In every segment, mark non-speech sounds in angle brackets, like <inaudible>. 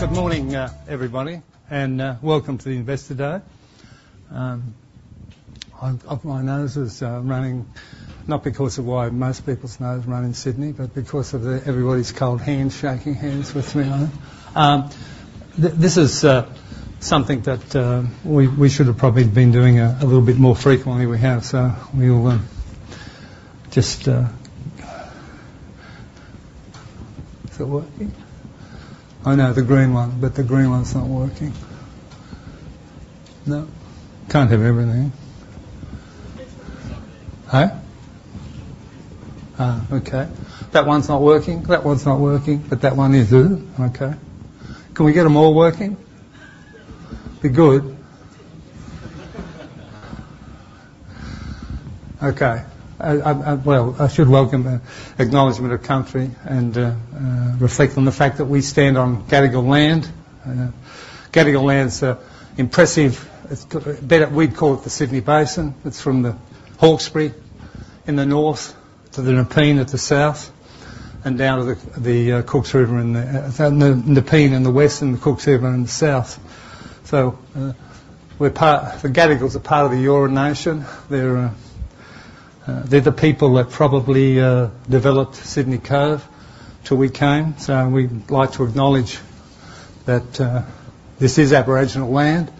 Good morning, everybody, and welcome to the Investor Day. My nose is running, not because of why most people's nose run in Sydney, but because of the everybody's cold hands shaking hands with me on it. This is something that we should have probably been doing a little bit more frequently. We have, so we will just... Is it working? Oh, no, the green one, but the green one's not working. No? Can't have everything. Huh? Ah, okay. That one's not working. That one's not working, but that one is, oh, okay. Can we get them all working? Be good. Okay. Well, I should welcome the acknowledgment of country and reflect on the fact that we stand on Gadigal Land. Gadigal Land's impressive. It's got a better-- We'd call it the Sydney Basin. It's from the Hawkesbury in the north to the Nepean at the south, and down to the Cooks River in the Nepean in the west and the Cooks River in the south. So, we're part-- The Gadigal is a part of the Eora Nation. They're the people that probably developed Sydney Cove till we came. So we'd like to acknowledge that this is Aboriginal land,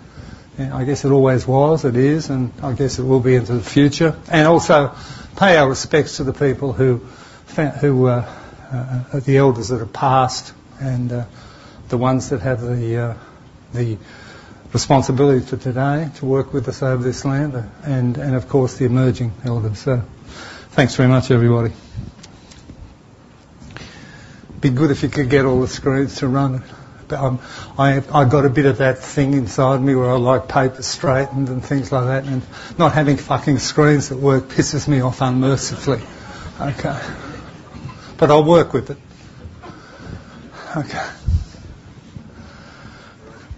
and I guess it always was, it is, and I guess it will be into the future, and also pay our respects to the people who the elders that have passed and the ones that have the responsibility to today to work with us over this land, and, of course, the emerging elders. So thanks very much, everybody. Be good if you could get all the screens to run. But, I got a bit of that thing inside me where I like paper straightened and things like that, and not having fucking screens that work pisses me off unmercifully. Okay. But I'll work with it. Okay.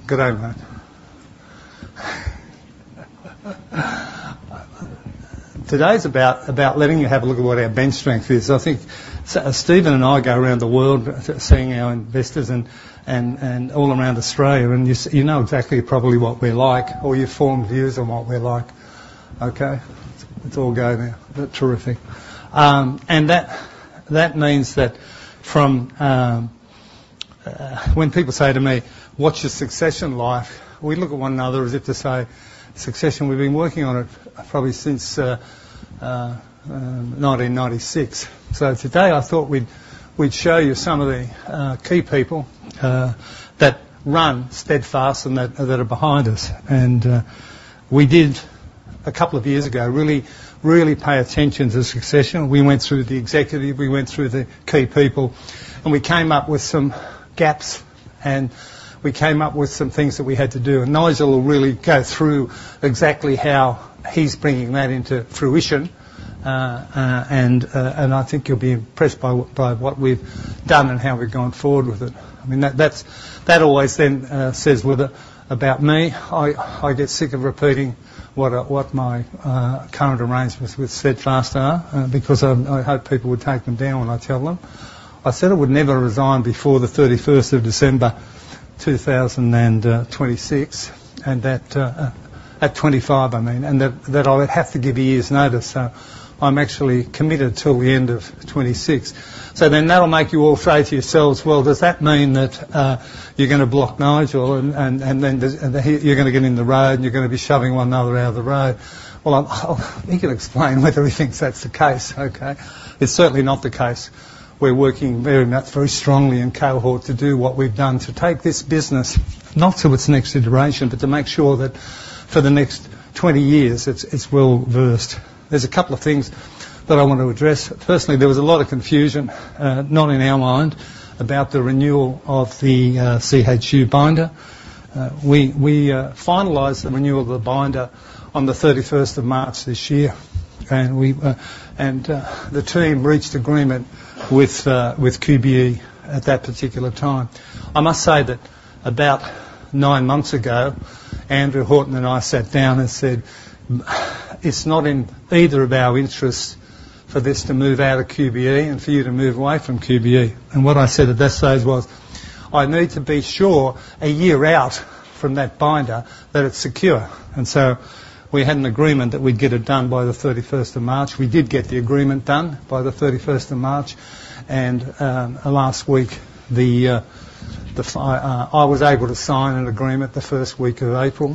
Good day, mate. Today is about letting you have a look at what our bench strength is. I think Stephen and I go around the world, seeing our investors and, and, and all around Australia, and you know exactly probably what we like, or you form views on what we like. Okay, it's all go now. Terrific. And that, that means that from, when people say to me, "What's your succession like?" We look at one another as if to say, succession, we've been working on it probably since 1996. So today, I thought we'd, we'd show you some of the, key people, that run Steadfast and that, that are behind us. And, we did, a couple of years ago, really, really pay attention to succession. We went through the executive, we went through the key people, and we came up with some gaps, and we came up with some things that we had to do. And Nigel will really go through exactly how he's bringing that into fruition, and I think you'll be impressed by what, by what we've done and how we've gone forward with it. I mean, that's—that always then says something about me. I get sick of repeating what my current arrangements with Steadfast are, because I hope people would take them down when I tell them. I said I would never resign before the 31st of December 2026, and that at 25, I mean, and that I would have to give a year's notice, so I'm actually committed till the end of 2026. So then that'll make you all say to yourselves, well, does that mean that you're gonna block Nigel, and, and then the, he—you're gonna get in the road, and you're gonna be shoving one another out of the road? Well, he can explain whether he thinks that's the case, okay? It's certainly not the case. We're working very much, very strongly in concert to do what we've done to take this business, not to its next iteration, but to make sure that for the next 20 years, it's well versed. There's a couple of things that I want to address. Firstly, there was a lot of confusion, not in our mind, about the renewal of the CHU binder. We finalized the renewal of the binder on the 31st of March this year, and the team reached agreement with QBE at that particular time. I must say that about nine months ago, Andrew Horton and I sat down and said, "It's not in either of our interests for this to move out of QBE and for you to move away from QBE." And what I said at that stage was, "I need to be sure, a year out from that binder, that it's secure." And so we had an agreement that we'd get it done by the thirty-first of March. We did get the agreement done by the thirty-first of March, and last week, I was able to sign an agreement the first week of April,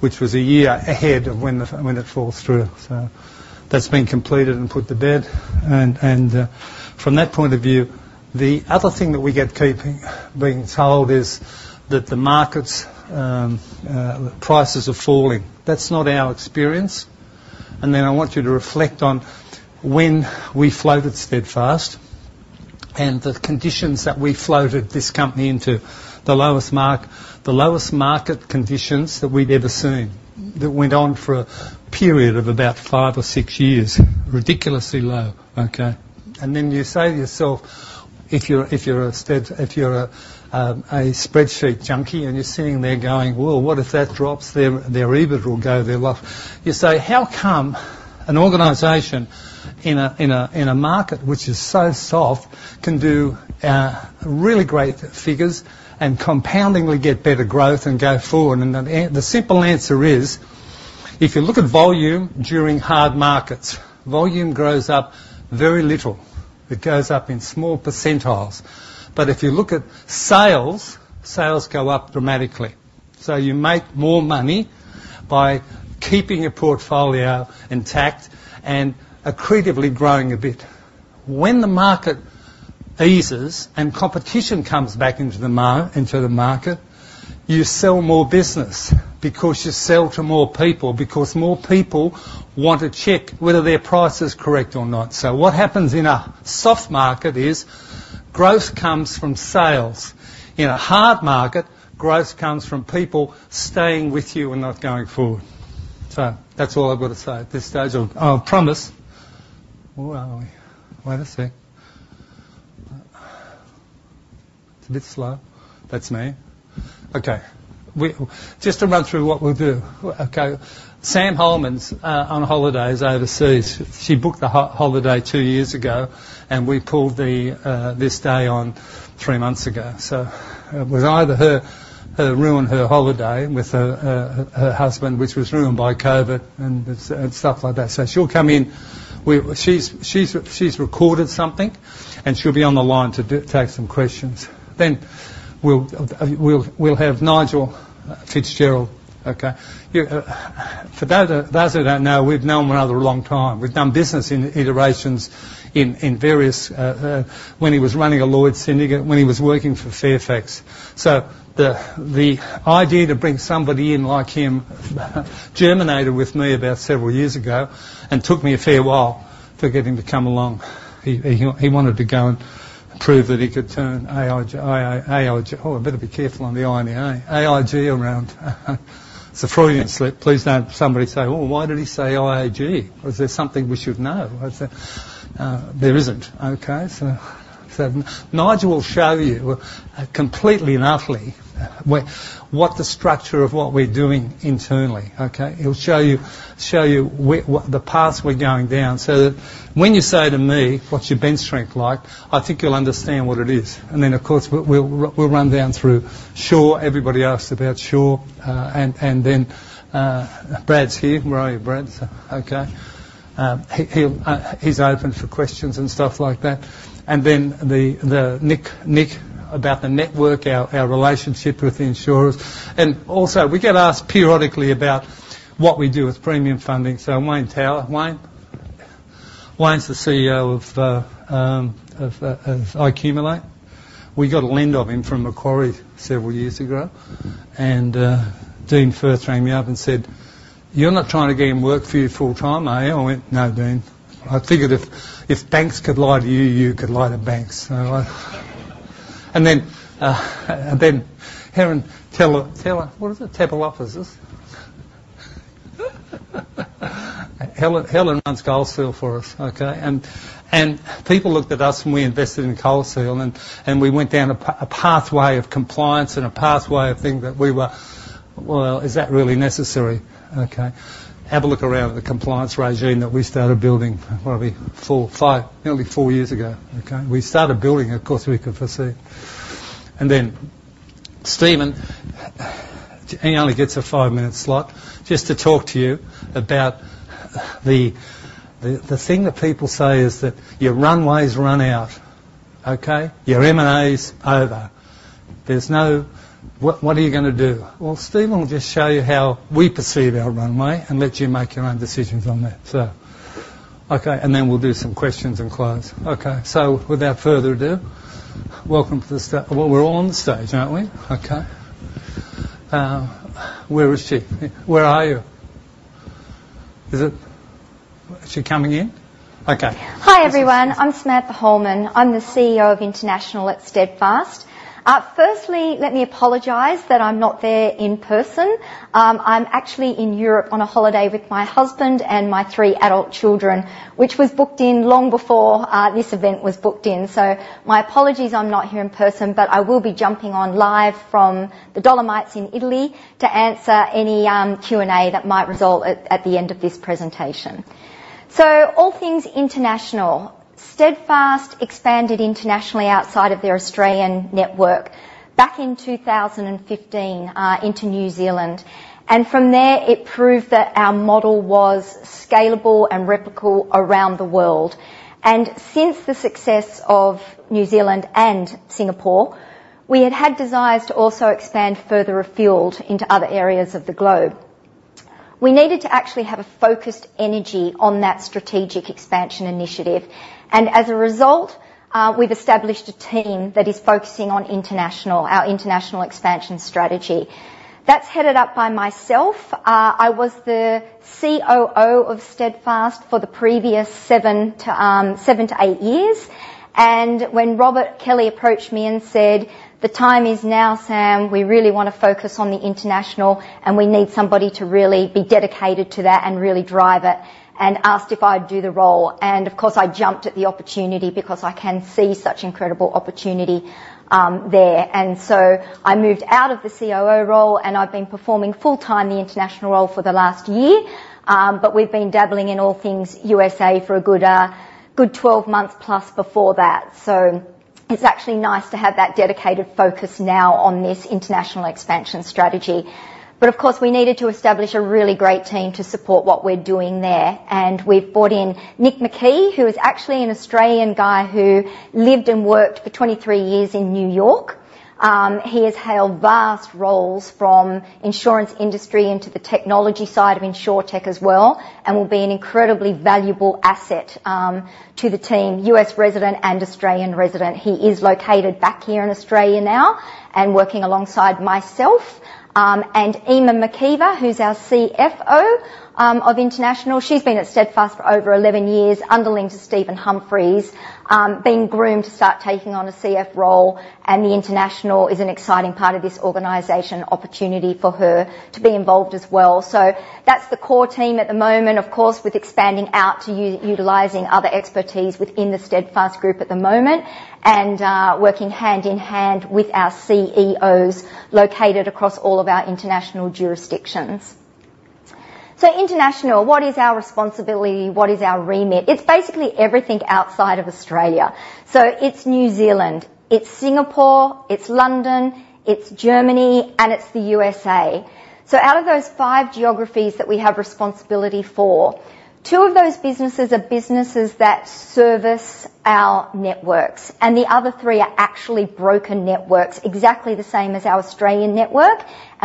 which was a year ahead of when the, when it falls through. So that's been completed and put to bed. From that point of view, the other thing that we get being told is that the markets prices are falling. That's not our experience. Then I want you to reflect on when we floated Steadfast and the conditions that we floated this company into, the lowest market conditions that we'd ever seen, that went on for a period of about five or six years. Ridiculously low, okay? Then you say to yourself, if you're a spreadsheet junkie, and you're sitting there going: Well, what if that drops, their EBIT will go there off. You say: How come an organization in a market which is so soft can do really great figures and compoundingly get better growth and go forward? And the simple answer is... If you look at volume during hard markets, volume grows up very little. It goes up in small percentages. But if you look at sales, sales go up dramatically. So you make more money by keeping your portfolio intact and accretively growing a bit. When the market eases and competition comes back into the market, you sell more business because you sell to more people, because more people want to check whether their price is correct or not. So what happens in a soft market is growth comes from sales. In a hard market, growth comes from people staying with you and not going forward. So that's all I've got to say at this stage. I promise... Where are we? Wait a sec. It's a bit slow. That's me. Okay, just to run through what we'll do. Okay. Samantha Hollman's on holidays overseas. She booked the holiday two years ago, and we pulled this day on three months ago. So it was either her ruin her holiday with her husband, which was ruined by COVID and stuff like that. So she'll come in. She's recorded something, and she'll be on the line to take some questions. Then we'll have Nigel Fitzgerald. Okay. Yeah, for those who don't know, we've known one another a long time. We've done business in iterations in various... When he was running a Lloyd's syndicate, when he was working for Fairfax. So the idea to bring somebody in like him germinated with me about several years ago and took me a fair while to get him to come along. He wanted to go and prove that he could turn AIJ, II, AIG. Oh, I better be careful on the I and the A. AIG around. It's a Freudian slip. Please don't somebody say, "Oh, why did he say IAG? Was there something we should know?" There isn't, okay? So Nigel will show you, completely and utterly, what the structure of what we're doing internally, okay? He'll show you what the paths we're going down. So that when you say to me, "What's your bench strength like?" I think you'll understand what it is. And then, of course, we'll run down SureShaw. Everybody asks about Sure. And then Brad's here. Where are you, Brad? Okay. He is open for questions and stuff like that. And then, Nick, about the network, our relationship with the insurers. And also, we get asked periodically about what we do with premium funding. So Wayne Tower. Wayne? Wayne's the CEO of Accumulate. We got a lend of him from Macquarie several years ago, and Dean Firth rang me up and said, "You're not trying to get him to work for you full time, are you?" I went, "No, Dean. I figured if banks could lie to you, you could lie to banks." So I... And then Helen Telopas. What is it? Telopas, is it? Helen runs Gold Seal for us, okay? And people looked at us when we invested in Gold Seal, and we went down a pathway of compliance and a pathway of things that we were, "Well, is that really necessary?" Okay. Have a look around at the compliance regime that we started building, what are we? 4, 5, nearly 4 years ago, okay? We started building, of course, we could foresee. And then Stephen, he only gets a 5-minute slot just to talk to you about the thing that people say is that your runway's run out, okay? Your M&A is over. There's no... What, what are you gonna do? Well, Stephen will just show you how we perceive our runway and let you make your own decisions on that. So okay, and then we'll do some questions and close. Okay, so without further ado, welcome to the. Well, we're all on the stage, aren't we? Okay. Where is she? Where are you? Is it... Is she coming in? Okay. Hi, everyone. I'm Samantha Holman. I'm the CEO of International at Steadfast. Firstly, let me apologize that I'm not there in person. I'm actually in Europe on a holiday with my husband and my three adult children, which was booked in long before this event was booked in. So my apologies, I'm not here in person, but I will be jumping on live from the Dolomites in Italy to answer any Q&A that might result at the end of this presentation. So all things international. Steadfast expanded internationally outside of their Australian network back in 2015 into New Zealand. And from there, it proved that our model was scalable and replicable around the world. And since the success of New Zealand and Singapore, we had had desires to also expand further afield into other areas of the globe. We needed to actually have a focused energy on that strategic expansion initiative, and as a result, we've established a team that is focusing on international, our international expansion strategy. That's headed up by myself. I was the COO of Steadfast for the previous seven to eight years, and when Robert Kelly approached me and said: "The time is now, Sam, we really want to focus on the international, and we need somebody to really be dedicated to that and really drive it," and asked if I'd do the role. And of course, I jumped at the opportunity because I can see such incredible opportunity there. And so I moved out of the COO role, and I've been performing full-time the international role for the last year. But we've been dabbling in all things USA for a good, good 12 months plus before that. It's actually nice to have that dedicated focus now on this international expansion strategy. But of course, we needed to establish a really great team to support what we're doing there, and we've brought in Nick McKee, who is actually an Australian guy who lived and worked for 23 years in New York. He has held vast roles from insurance industry into the technology side of Insurtech as well, and will be an incredibly valuable asset to the team, US resident and Australian resident. He is located back here in Australia now and working alongside myself and Eimear McKeever, who's our CFO of International. She's been at Steadfast for over 11 years, underling to Stephen Humphrys, being groomed to start taking on a CFO role, and the international is an exciting part of this organization opportunity for her to be involved as well. So that's the core team at the moment, of course, with expanding out to utilizing other expertise within the Steadfast group at the moment, and, working hand in hand with our CEOs located across all of our international jurisdictions. So international, what is our responsibility? What is our remit? It's basically everything outside of Australia. So it's New Zealand, it's Singapore, it's London, it's Germany, and it's the USA. So out of those five geographies that we have responsibility for, two of those businesses are businesses that service our networks, and the other three are actually broker networks, exactly the same as our Australian network.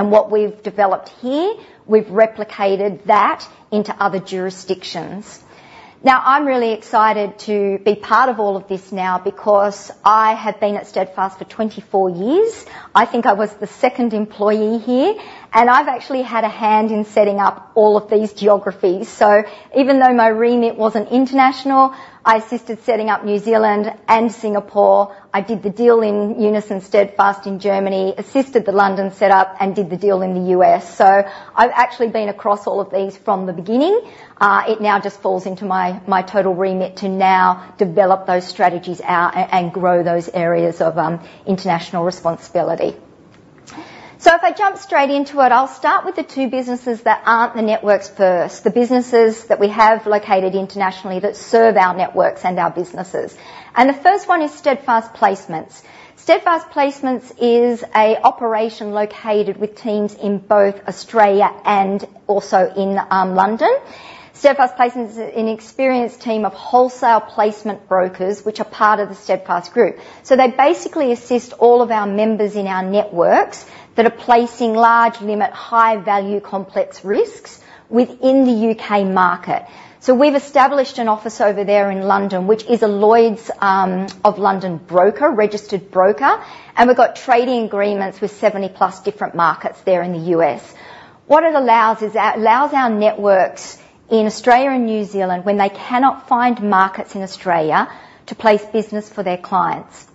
What we've developed here, we've replicated that into other jurisdictions. Now, I'm really excited to be part of all of this now because I have been at Steadfast for 24 years. I think I was the second employee here, and I've actually had a hand in setting up all of these geographies. So even though my remit wasn't international, I assisted setting up New Zealand and Singapore. I did the deal in Unison Steadfast in Germany, assisted the London set up, and did the deal in the US. So I've actually been across all of these from the beginning. It now just falls into my total remit to now develop those strategies out and grow those areas of international responsibility. So if I jump straight into it, I'll start with the two businesses that aren't the networks first, the businesses that we have located internationally that serve our networks and our businesses. And the first one is Steadfast Placements. Steadfast Placements is an operation located with teams in both Australia and also in London. Steadfast Placements is an experienced team of wholesale placement brokers, which are part of the Steadfast Group. So they basically assist all of our members in our networks that are placing large limit, high value, complex risks within the U.K. market. So we've established an office over there in London, which is a Lloyd's of London broker, registered broker, and we've got trading agreements with 70+ different markets there in the U.S. What it allows is, it allows our networks in Australia and New Zealand, when they cannot find markets in Australia to place business for their clients,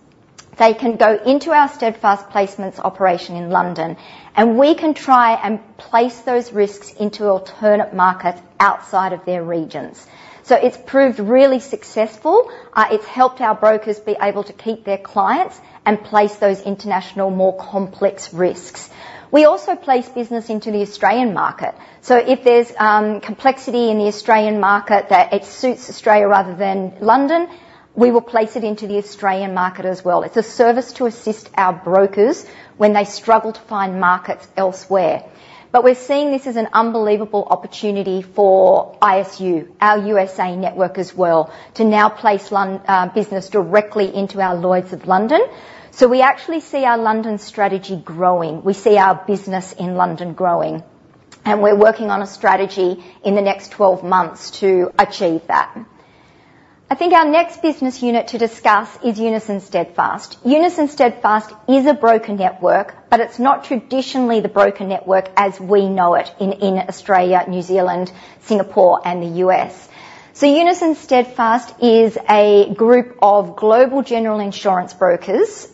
they can go into our Steadfast Placements operation in London, and we can try and place those risks into alternate markets outside of their regions. So it's proved really successful. It's helped our brokers be able to keep their clients and place those international, more complex risks. We also place business into the Australian market, so if there's complexity in the Australian market that it suits Australia rather than London, we will place it into the Australian market as well. It's a service to assist our brokers when they struggle to find markets elsewhere. But we're seeing this as an unbelievable opportunity for ISU, our USA network as well, to now place business directly into our Lloyd’s of London. So we actually see our London strategy growing. We see our business in London growing, and we're working on a strategy in the next 12 months to achieve that. I think our next business unit to discuss is Unison Steadfast. Unison Steadfast is a broker network, but it's not traditionally the broker network as we know it in Australia, New Zealand, Singapore, and the U.S. So Unison Steadfast is a group of global general insurance brokers,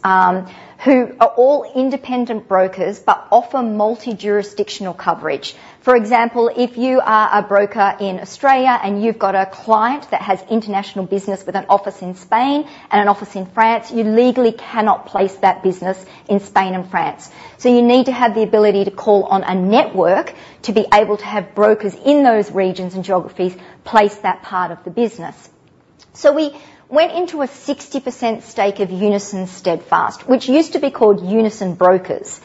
who are all independent brokers, but offer multi-jurisdictional coverage. For example, if you are a broker in Australia and you've got a client that has international business with an office in Spain and an office in France, you legally cannot place that business in Spain and France. You need to have the ability to call on a network to be able to have brokers in those regions and geographies place that part of the business. We went into a 60% stake of Unison Steadfast, which used to be called Unison Brokers.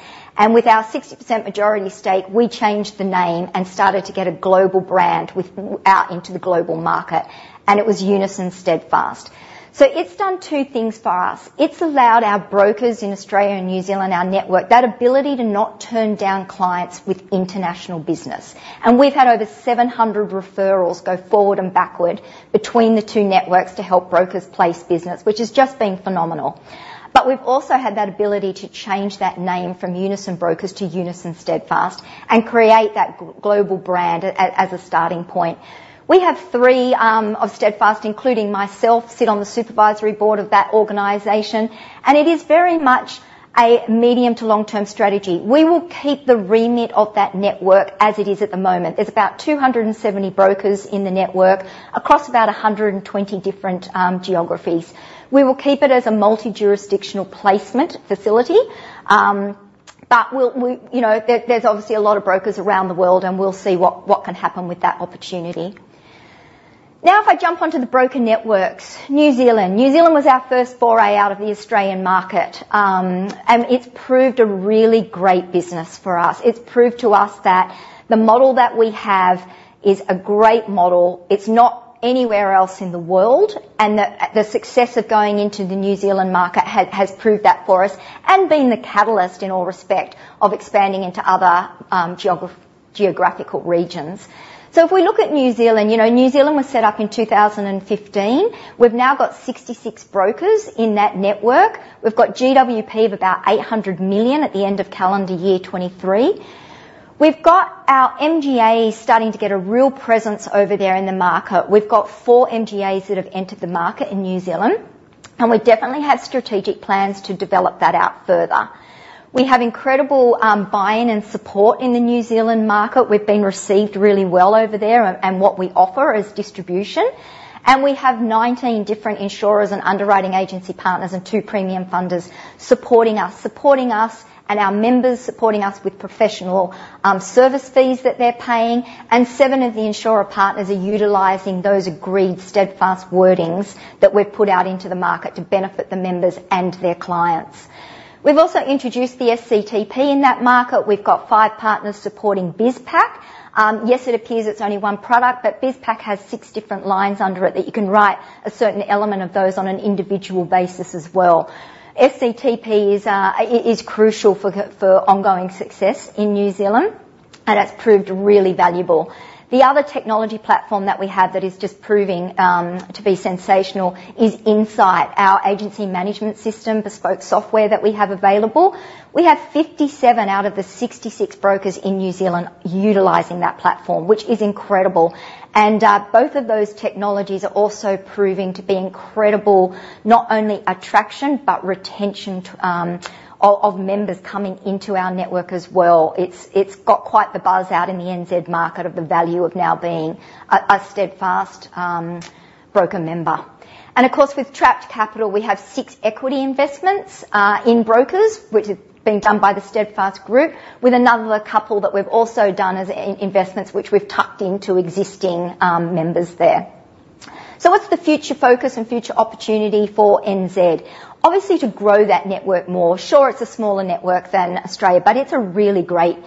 With our 60% majority stake, we changed the name and started to get a global brand with out into the global market, and it was Unison Steadfast. It's done two things for us. It's allowed our brokers in Australia and New Zealand, our network, that ability to not turn down clients with international business. We've had over 700 referrals go forward and backward between the two networks to help brokers place business, which has just been phenomenal. But we've also had that ability to change that name from Unison Brokers to Unison Steadfast and create that global brand as a starting point. We have three of Steadfast, including myself, sit on the supervisory board of that organization, and it is very much a medium to long-term strategy. We will keep the remit of that network as it is at the moment. There's about 270 brokers in the network across about 120 different geographies. We will keep it as a multi-jurisdictional placement facility. But we'll, we... You know, there's obviously a lot of brokers around the world, and we'll see what can happen with that opportunity.... Now, if I jump onto the broker networks, New Zealand. New Zealand was our first foray out of the Australian market, and it's proved a really great business for us. It's proved to us that the model that we have is a great model. It's not anywhere else in the world, and the success of going into the New Zealand market has proved that for us and been the catalyst, in all respect, of expanding into other geographical regions. So if we look at New Zealand, you know, New Zealand was set up in 2015. We've now got 66 brokers in that network. We've got GWP of about 800 million at the end of calendar year 2023. We've got our MGAs starting to get a real presence over there in the market. We've got four MGAs that have entered the market in New Zealand, and we definitely have strategic plans to develop that out further. We have incredible buy-in and support in the New Zealand market. We've been received really well over there and what we offer as distribution. We have 19 different insurers and underwriting agency partners and two premium funders supporting us. Supporting us and our members, supporting us with professional service fees that they're paying, and seven of the insurer partners are utilizing those agreed Steadfast wordings that we've put out into the market to benefit the members and their clients. We've also introduced the SCTP in that market. We've got five partners supporting BizPack. Yes, it appears it's only one product, but BizPack has six different lines under it that you can write a certain element of those on an individual basis as well. SCTP is crucial for ongoing success in New Zealand, and it's proved really valuable. The other technology platform that we have that is just proving to be sensational is Insight, our agency management system, bespoke software that we have available. We have 57 out of the 66 brokers in New Zealand utilizing that platform, which is incredible. And both of those technologies are also proving to be incredible, not only attraction, but retention of members coming into our network as well. It's got quite the buzz out in the NZ market of the value of now being a Steadfast broker member. Of course, with trapped capital, we have six equity investments in brokers, which has been done by the Steadfast Group, with another couple that we've also done as investments, which we've tucked into existing members there. So what's the future focus and future opportunity for NZ? Obviously, to grow that network more. Sure, it's a smaller network than Australia, but it's a really great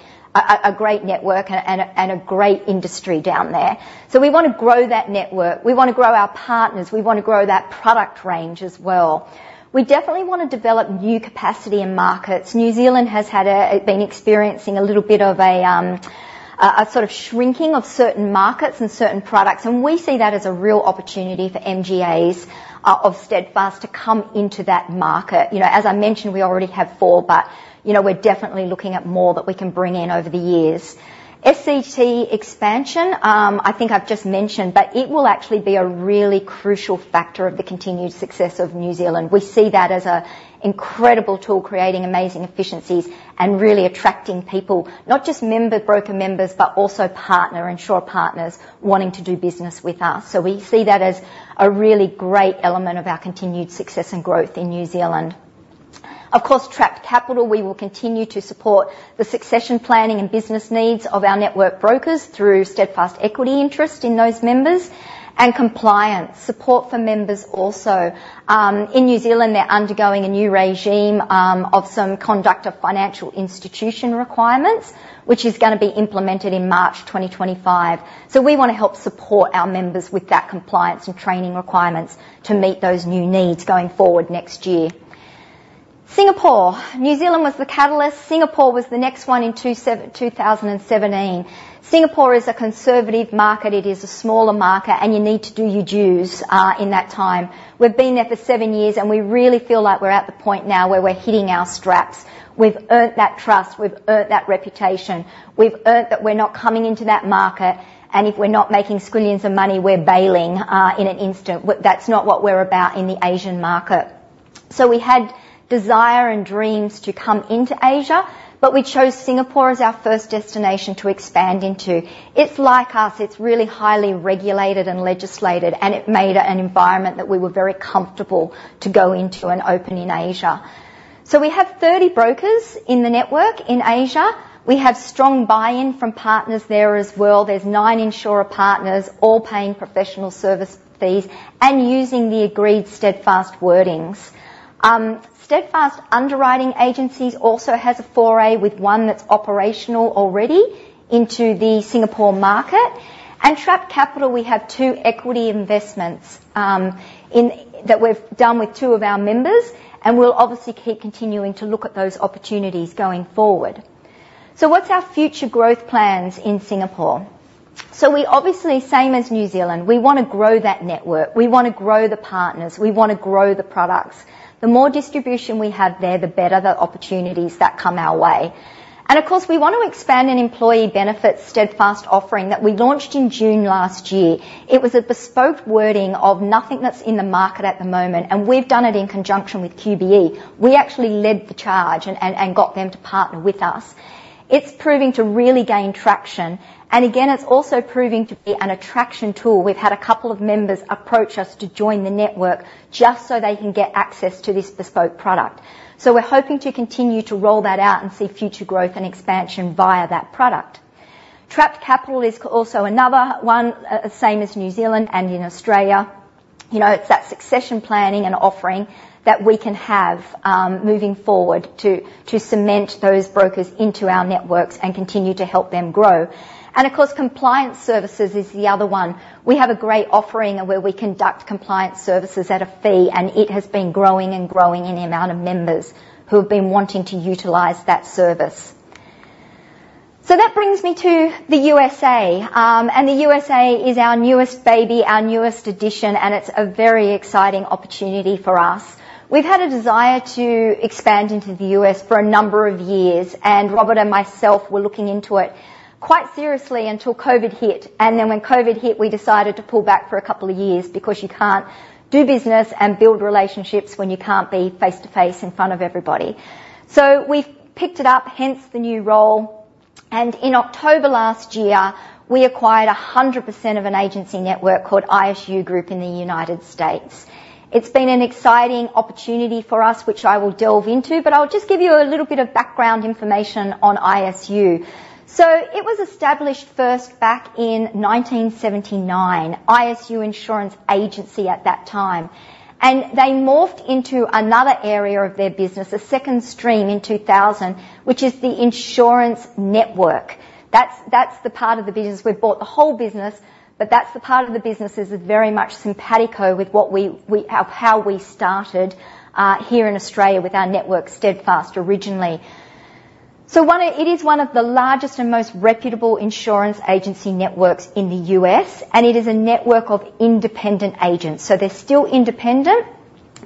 network and a great industry down there. So we want to grow that network. We want to grow our partners. We want to grow that product range as well. We definitely want to develop new capacity in markets. New Zealand has been experiencing a little bit of a, a sort of shrinking of certain markets and certain products, and we see that as a real opportunity for MGAs of Steadfast to come into that market. You know, as I mentioned, we already have four, but, you know, we're definitely looking at more that we can bring in over the years. SCT expansion, I think I've just mentioned, but it will actually be a really crucial factor of the continued success of New Zealand. We see that as a incredible tool, creating amazing efficiencies and really attracting people, not just member, broker members, but also partner, insurer partners, wanting to do business with us. So we see that as a really great element of our continued success and growth in New Zealand. Of course, trapped capital, we will continue to support the succession planning and business needs of our network brokers through Steadfast equity interest in those members and compliance, support for members also. In New Zealand, they're undergoing a new regime of some conduct of financial institution requirements, which is gonna be implemented in March 2025. So we want to help support our members with that compliance and training requirements to meet those new needs going forward next year. Singapore. New Zealand was the catalyst. Singapore was the next one in 2017. Singapore is a conservative market, it is a smaller market, and you need to do your dues in that time. We've been there for seven years, and we really feel like we're at the point now where we're hitting our straps. We've earned that trust, we've earned that reputation. We've earned that we're not coming into that market, and if we're not making squillions of money, we're bailing in an instant. That's not what we're about in the Asian market. We had desire and dreams to come into Asia, but we chose Singapore as our first destination to expand into. It's like us. It's really highly regulated and legislated, and it made an environment that we were very comfortable to go into and open in Asia. We have 30 brokers in the network in Asia. We have strong buy-in from partners there as well. There's 9 insurer partners, all paying professional service fees and using the agreed Steadfast wordings. Steadfast Underwriting Agencies also has a foray with one that's operational already into the Singapore market. And trapped capital, we have two equity investments in... that we've done with two of our members, and we'll obviously keep continuing to look at those opportunities going forward. So what's our future growth plans in Singapore? So we obviously, same as New Zealand, we want to grow that network, we want to grow the partners, we want to grow the products. The more distribution we have there, the better the opportunities that come our way. And of course, we want to expand an employee benefits Steadfast offering that we launched in June last year. It was a bespoke wording of nothing that's in the market at the moment, and we've done it in conjunction with QBE. We actually led the charge and got them to partner with us. It's proving to really gain traction, and again, it's also proving to be an attraction tool. We've had a couple of members approach us to join the network just so they can get access to this bespoke product. So we're hoping to continue to roll that out and see future growth and expansion via that product. Trapped capital is also another one, same as New Zealand and in Australia. You know, it's that succession planning and offering that we can have, moving forward to cement those brokers into our networks and continue to help them grow. And of course, compliance services is the other one. We have a great offering where we conduct compliance services at a fee, and it has been growing and growing in the amount of members who have been wanting to utilize that service. So that brings me to the USA. And the USA is our newest baby, our newest addition, and it's a very exciting opportunity for us. We've had a desire to expand into the US for a number of years, and Robert and myself were looking into it quite seriously until COVID hit. And then when COVID hit, we decided to pull back for a couple of years because you can't do business and build relationships when you can't be face-to-face in front of everybody. So we've picked it up, hence the new role, and in October last year, we acquired 100% of an agency network called ISU Group in the United States. It's been an exciting opportunity for us, which I will delve into, but I'll just give you a little bit of background information on ISU. So it was established first back in 1979, ISU Insurance Agency at that time, and they morphed into another area of their business, a second stream in 2000, which is the insurance network. That's the part of the business we've bought. The whole business, but that's the part of the business is very much simpatico with what we how we started here in Australia with our network, Steadfast, originally. It is one of the largest and most reputable insurance agency networks in the U.S., and it is a network of independent agents. So they're still independent,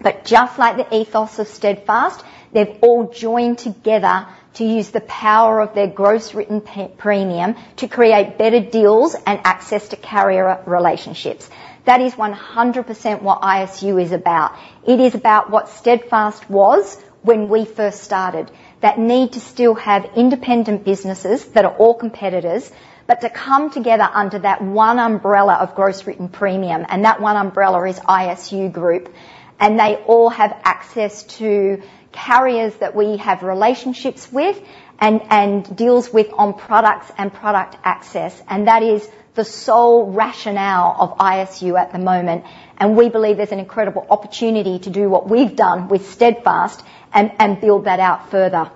but just like the ethos of Steadfast, they've all joined together to use the power of their gross written premium to create better deals and access to carrier relationships. That is 100% what ISU is about. It is about what Steadfast was when we first started. That need to still have independent businesses that are all competitors, but to come together under that one umbrella of gross written premium, and that one umbrella is ISU Group. They all have access to carriers that we have relationships with and deals with on products and product access, and that is the sole rationale of ISU at the moment. We believe there's an incredible opportunity to do what we've done with Steadfast and build that out further.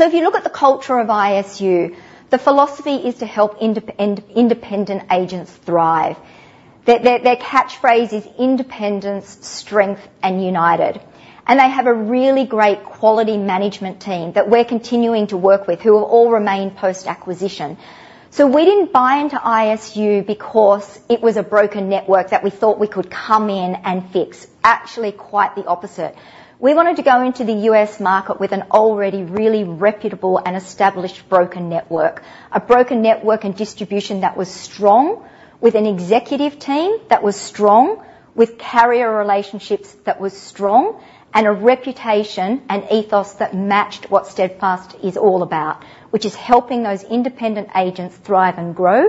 If you look at the culture of ISU, the philosophy is to help independent agents thrive. Their catchphrase is, "Independence, strength and united." They have a really great quality management team that we're continuing to work with, who will all remain post-acquisition. So we didn't buy into ISU because it was a broken network that we thought we could come in and fix. Actually, quite the opposite. We wanted to go into the US market with an already really reputable and established broken network. A broken network and distribution that was strong, with an executive team that was strong, with carrier relationships that was strong, and a reputation and ethos that matched what Steadfast is all about, which is helping those independent agents thrive and grow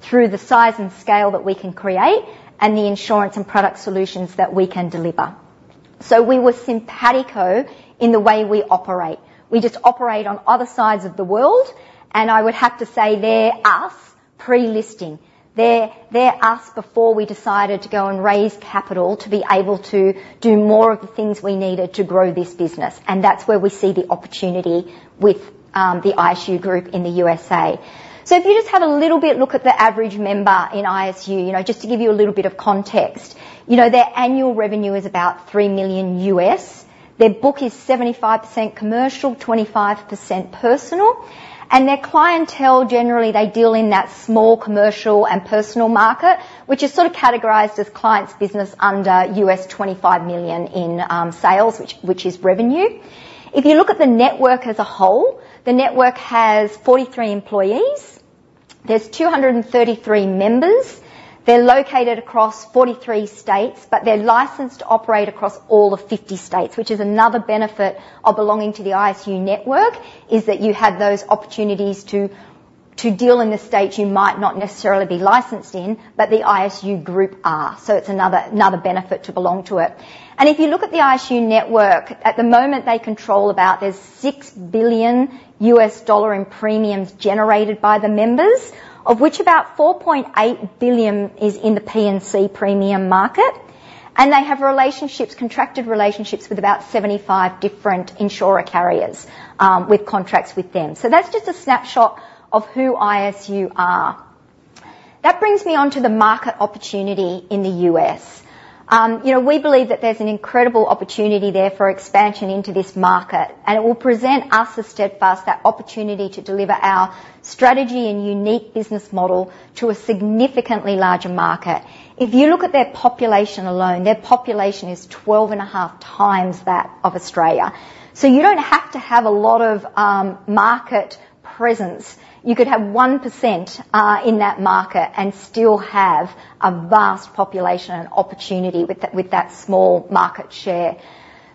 through the size and scale that we can create and the insurance and product solutions that we can deliver. So we were simpatico in the way we operate. We just operate on other sides of the world, and I would have to say they're us pre-listing. They're us before we decided to go and raise capital to be able to do more of the things we needed to grow this business, and that's where we see the opportunity with the ISU Group in the USA. So if you just have a little bit look at the average member in ISU, you know, just to give you a little bit of context. You know, their annual revenue is about $3 million. Their book is 75 commercial, 25 personal, and their clientele, generally, they deal in that small commercial and personal market, which is sort of categorized as clients' business under $25 million in sales, which is revenue. If you look at the network as a whole, the network has 43 employees. There's 233 members. They're located across 43 states, but they're licensed to operate across all the 50 states, which is another benefit of belonging to the ISU network, is that you have those opportunities to deal in the states you might not necessarily be licensed in, but the ISU Group are. So it's another benefit to belong to it. If you look at the ISU network, at the moment, they control about $6 billion in premiums generated by the members, of which about $4.8 billion is in the P&C premium market. And they have relationships, contracted relationships, with about 75 different insurer carriers with contracts with them. So that's just a snapshot of who ISU are. That brings me on to the market opportunity in the US. You know, we believe that there's an incredible opportunity there for expansion into this market, and it will present us as Steadfast, that opportunity to deliver our strategy and unique business model to a significantly larger market. If you look at their population alone, their population is 12.5 times that of Australia. So you don't have to have a lot of market presence. You could have 1%, in that market and still have a vast population and opportunity with that, with that small market share.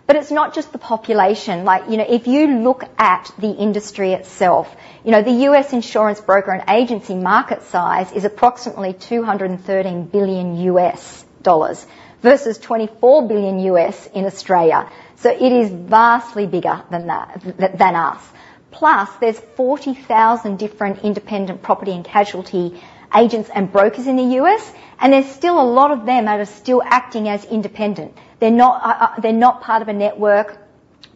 But it's not just the population. Like, you know, if you look at the industry itself, you know, the U.S. insurance broker and agency market size is approximately $213 billion, versus $24 billion in Australia. So it is vastly bigger than that, than us. Plus, there's 40,000 different independent property and casualty agents and brokers in the U.S., and there's still a lot of them that are still acting as independent. They're not part of a network.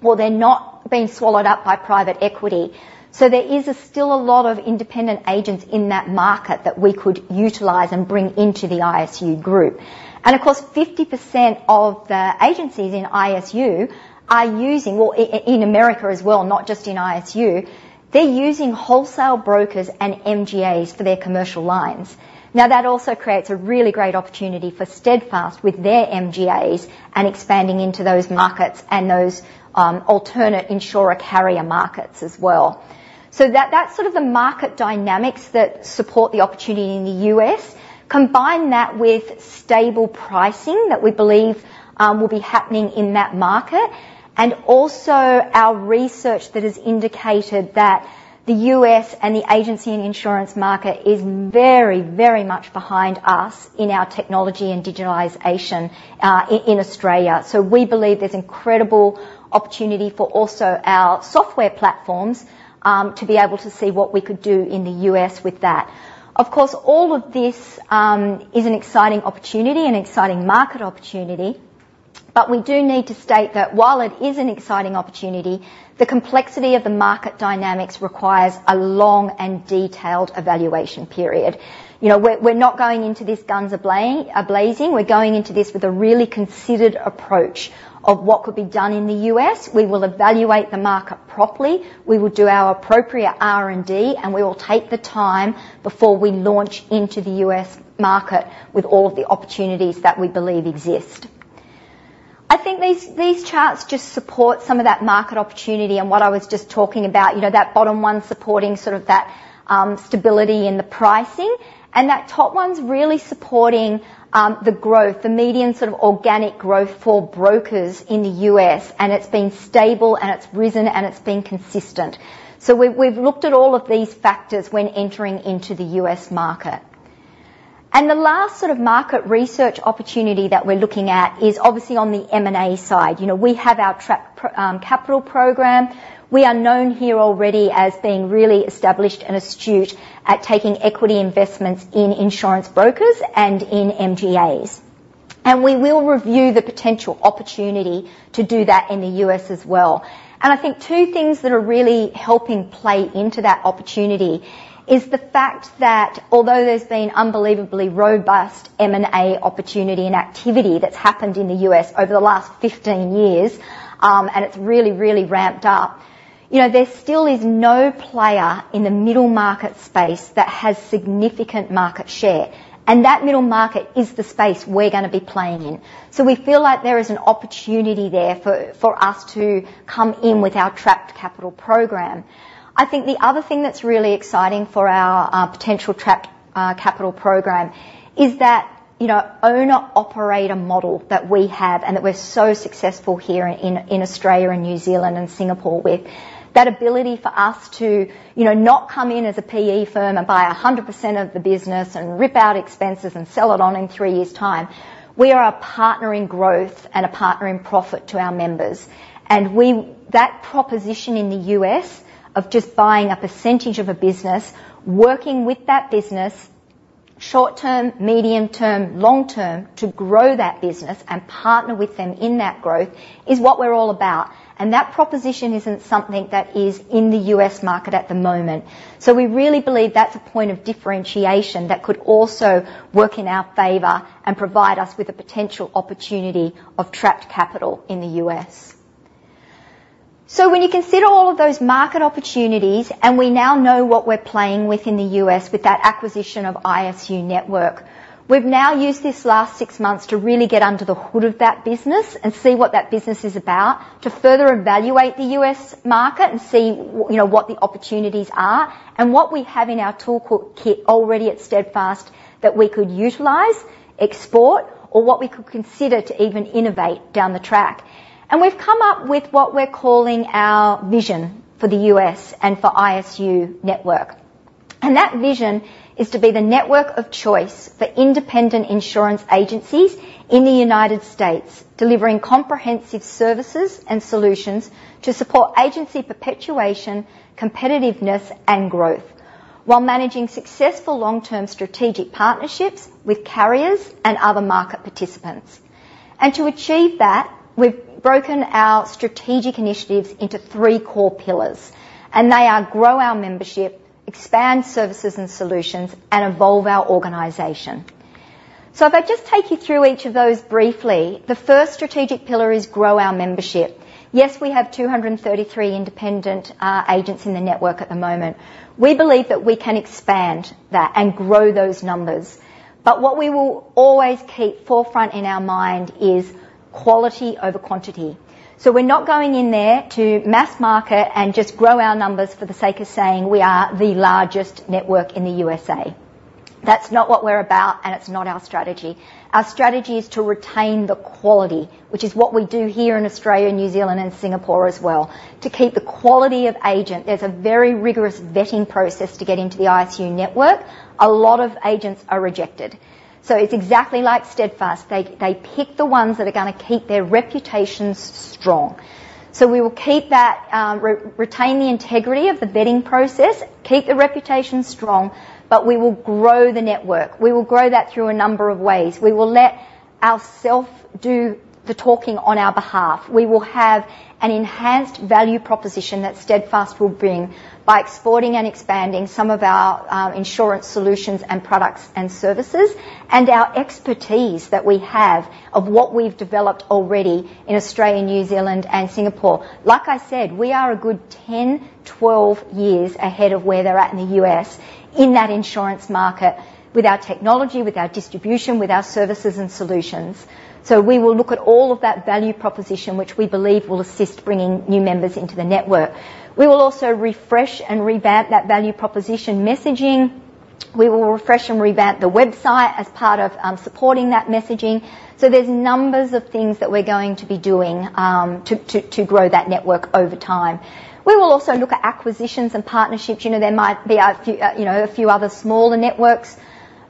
Well, they're not being swallowed up by private equity. So there is still a lot of independent agents in that market that we could utilize and bring into the ISU group. And of course, 50% of the agencies in ISU are using—in America as well, not just in ISU, they're using wholesale brokers and MGAs for their commercial lines. Now, that also creates a really great opportunity for Steadfast with their MGAs and expanding into those markets and those alternate insurer carrier markets as well. So that's sort of the market dynamics that support the opportunity in the U.S. Combine that with stable pricing that we believe will be happening in that market, and also our research that has indicated that the US and the agency and insurance market is very, very much behind us in our technology and digitalization in Australia. So we believe there's incredible opportunity for also our software platforms to be able to see what we could do in the US with that. Of course, all of this is an exciting opportunity and exciting market opportunity, but we do need to state that while it is an exciting opportunity, the complexity of the market dynamics requires a long and detailed evaluation period. You know, we're, we're not going into this guns blazing. We're going into this with a really considered approach of what could be done in the US. We will evaluate the market properly, we will do our appropriate R&D, and we will take the time before we launch into the US market with all of the opportunities that we believe exist. I think these charts just support some of that market opportunity and what I was just talking about, you know, that bottom one supporting sort of that stability in the pricing, and that top one's really supporting the growth, the median sort of organic growth for brokers in the US, and it's been stable, and it's risen, and it's been consistent. So we've looked at all of these factors when entering into the US market. And the last sort of market research opportunity that we're looking at is obviously on the M&A side. You know, we have our trapped capital program. We are known here already as being really established and astute at taking equity investments in insurance brokers and in MGAs. We will review the potential opportunity to do that in the U.S. as well. I think two things that are really helping play into that opportunity is the fact that although there's been unbelievably robust M&A opportunity and activity that's happened in the U.S. over the last 15 years, and it's really, really ramped up, you know, there still is no player in the middle market space that has significant market share, and that middle market is the space we're gonna be playing in. So we feel like there is an opportunity there for us to come in with our trapped capital program. I think the other thing that's really exciting for our potential trapped capital program is that, you know, owner-operator model that we have and that we're so successful here in Australia and New Zealand and Singapore with. That ability for us to, you know, not come in as a PE firm and buy 100% of the business and rip out expenses and sell it on in three years' time. We are a partner in growth and a partner in profit to our members, and we... That proposition in the US of just buying a percentage of a business, working with that business short term, medium term, long term, to grow that business and partner with them in that growth, is what we're all about. And that proposition isn't something that is in the US market at the moment. So we really believe that's a point of differentiation that could also work in our favor and provide us with a potential opportunity of trapped capital in the U.S. So when you consider all of those market opportunities, and we now know what we're playing with in the U.S. with that acquisition of ISU Group, we've now used this last six months to really get under the hood of that business and see what that business is about, to further evaluate the U.S. market and see you know, what the opportunities are, and what we have in our toolkit already at Steadfast that we could utilize, export, or what we could consider to even innovate down the track. And we've come up with what we're calling our vision for the U.S. and for ISU Group. And that vision is to be the network of choice for independent insurance agencies in the United States, delivering comprehensive services and solutions to support agency perpetuation, competitiveness, and growth, while managing successful long-term strategic partnerships with carriers and other market participants. And to achieve that, we've broken our strategic initiatives into three core pillars, and they are: grow our membership, expand services and solutions, and evolve our organization. So if I just take you through each of those briefly, the first strategic pillar is grow our membership. Yes, we have 233 independent agents in the network at the moment. We believe that we can expand that and grow those numbers. But what we will always keep forefront in our mind is quality over quantity. So we're not going in there to mass market and just grow our numbers for the sake of saying we are the largest network in the USA. That's not what we're about, and it's not our strategy. Our strategy is to retain the quality, which is what we do here in Australia, and New Zealand, and Singapore as well, to keep the quality of agent. There's a very rigorous vetting process to get into the ISU network. A lot of agents are rejected. So it's exactly like Steadfast. They pick the ones that are gonna keep their reputations strong. So we will keep that, retain the integrity of the vetting process, keep the reputation strong, but we will grow the network. We will grow that through a number of ways. We will let ourself do the talking on our behalf. We will have an enhanced value proposition that Steadfast will bring by exporting and expanding some of our insurance solutions and products and services, and our expertise that we have of what we've developed already in Australia, New Zealand, and Singapore. Like I said, we are a good 10, 12 years ahead of where they're at in the US in that insurance market with our technology, with our distribution, with our services and solutions. So we will look at all of that value proposition, which we believe will assist bringing new members into the network. We will also refresh and revamp that value proposition messaging. We will refresh and revamp the website as part of supporting that messaging. So there's numbers of things that we're going to be doing to grow that network over time. We will also look at acquisitions and partnerships. You know, there might be a few, you know, a few other smaller networks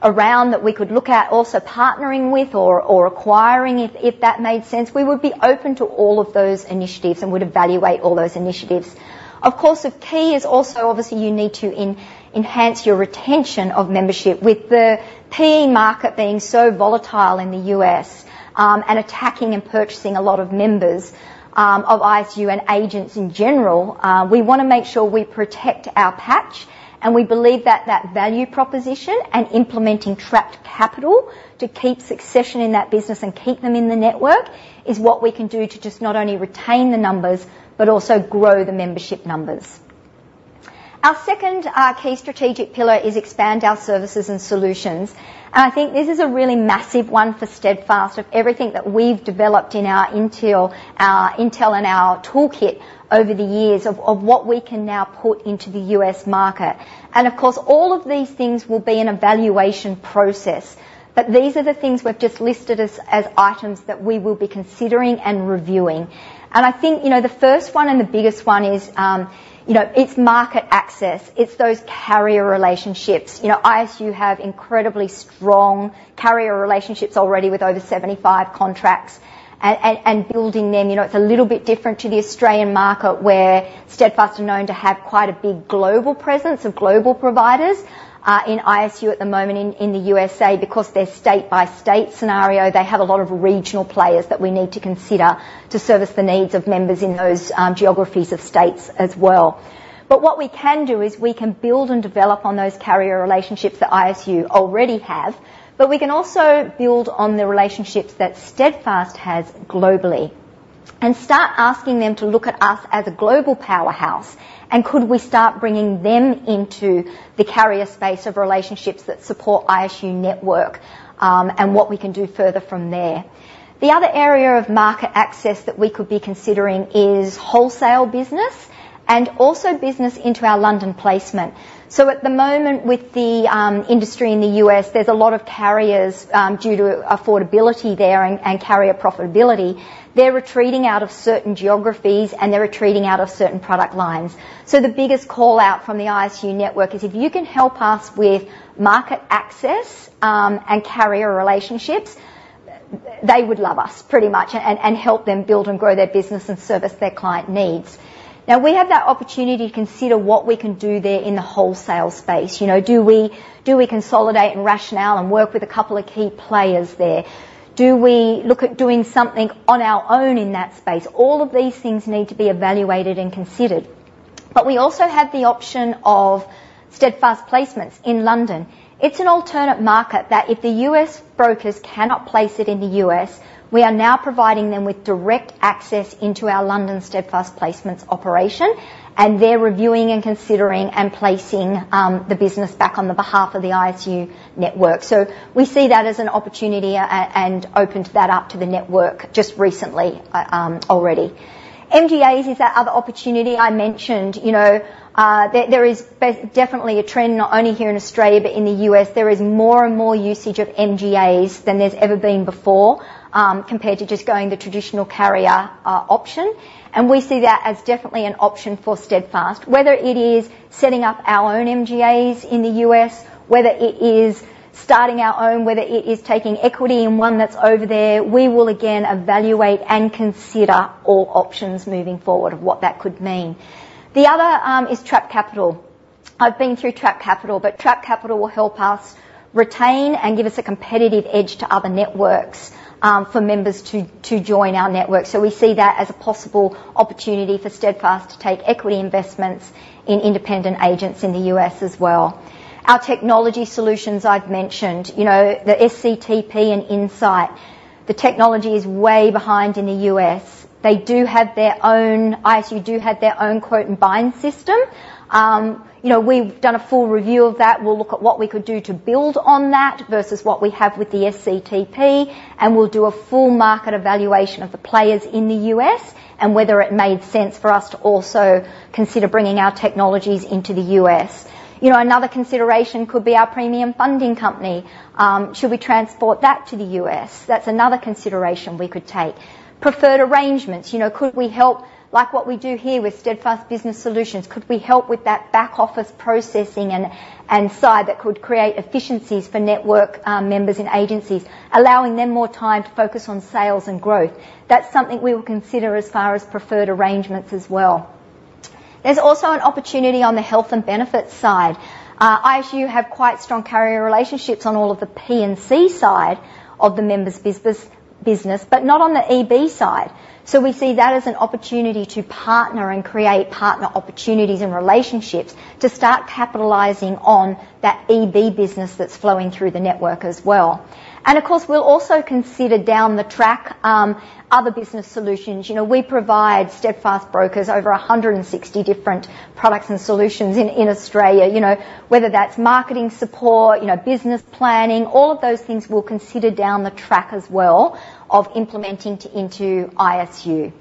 around that we could look at also partnering with or, or acquiring if, if that made sense. We would be open to all of those initiatives and would evaluate all those initiatives. Of course, the key is also, obviously, you need to enhance your retention of membership. With the PE market being so volatile in the U.S., and attacking and purchasing a lot of members, of ISU and agents in general, we wanna make sure we protect our patch, and we believe that that value proposition and implementing trapped capital to keep succession in that business and keep them in the network is what we can do to just not only retain the numbers but also grow the membership numbers. Our second key strategic pillar is expand our services and solutions, and I think this is a really massive one for Steadfast. With everything that we've developed in our intel, intel and our toolkit over the years of what we can now put into the US market. And of course, all of these things will be an evaluation process, but these are the things we've just listed as items that we will be considering and reviewing. And I think, you know, the first one and the biggest one is, you know, it's market access. It's those carrier relationships. You know, ISU have incredibly strong carrier relationships already with over 75 contracts and building them. You know, it's a little bit different to the Australian market, where Steadfast are known to have quite a big global presence of global providers. In ISU at the moment, in the USA, because they're state-by-state scenario, they have a lot of regional players that we need to consider to service the needs of members in those geographies of states as well. But what we can do is we can build and develop on those carrier relationships that ISU already have, but we can also build on the relationships that Steadfast has globally and start asking them to look at us as a global powerhouse. And could we start bringing them into the carrier space of relationships that support ISU network, and what we can do further from there? The other area of market access that we could be considering is wholesale business and also business into our London placement. So at the moment, with the industry in the U.S., there's a lot of carriers due to affordability there and carrier profitability. They're retreating out of certain geographies, and they're retreating out of certain product lines. So the biggest call-out from the ISU network is, if you can help us with market access and carrier relationships, they would love us pretty much and help them build and grow their business and service their client needs. Now, we have that opportunity to consider what we can do there in the wholesale space. You know, do we consolidate and rationalize and work with a couple of key players there? Do we look at doing something on our own in that space? All of these things need to be evaluated and considered. But we also have the option of Steadfast Placements in London. It's an alternate market that if the US brokers cannot place it in the US, we are now providing them with direct access into our London Steadfast Placements operation, and they're reviewing and considering and placing the business back on behalf of the ISU network. So we see that as an opportunity, and opened that up to the network just recently, already. MGAs is that other opportunity I mentioned. You know, there, there is definitely a trend, not only here in Australia, but in the US, there is more and more usage of MGAs than there's ever been before, compared to just going the traditional carrier option, and we see that as definitely an option for Steadfast. Whether it is setting up our own MGAs in the US, whether it is starting our own, whether it is taking equity in one that's over there, we will again evaluate and consider all options moving forward of what that could mean. The other is trapped capital. I've been through trapped capital, but trapped capital will help us retain and give us a competitive edge to other networks, for members to join our network. So we see that as a possible opportunity for Steadfast to take equity investments- in independent agents in the US as well. Our technology solutions, I've mentioned, you know, the SCTP and Insight, the technology is way behind in the US. They do have their own, ISU do have their own quote and bind system. You know, we've done a full review of that. We'll look at what we could do to build on that versus what we have with the SCTP, and we'll do a full market evaluation of the players in the US and whether it made sense for us to also consider bringing our technologies into the US. You know, another consideration could be our premium funding company. Should we transport that to the US? That's another consideration we could take. Preferred arrangements. You know, could we help, like what we do here with Steadfast Business Solutions, could we help with that back office processing and side that could create efficiencies for network members and agencies, allowing them more time to focus on sales and growth? That's something we will consider as far as preferred arrangements as well. There's also an opportunity on the health and benefits side. ISU have quite strong carrier relationships on all of the P&C side of the members' business, business, but not on the EB side. So we see that as an opportunity to partner and create partner opportunities and relationships to start capitalizing on that EB business that's flowing through the network as well. And of course, we'll also consider down the track, other business solutions. You know, we provide Steadfast brokers over 160 different products and solutions in, in Australia. You know, whether that's marketing support, you know, business planning, all of those things we'll consider down the track as well of implementing into ISU.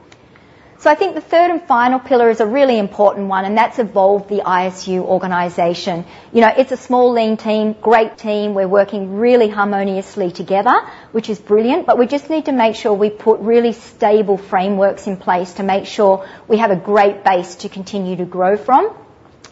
So I think the third and final pillar is a really important one, and that's evolve the ISU organization. You know, it's a small, lean team, great team. We're working really harmoniously together, which is brilliant, but we just need to make sure we put really stable frameworks in place to make sure we have a great base to continue to grow from.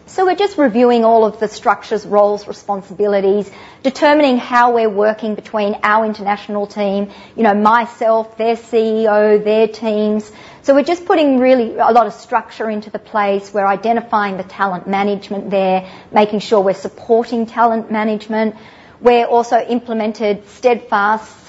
So we're just reviewing all of the structures, roles, responsibilities, determining how we're working between our international team, you know, myself, their CEO, their teams. So we're just putting really a lot of structure into the place. We're identifying the talent management there, making sure we're supporting talent management. We're also implemented Steadfast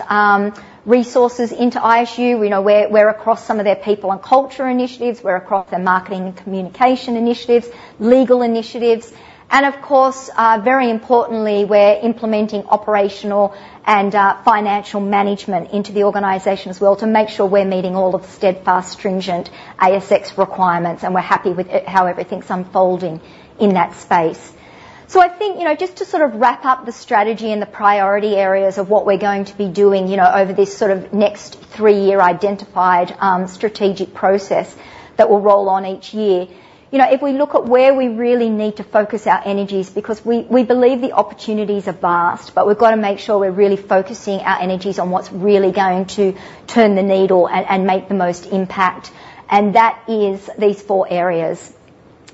resources into ISU. We know we're, we're across some of their people and culture initiatives, we're across their marketing and communication initiatives, legal initiatives, and of course, very importantly, we're implementing operational and financial management into the organization as well to make sure we're meeting all of Steadfast's stringent ASX requirements, and we're happy with how everything's unfolding in that space. So I think, you know, just to sort of wrap up the strategy and the priority areas of what we're going to be doing, you know, over this sort of next three-year identified strategic process that will roll on each year. You know, if we look at where we really need to focus our energies, because we, we believe the opportunities are vast, but we've got to make sure we're really focusing our energies on what's really going to turn the needle and make the most impact. That is these four areas.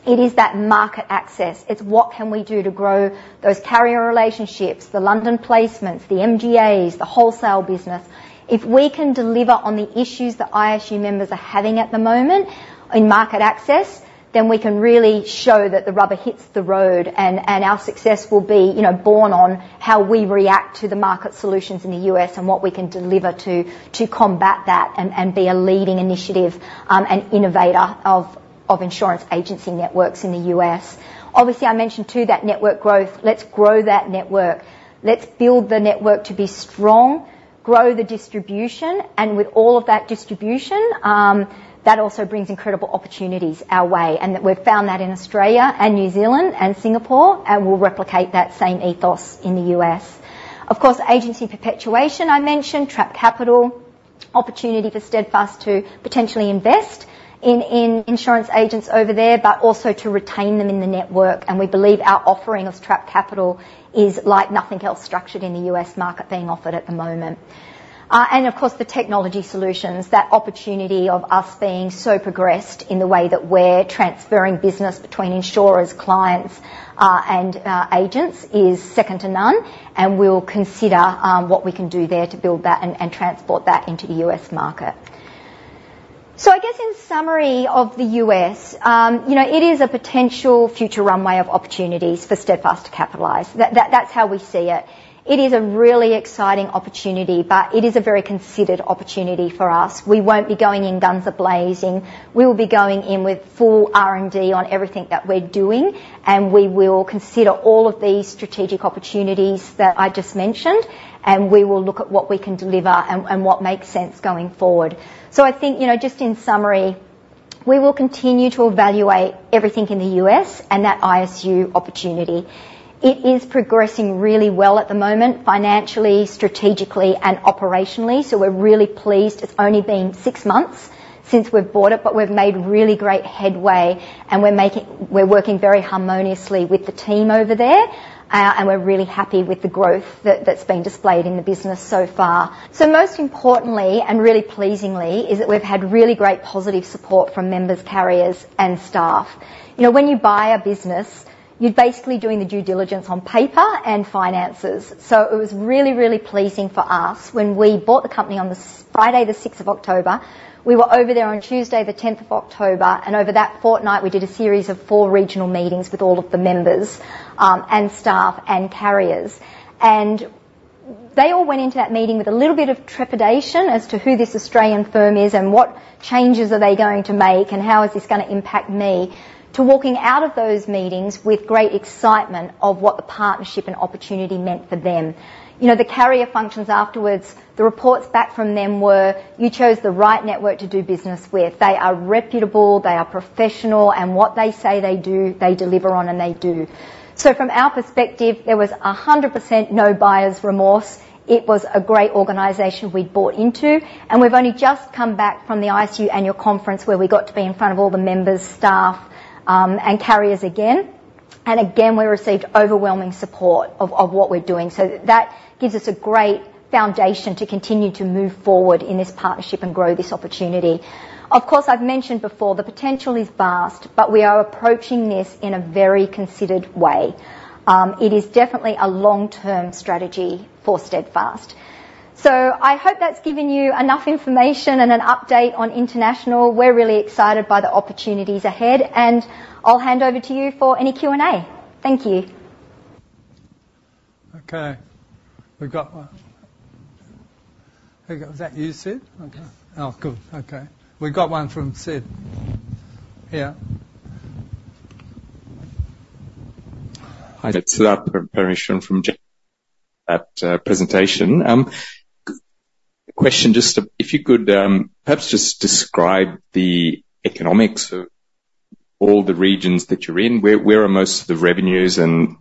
It is that market access. It's what can we do to grow those carrier relationships, the London placements, the MGAs, the wholesale business. If we can deliver on the issues that ISU members are having at the moment in market access, then we can really show that the rubber hits the road, and our success will be, you know, born on how we react to the market solutions in the US and what we can deliver to combat that and be a leading initiative and innovator of insurance agency networks in the US. Obviously, I mentioned, too, that network growth. Let's grow that network. Let's build the network to be strong, grow the distribution, and with all of that distribution, that also brings incredible opportunities our way, and that we've found that in Australia and New Zealand and Singapore, and we'll replicate that same ethos in the US. Of course, agency perpetuation, I mentioned, trapped capital, opportunity for Steadfast to potentially invest in, in insurance agents over there, but also to retain them in the network. We believe our offering of trapped capital is like nothing else structured in the US market being offered at the moment. And of course, the technology solutions, that opportunity of us being so progressed in the way that we're transferring business between insurers, clients, and agents is second to none, and we'll consider what we can do there to build that and transport that into the US market. So I guess in summary of the U.S., you know, it is a potential future runway of opportunities for Steadfast to capitalize. That's how we see it. It is a really exciting opportunity, but it is a very considered opportunity for us. We won't be going in guns a blazing. We will be going in with full R&D on everything that we're doing, and we will consider all of these strategic opportunities that I just mentioned, and we will look at what we can deliver and what makes sense going forward. So I think, you know, just in summary, we will continue to evaluate everything in the U.S. and that ISU opportunity. It is progressing really well at the moment, financially, strategically, and operationally, so we're really pleased. It's only been six months since we've bought it, but we've made really great headway, and we're making... We're working very harmoniously with the team over there, and we're really happy with the growth that's been displayed in the business so far. So most importantly, and really pleasingly, is that we've had really great positive support from members, carriers, and staff. You know, when you buy a business, you're basically doing the due diligence on paper and finances. So it was really, really pleasing for us when we bought the company on the Friday, the sixth of October, we were over there on Tuesday, the tenth of October, and over that fortnight, we did a series of four regional meetings with all of the members, and staff and carriers. They all went into that meeting with a little bit of trepidation as to who this Australian firm is and what changes are they going to make, and how is this gonna impact me? Walking out of those meetings with great excitement of what the partnership and opportunity meant for them. You know, the carrier functions afterwards, the reports back from them were: "You chose the right network to do business with. They are reputable, they are professional, and what they say they do, they deliver on and they do." So from our perspective, there was 100% no buyer's remorse. It was a great organization we'd bought into, and we've only just come back from the ISU annual conference, where we got to be in front of all the members, staff, and carriers again. And again, we received overwhelming support of what we're doing. So that gives us a great foundation to continue to move forward in this partnership and grow this opportunity. Of course, I've mentioned before, the potential is vast, but we are approaching this in a very considered way. It is definitely a long-term strategy for Steadfast. So I hope that's given you enough information and an update on international. We're really excited by the opportunities ahead, and I'll hand over to you for any Q&A. Thank you. Okay, we've got one. Who got... Is that you, Sid? Okay. Oh, good. Okay. We've got one from Sid. Yeah. Hi, it's Sid Parameswaran from J.P. Morgan, that presentation. Question, just a... If you could, perhaps just describe the economics of all the regions that you're in. Where are most of the revenues? And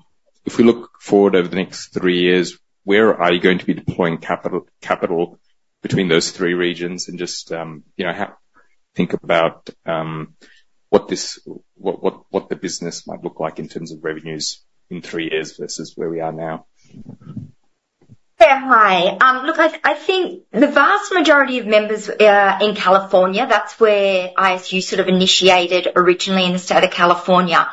if we look forward over the next three years, where are you going to be deploying capital between those three regions? And just, you know, how to think about what the business might look like in terms of revenues in three years versus where we are now. Yeah. Hi. Look, I think the vast majority of members in California, that's where ISU sort of initiated originally in the state of California.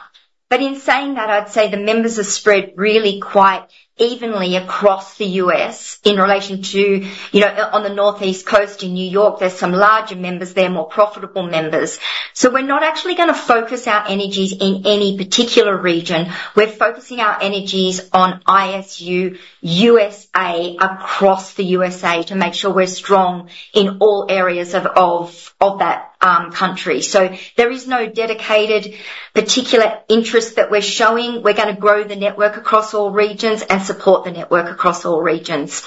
But in saying that, I'd say the members are spread really quite evenly across the US in relation to, you know, on the Northeast Coast in New York, there's some larger members there, more profitable members. So we're not actually gonna focus our energies in any particular region. We're focusing our energies on ISU USA, across the USA, to make sure we're strong in all areas of that country. So there is no dedicated particular interest that we're showing. We're gonna grow the network across all regions and support the network across all regions.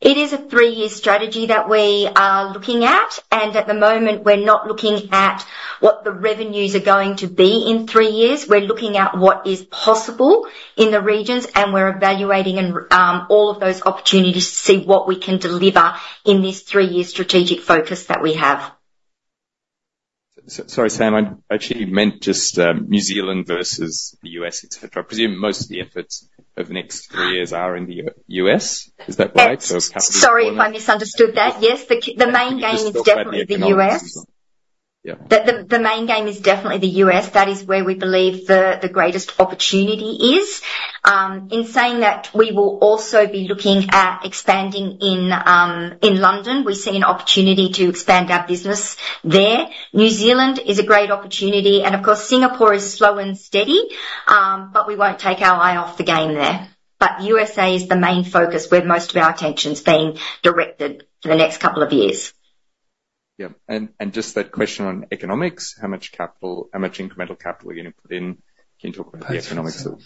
It is a three-year strategy that we are looking at, and at the moment, we're not looking at what the revenues are going to be in three years. We're looking at what is possible in the regions, and we're evaluating and all of those opportunities to see what we can deliver in this three-year strategic focus that we have. Sorry, Sam, I actually meant just, New Zealand versus the US, et cetera. I presume most of the efforts over the next three years are in the US. Is that right? Yes. So capital- Sorry if I misunderstood that. Yes, the main game is definitely the US. Yeah. The main game is definitely the US. That is where we believe the greatest opportunity is. In saying that, we will also be looking at expanding in London. We see an opportunity to expand our business there. New Zealand is a great opportunity, and of course, Singapore is slow and steady, but we won't take our eye off the game there. But USA is the main focus where most of our attention's being directed for the next couple of years. Yeah, and, and just that question on economics, how much capital, how much incremental capital are you gonna put in? Can you talk about the economics of...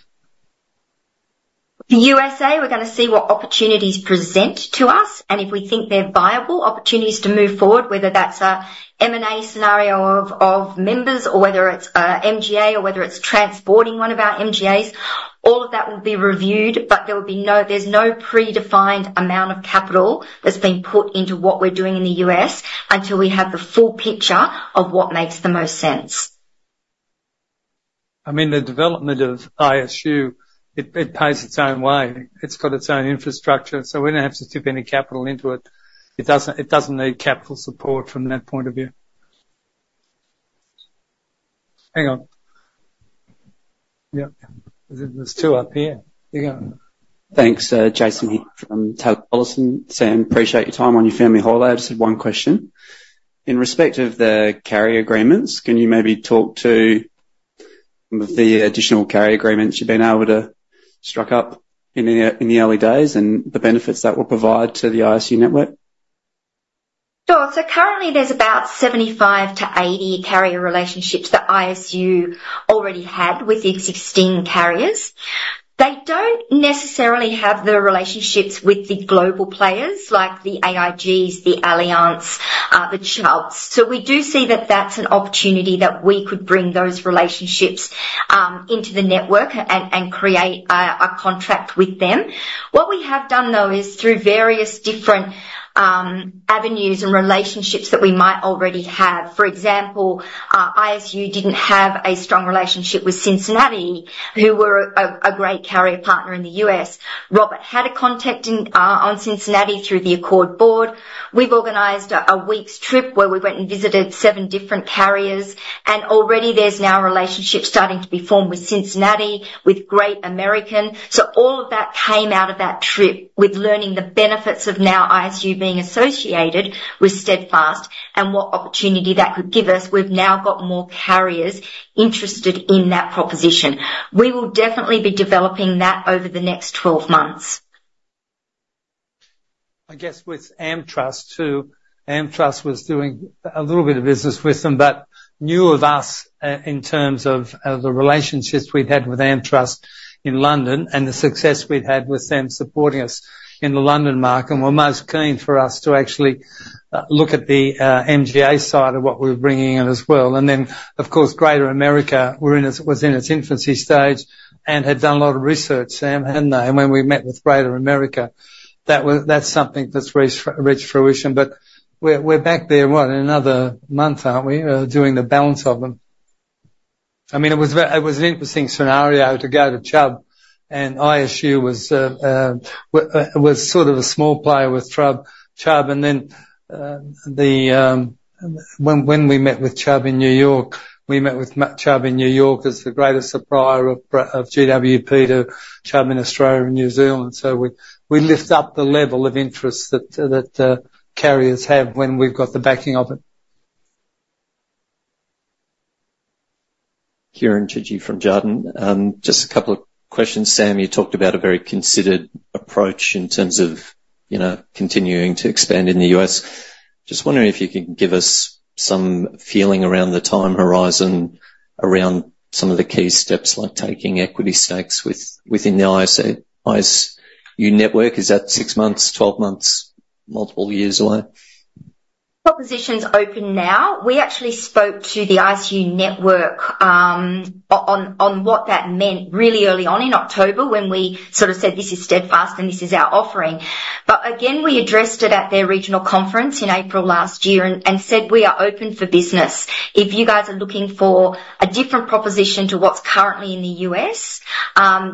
The USA, we're gonna see what opportunities present to us, and if we think they're viable opportunities to move forward, whether that's a M&A scenario of, of members or whether it's, MGA, or whether it's transporting one of our MGAs, all of that will be reviewed, but there will be no, there's no predefined amount of capital that's being put into what we're doing in the US, until we have the full picture of what makes the most sense. I mean, the development of ISU, it pays its own way. It's got its own infrastructure, so we don't have to tip any capital into it. It doesn't need capital support from that point of view. Hang on. Yep, there's two up here. Here you go. Thanks. Jason here from Taylor Collison. Sam, appreciate your time on your family holiday. I just had one question: In respect of the carrier agreements, can you maybe talk to the additional carrier agreements you've been able to struck up in the early days and the benefits that will provide to the ISU network? Sure. So currently, there's about 75-80 carrier relationships that ISU already had with the existing carriers. They don't necessarily have the relationships with the global players, like the AIGs, the Allianz, the Chubb. So we do see that that's an opportunity that we could bring those relationships into the network and create a contract with them. What we have done, though, is through various different avenues and relationships that we might already have. For example, ISU didn't have a strong relationship with Cincinnati, who were a great carrier partner in the US. Robert had a contact in on Cincinnati through the ACORD board. We've organized a week's trip where we went and visited 7 different carriers, and already there's now a relationship starting to be formed with Cincinnati, with Great American. All of that came out of that trip with learning the benefits of now ISU being associated with Steadfast and what opportunity that could give us. We've now got more carriers interested in that proposition. We will definitely be developing that over the next 12 months. I guess, with AmTrust, too. AmTrust was doing a little bit of business with them, but knew of us, in terms of, the relationships we'd had with AmTrust in London and the success we'd had with them supporting us in the London market, and were most keen for us to actually, look at the, MGA side of what we're bringing in as well. And then, of course, Great American were in its-- was in its infancy stage and had done a lot of research, Sam, hadn't they? And when we met with Great American, that was- that's something that's reached, reached fruition. But we're, we're back there, what, in another month, aren't we? doing the balance of them. I mean, it was an interesting scenario to go to Chubb, and ISU was sort of a small player with Chubb. When we met with Chubb in New York, we met with met Chubb in New York, as the greatest supplier of GWP to Chubb in Australia and New Zealand. So we lift up the level of interest that carriers have when we've got the backing of it. Kieran Chidgey from Jarden. Just a couple of questions. Sam, you talked about a very considered approach in terms of, you know, continuing to expand in the US. Just wondering if you can give us some feeling around the time horizon, around some of the key steps, like taking equity stakes within the ISU, ISU network. Is that 6 months, 12 months, multiple years away? Propositions open now. We actually spoke to the ISU network, on what that meant really early on in October, when we sort of said, "This is Steadfast, and this is our offering." But again, we addressed it at their regional conference in April last year and said, "We are open for business. If you guys are looking for a different proposition to what's currently in the US,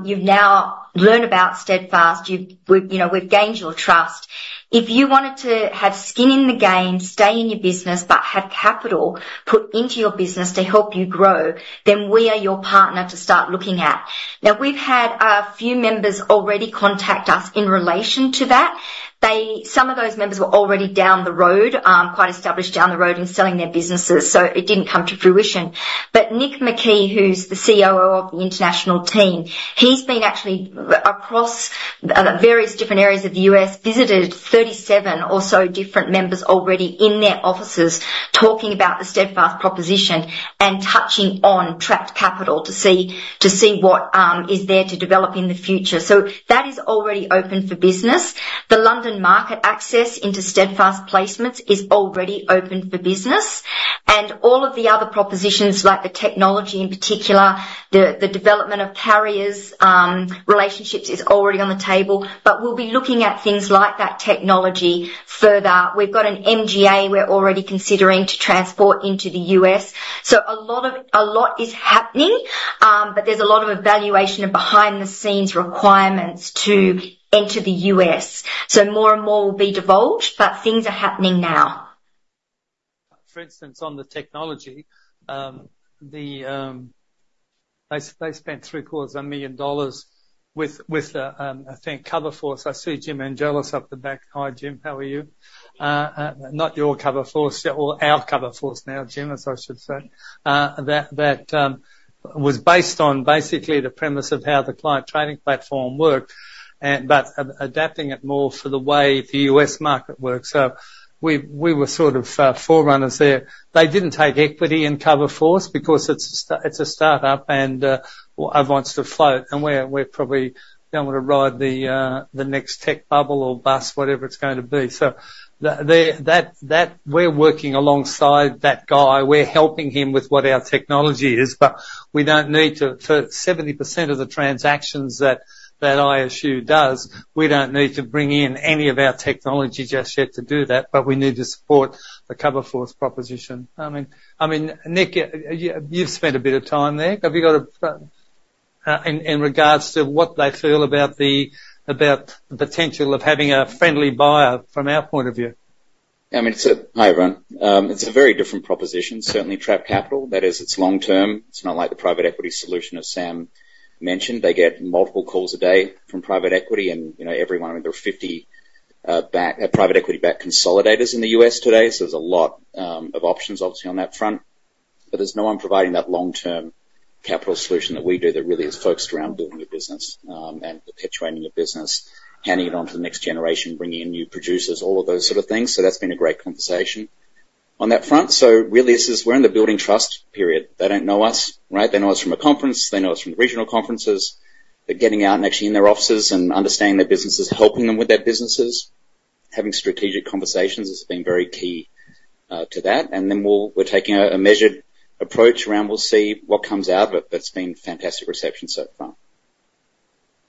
you've now learned about Steadfast. You've... We've, you know, we've gained your trust. If you wanted to have skin in the game, stay in your business, but have capital put into your business to help you grow, then we are your partner to start looking at." Now, we've had a few members already contact us in relation to that. They.. Some of those members were already down the road, quite established down the road in selling their businesses, so it didn't come to fruition. But Nick McKee, who's the COO of the international team, he's been actually across various different areas of the US, visited 37 or so different members already in their offices, talking about the Steadfast proposition and touching on trapped capital to see what is there to develop in the future. So that is already open for business. The London market access into Steadfast Placements is already open for business, and all of the other propositions, like the technology in particular, the development of carriers' relationships, is already on the table, but we'll be looking at things like that technology further. We've got an MGA we're already considering to transport into the US. So a lot is happening, but there's a lot of evaluation and behind-the-scenes requirements to enter the U.S. So more and more will be divulged, but things are happening now. For instance, on the technology, they spent three-quarters of a million dollars with Coverforce. I see Jim Angelos up the back. Hi, Jim, how are you? Not your Coverforce or our Coverforce now, Jim, as I should say. That was based on basically the premise of how the client training platform worked, and but adapting it more for the way the US market works. So we were sort of forerunners there. They didn't take equity in Coverforce because it's a start-up, and wants to float, and we're probably going to ride the next tech bubble or bust, whatever it's going to be. So that we're working alongside that guy. We're helping him with what our technology is, but we don't need to... For 70% of the transactions that ISU does, we don't need to bring in any of our technology just yet to do that, but we need to support the Coverforce proposition. I mean, I mean, Nick, you've spent a bit of time there. Have you got, in regards to what they feel about the potential of having a friendly buyer from our point of view? Hi, everyone. It's a very different proposition. Certainly, trapped capital, that is, it's long term. It's not like the private equity solution, as Sam mentioned. They get multiple calls a day from private equity and, you know, every one of the 50 backed, private equity-backed consolidators in the US today. So there's a lot of options, obviously, on that front. But there's no one providing that long-term capital solution that we do that really is focused around building a business and perpetuating a business, handing it on to the next generation, bringing in new producers, all of those sort of things. So that's been a great conversation. On that front, so really, this is we're in the building trust period. They don't know us, right? They know us from a conference, they know us from regional conferences. But getting out and actually in their offices and understanding their businesses, helping them with their businesses, having strategic conversations, has been very key to that. And then we're taking a measured approach around, we'll see what comes out, but that's been fantastic reception so far.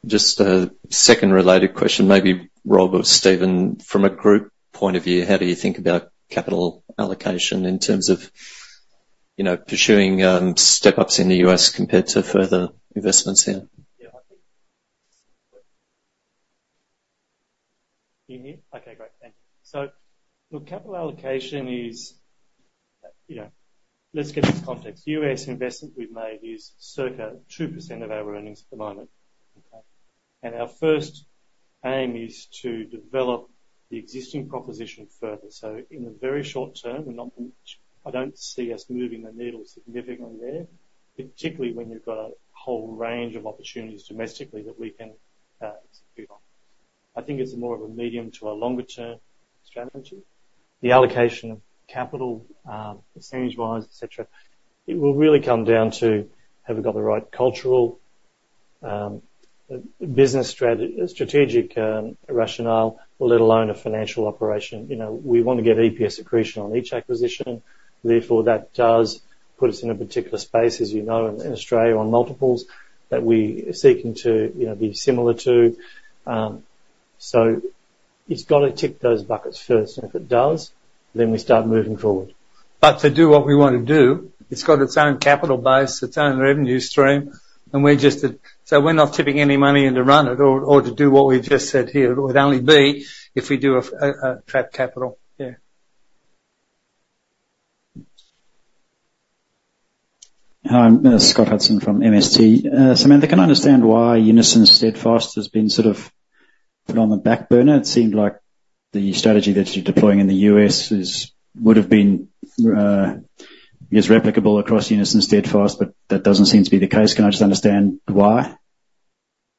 Just a second related question, maybe Rob or Steven, from a group point of view, how do you think about capital allocation in terms of, you know, pursuing step-ups in the US compared to further investments here? Yeah, I think. You hear? Okay, great. Thank you. So look, capital allocation is, you know, let's get this context. US investment we've made is circa 2% of our earnings at the moment, okay? And our first aim is to develop the existing proposition further. So in the very short term, we're not going to. I don't see us moving the needle significantly there, particularly when you've got a whole range of opportunities domestically that we can execute on. I think it's more of a medium to a longer-term strategy. The allocation of capital, percentage-wise, et cetera, it will really come down to have we got the right cultural, business strategic rationale, let alone a financial operation. You know, we want to get EPS accretion on each acquisition; therefore, that does put us in a particular space, as you know, in Australia, on multiples that we are seeking to, you know, be similar to. So it's got to tick those buckets first, and if it does, then we start moving forward. But to do what we want to do, it's got its own capital base, its own revenue stream, and we're just— So we're not tipping any money in to run it or to do what we've just said here. It would only be if we do a trapped capital. Yeah. Hi, I'm Scott Hudson from MST. Samantha, can I understand why Unison Steadfast has been sort of put on the back burner? It seemed like the strategy that you're deploying in the US is, would have been, is replicable across Unison Steadfast, but that doesn't seem to be the case. Can I just understand why?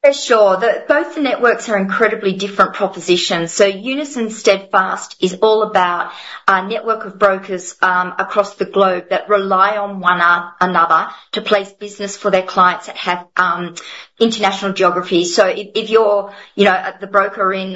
For sure. Both the networks are incredibly different propositions. So Unison Steadfast is all about our network of brokers across the globe that rely on one another to place business for their clients that have international geography. So if you're, you know, the broker in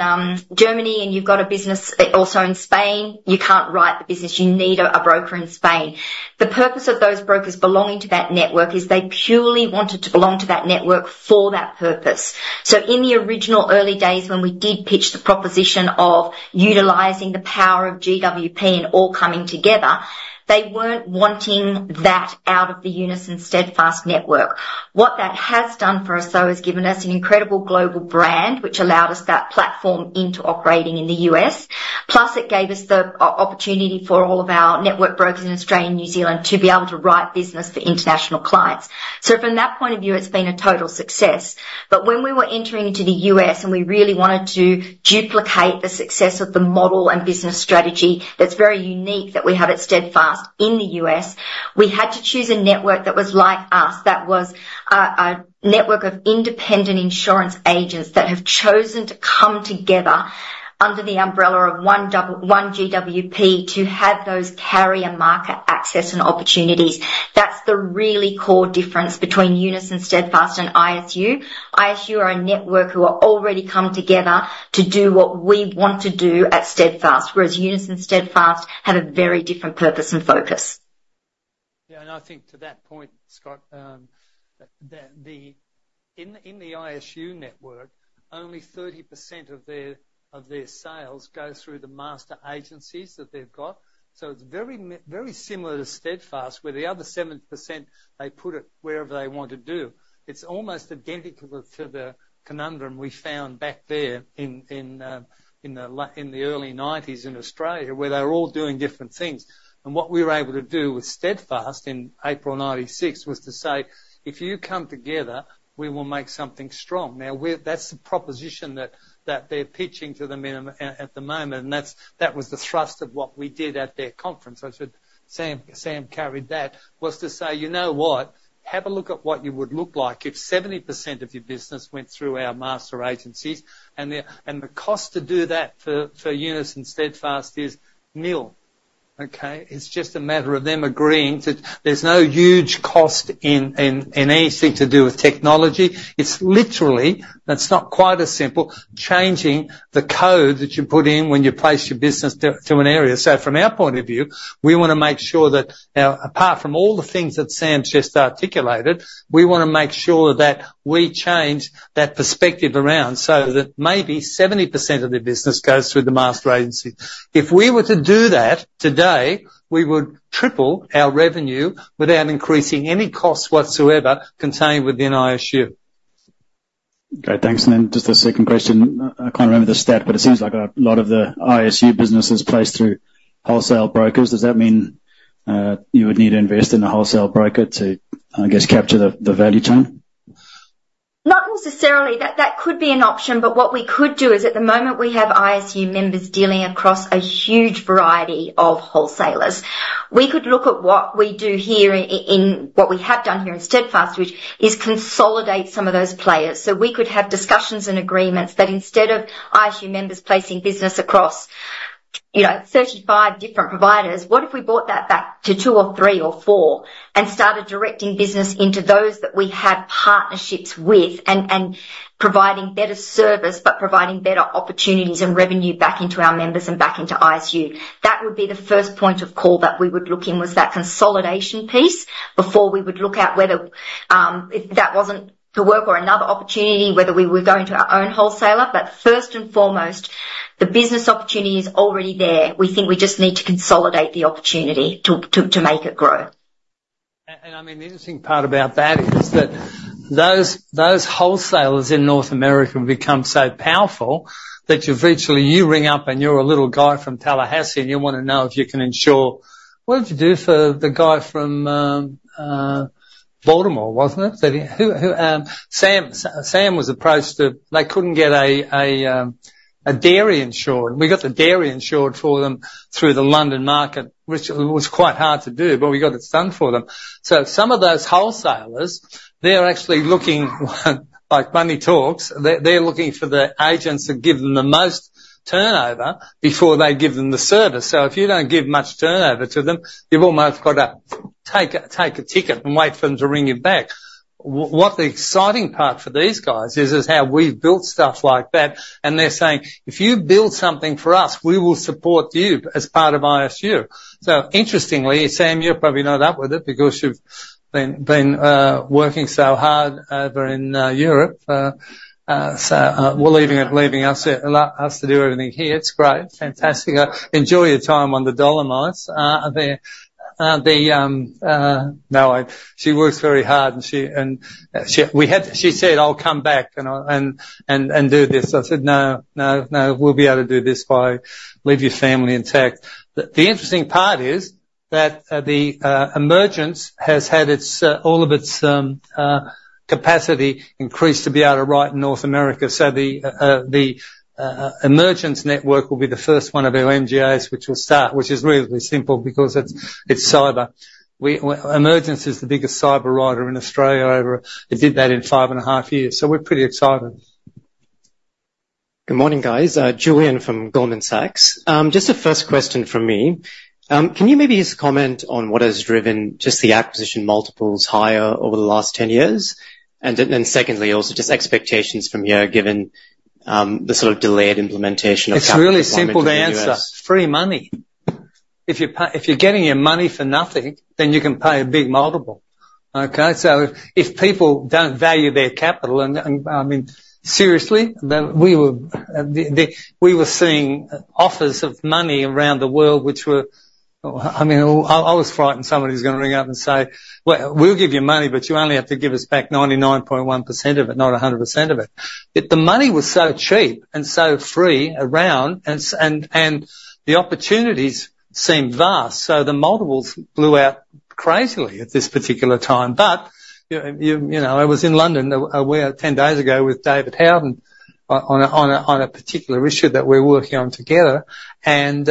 Germany and you've got a business also in Spain, you can't write the business. You need a broker in Spain. The purpose of those brokers belonging to that network is they purely wanted to belong to that network for that purpose. So in the original early days, when we did pitch the proposition of utilizing the power of GWP and all coming together, they weren't wanting that out of the Unison Steadfast network. What that has done for us, though, has given us an incredible global brand, which allowed us that platform into operating in the US, plus it gave us the opportunity for all of our network brokers in Australia and New Zealand to be able to write business for international clients. So from that point of view, it's been a total success. But when we were entering into the US, and we really wanted to duplicate the success of the model and business strategy that's very unique that we have at Steadfast in the US, we had to choose a network that was like us, that was a network of independent insurance agents that have chosen to come together under the umbrella of one GWP to have those carrier market access and opportunities. That's the really core difference between Unison Steadfast and ISU. ISU are a network who have already come together to do what we want to do at Steadfast, whereas Unison Steadfast have a very different purpose and focus. Yeah, and I think to that point, Scott, that in the ISU network, only 30% of their sales go through the master agencies that they've got. So it's very similar to Steadfast, where the other 70%, they put it wherever they want to do. It's almost identical to the conundrum we found back there in the early 1990s in Australia, where they were all doing different things. And what we were able to do with Steadfast in April 1996 was to say, "If you come together, we will make something strong." Now, that's the proposition that they're pitching to them at the moment, and that was the thrust of what we did at their conference. I said, Sam carried that, was to say, "You know what? Have a look at what you would look like if 70% of your business went through our master agencies, and the cost to do that for Unison Steadfast is nil, okay? It's just a matter of them agreeing to... There's no huge cost in anything to do with technology. It's literally, that's not quite as simple, changing the code that you put in when you place your business to an area. So from our point of view, we wanna make sure that, now, apart from all the things that Sam's just articulated, we wanna make sure that we change that perspective around so that maybe 70% of their business goes through the master agency. If we were to do that today, we would triple our revenue without increasing any costs whatsoever contained within ISU. Okay, thanks. And then just a second question. I can't remember the stat, but it seems like a lot of the ISU business is placed through wholesale brokers. Does that mean, you would need to invest in a wholesale broker to, I guess, capture the value chain? Not necessarily. That could be an option, but what we could do is, at the moment, we have ISU members dealing across a huge variety of wholesalers. We could look at what we have done here in Steadfast, which is consolidate some of those players. So we could have discussions and agreements that instead of ISU members placing business across, you know, 35 different providers, what if we brought that back to two or three or four and started directing business into those that we have partnerships with and providing better service, but providing better opportunities and revenue back into our members and back into ISU? That would be the first point of call that we would look in, was that consolidation piece, before we would look at whether, if that wasn't to work or another opportunity, whether we would go into our own wholesaler. But first and foremost, the business opportunity is already there. We think we just need to consolidate the opportunity to make it grow. I mean, the interesting part about that is that those wholesalers in North America have become so powerful that you virtually ring up, and you're a little guy from Tallahassee, and you wanna know if you can insure... What did you do for the guy from Baltimore, wasn't it? That he who Sam was approached to-- They couldn't get a dairy insured. We got the dairy insured for them through the London market, which was quite hard to do, but we got it done for them. So some of those wholesalers, they're actually looking, like money talks, they're looking for the agents that give them the most turnover before they give them the service. So if you don't give much turnover to them, you've almost got a-. Take a ticket and wait for them to ring you back. What the exciting part for these guys is how we've built stuff like that, and they're saying, "If you build something for us, we will support you as part of ISU." So interestingly, Sam, you're probably not up with it because you've been working so hard over in Europe. So, well, leaving us here, allow us to do everything here. It's great, fantastic. Enjoy your time on the Dolomites. No, she works very hard, and she we had. She said, "I'll come back, and I and do this." I said, "No, no, no. We'll be able to do this by leaving your family intact." But the interesting part is that the Emergence has had all of its capacity increased to be able to write in North America. So the Emergence network will be the first one of our MGAs, which will start, which is reasonably simple because it's cyber. We, Emergence is the biggest cyber writer in Australia, ever. It did that in five and a half years, so we're pretty excited. Good morning, guys, Julian from Goldman Sachs. Just a first question from me. Can you maybe just comment on what has driven just the acquisition multiples higher over the last 10 years? And then secondly, also, just expectations from here, given the sort of delayed implementation of- It's really simple to answer: free money. If you're getting your money for nothing, then you can pay a big multiple, okay? So if people don't value their capital, and I mean, seriously, then we were seeing offers of money around the world, which were, I mean, I was frightened somebody was gonna ring up and say, "Well, we'll give you money, but you only have to give us back 99.1% of it, not 100% of it." But the money was so cheap and so free around, and the opportunities seemed vast, so the multiples blew out crazily at this particular time. But you know, I was in London ten days ago with David Howden on a particular issue that we're working on together, and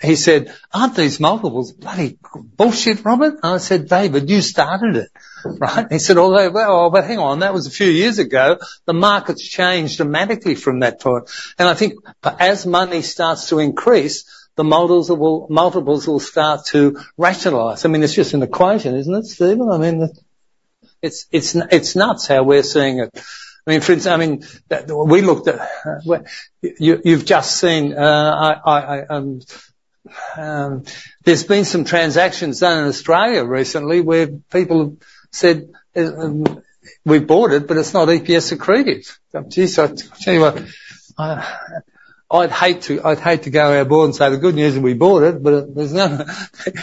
he said, "Aren't these multiples bloody bullshit, Robert?" And I said, "David, you started it," right? And he said, "Oh, well, but hang on, that was a few years ago. The market's changed dramatically from that point." And I think, as money starts to increase, the multiples will start to rationalize. I mean, it's just an equation, isn't it, Steven? I mean, it's nuts how we're seeing it. I mean, for instance, we looked at... You've just seen, there's been some transactions done in Australia recently where people said, "we bought it, but it's not EPS accretive." Geez, so anyway, I'd hate to, I'd hate to go overboard and say, "The good news is we bought it," but there's no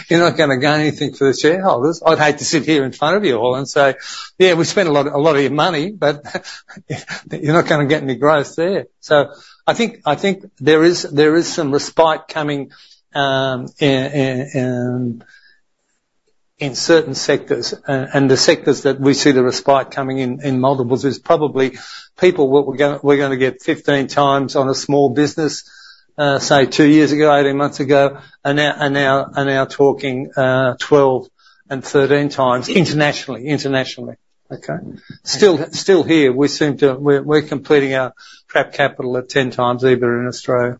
you're not gonna gain anything for the shareholders. I'd hate to sit here in front of you all and say, "Yeah, we spent a lot, a lot of your money, but you're not gonna get any growth there." So I think there is some respite coming in certain sectors, and the sectors that we see the respite coming in, in multiples is probably people were gonna get 15x on a small business, say 2 years ago, 18 months ago, are now talking 12x and 13x internationally, okay? Still here, we seem to... We're completing our prep capital at 10x EBITDA in Australia.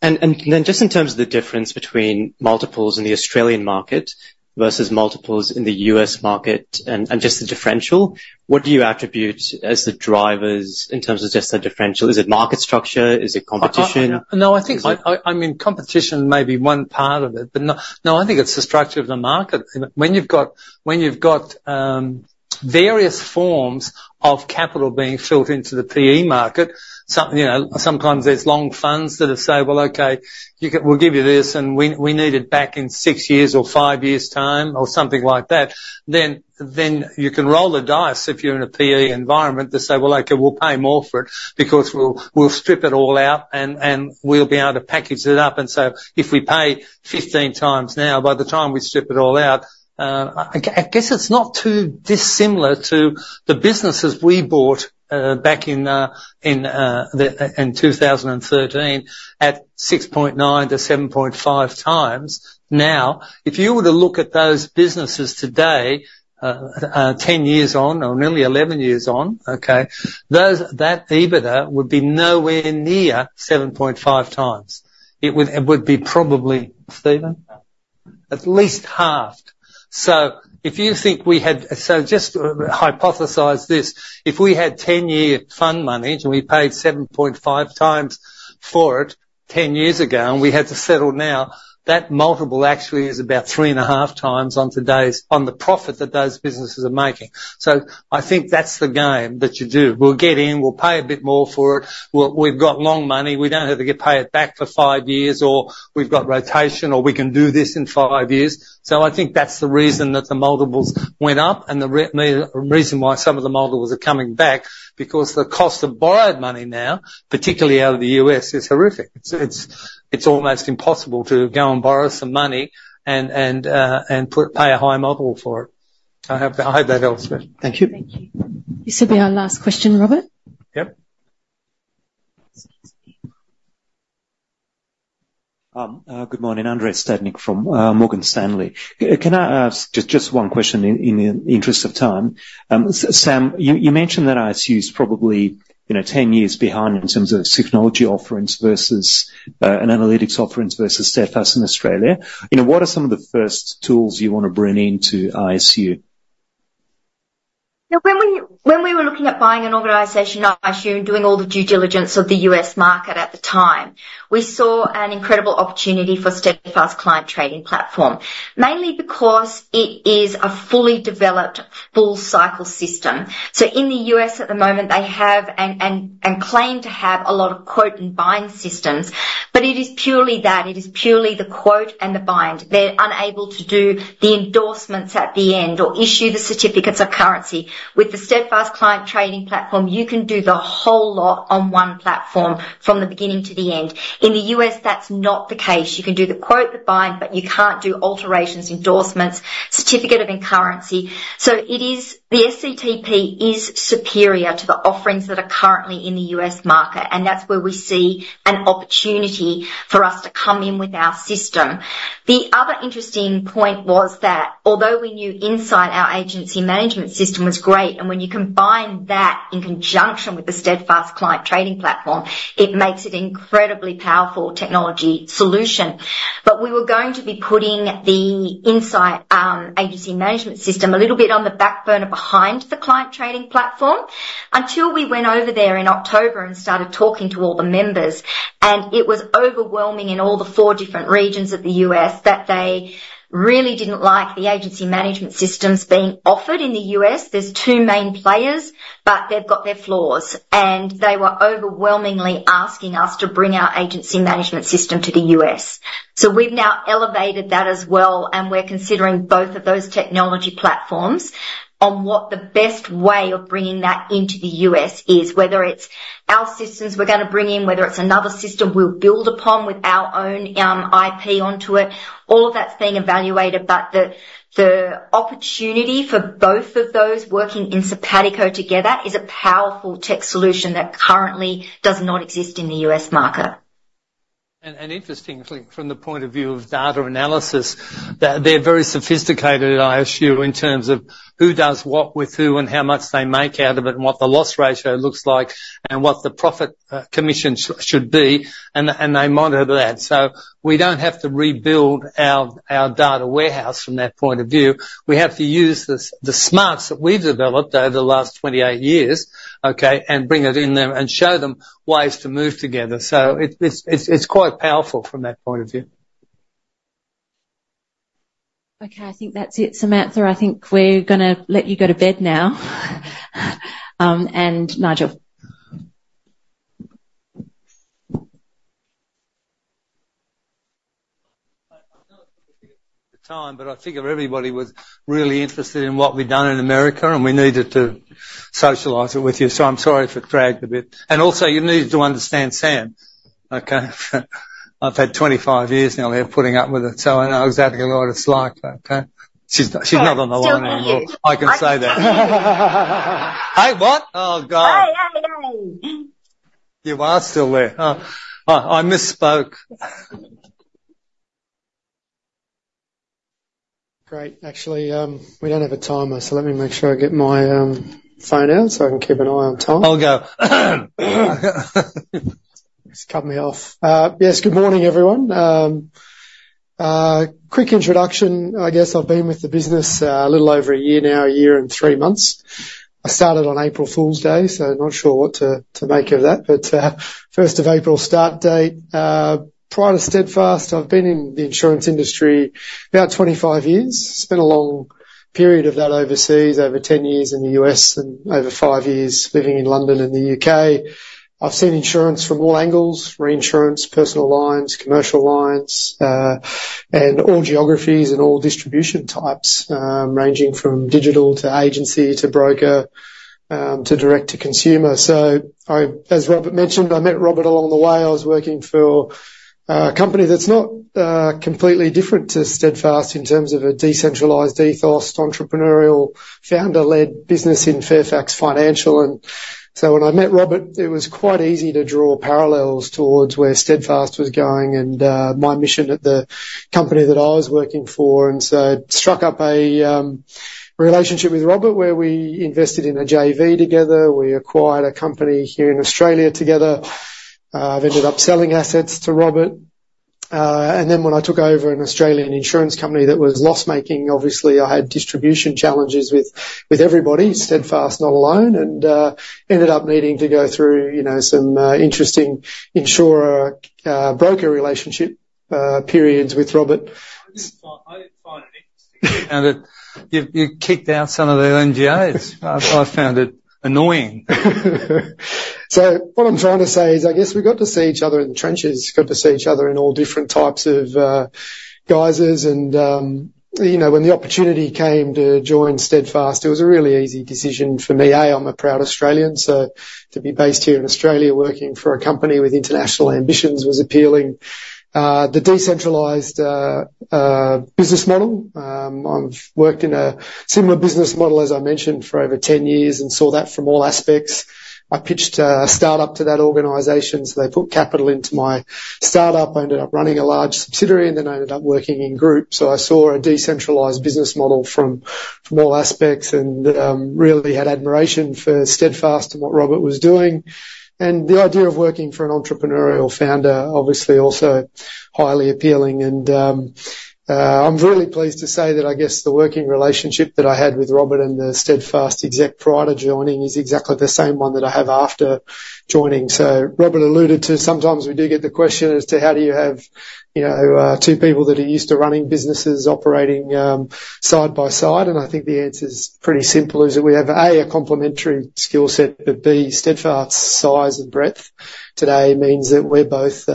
Then just in terms of the difference between multiples in the Australian market versus multiples in the U.S. market and just the differential, what do you attribute as the drivers in terms of just the differential? Is it market structure? Is it competition? No, I think, I mean, competition may be one part of it, but not... No, I think it's the structure of the market. When you've got various forms of capital being filled into the PE market, you know, sometimes there's long funds that have, say, "Well, okay, you can-we'll give you this, and we need it back in six years or five years' time," or something like that, then you can roll the dice if you're in a PE environment to say, "Well, okay, we'll pay more for it because we'll strip it all out, and we'll be able to package it up. And so if we pay 15x now, by the time we strip it all out, I guess it's not too dissimilar to the businesses we bought back in 2013, at 6.9x-7.5x. Now, if you were to look at those businesses today, 10 years on or nearly 11 years on, okay? That EBITDA would be nowhere near 7.5x. It would, it would be probbly, Stephen? At least half. So if you think we had... So just, hypothesize this: If we had 10-year fund money, and we paid 7.5x for it 10 years ago, and we had to settle now, that multiple actually is about 3.5x on today's- on the profit that those businesses are making. So I think that's the game that you do. We'll get in, we'll pay a bit more for it. We've got long money. We don't have to get pay it back for 5 years, or we've got rotation, or we can do this in 5 years. So I think that's the reason that the multiples went up, and the re- and the reason why some of the multiples are coming back, because the cost of borrowed money now, particularly out of the U.S., is horrific. It's almost impossible to go and borrow some money and pay a high multiple for it. I hope that helps. Thank you. Thank you. This will be our last question, Robert. Yepe me. Good morning, Andrei Stadnik from Morgan Stanley. Can I ask just one question in the interests of time? Sam, you mentioned that ISU is probabl, you know, 10 years behind in terms of technology offerings versus, an analytics offerings versus Steadfast in Australia. You know, what are some of the first tools you want to bring into ISU? Yeah, when we were looking at buying an organization, ISU, and doing all the due diligence of the U.S. market at the time, we saw an incredible opportunity for Steadfast Client Trading Platform, mainly because it is a fully developed full cycle system. So in the U.S., at the moment, they have and claim to have a lot of quote and bind systems, but it is purely that, it is purely the quote and the bind. They're unable to do the endorsements at the end or issue the certificates of currency. With the Steadfast Client Trading Platform, you can do the whole lot on one platform from the beginning to the end. In the U.S., that's not the case. You can do the quote, the bind, but you can't do alterations, endorsements, certificate of currency. So it is, the SCTP is superior to the offerings that are currently in the US market, and that's where we see an opportunity for us to come in with our system. The other interesting point was that although we knew Insight, our agency management system, was great, and when you combine that in conjunction with the Steadfast Client Trading Platform, it makes it incredibly powerful technology solution. But we were going to be putting the Insight agency management system a little bit on the back burner behind the Client Trading Platform, until we went over there in October and started talking to all the members, and it was overwhelming in all the four different regions of the US that they really didn't like the agency management systems being offered in the US. There's two main players, but they've got their flaws, and they were overwhelmingly asking us to bring our agency management system to the U.S. So we've now elevated that as well, and we're considering both of those technology platforms on what the best way of bringing that into the U.S. is, whether it's our systems we're gonna bring in, whether it's another system we'll build upon with our own, IP onto it. All of that's being evaluated, but the opportunity for both of those working in sympatico together is a powerful tech solution that currently does not exist in the U.S. market. Interestingly, from the point of view of data analysis, that they're very sophisticated at ISU in terms of who does what with who and how much they make out of it, and what the loss ratio looks like, and what the profit commission should be, and they monitor that. So we don't have to rebuild our data warehouse from that point of view. We have to use the smarts that we've developed over the last 28 years, okay, and bring it in there and show them ways to move together. So it's quite powerful from that point of view. Okay, I think that's it, Samantha. I think we're gonna let you go to bed now. And Nigel? I know the time, but I think if everybody was really interested in what we've done in America, and we needed to socialize it with you, so I'm sorry if it dragged a bit. And also, you needed to understand Sam, okay? I've had 25 years now here putting up with it, so I know exactly what it's like, okay. She's, she's not on the line anymore. Still with you. I can say that. Hey, what? Oh, God. Hi, hi, hi. You are still there. Oh, oh, I misspoke. Great. Actually, we don't have a timer, so let me make sure I get my phone out, so I can keep an eye on time. I'll go. Just cut me off. Yes, good morning, everyone. Quick introduction. I guess I've been with the business a little over a year now, a year and three months. I started on April Fool's Day, so not sure what to make of that, but, first of April, start date. Prior to Steadfast, I've been in the insurance industry about 25 years. Spent a long period of that overseas, over 10 years in the U.S. and over 5 years living in London, in the U.K. I've seen insurance from all angles: reinsurance, personal lines, commercial lines, and all geographies and all distribution types, ranging from digital, to agency, to broker, to direct to consumer. As Robert mentioned, I met Robert along the way. I was working for a company that's not completely different to Steadfast in terms of a decentralized ethos, entrepreneurial, founder-led business in Fairfax Financial. And so when I met Robert, it was quite easy to draw parallels towards where Steadfast was going and my mission at the company that I was working for. And so struck up a relationship with Robert, where we invested in a JV together. We acquired a company here in Australia together. I've ended up selling assets to Robert. And then when I took over an Australian insurance company that was loss-making, obviously, I had distribution challenges with everybody, Steadfast, not alone, and ended up needing to go through, you know, some interesting insurer broker relationship periods with Robert. I didn't find any... and that you kicked out some of the MGAs. I found it annoying. So what I'm trying to say is, I guess we got to see each other in the trenches, got to see each other in all different types of guises. And, you know, when the opportunity came to join Steadfast, it was a really easy decision for me. A, I'm a proud Australian, so to be based here in Australia, working for a company with international ambitions was appealing. The decentralized business model, I've worked in a similar business model, as I mentioned, for over 10 years and saw that from all aspects. I pitched a startup to that organization, so they put capital into my startup. I ended up running a large subsidiary, and then I ended up working in group. So I saw a decentralized business model from all aspects, and really had admiration for Steadfast and what Robert was doing. The idea of working for an entrepreneurial founder, obviously, also highly appealing, and I'm really pleased to say that I guess the working relationship that I had with Robert and the Steadfast exec prior to joining is exactly the same one that I have after joining. So Robert alluded to, sometimes we do get the question as to how do you have, you know, two people that are used to running businesses, operating side by side? And I think the answer is pretty simple, is that we have, A, a complementary skill set, but, B, Steadfast's size and breadth today means that we're both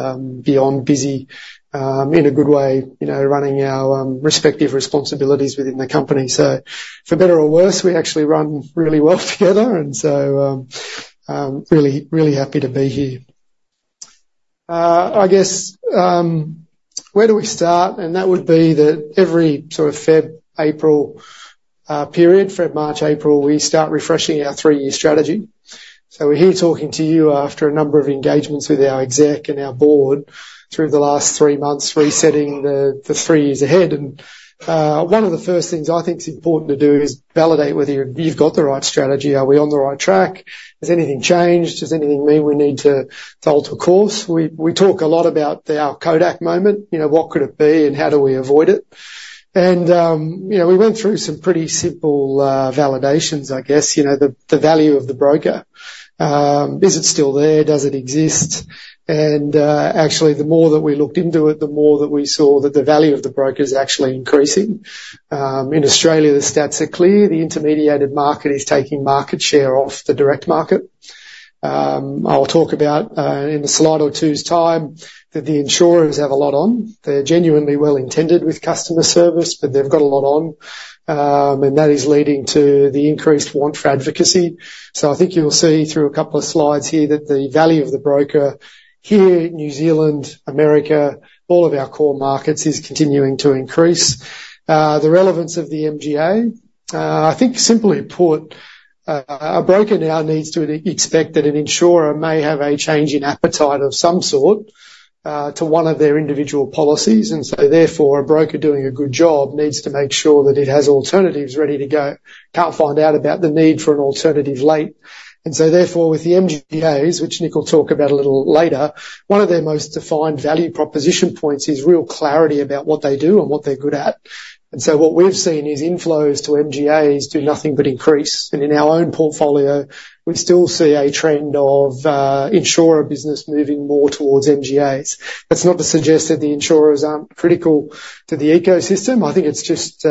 beyond busy, in a good way, you know, running our respective responsibilities within the company. So for better or worse, we actually run really well together, and so, really, really happy to be here. I guess, where do we start? And that would be that every sort of February, April period, February, March, April, we start refreshing our three-year strategy. So we're here talking to you after a number of engagements with our exec and our board through the last three months, resetting the, the three years ahead. And, one of the first things I think is important to do is validate whether you've got the right strategy. Are we on the right track? Has anything changed? Does anything mean we need to, to alter course? We, we talk a lot about the our Kodak moment, you know, what could it be and how do we avoid it? And, you know, we went through some pretty simple validations, I guess. You know, the, the value of the broker, is it still there? Does it exist? And, actually, the more that we looked into it, the more that we saw that the value of the broker is actually increasing. In Australia, the stats are clear: the intermediated market is taking market share off the direct market. I'll talk about, in a slide or two's time, that the insurers have a lot on. They're genuinely well-intended with customer service, but they've got a lot on, and that is leading to the increased want for advocacy. So I think you'll see through a couple of slides here that the value of the broker here, New Zealand, America, all of our core markets, is continuing to increase. The relevance of the MGA, I think simply put, a broker now needs to expect that an insurer may have a change in appetite of some sort, to one of their individual policies, and so therefore, a broker doing a good job needs to make sure that it has alternatives ready to go. Can't find out about the need for an alternative late. And so therefore, with the MGAs, which Nick will talk about a little later, one of their most defined value proposition points is real clarity about what they do and what they're good at. And so what we've seen is inflows to MGAs do nothing but increase. And in our own portfolio, we still see a trend of, insurer business moving more towards MGAs. That's not to suggest that the insurers aren't critical to the ecosystem. I think it's just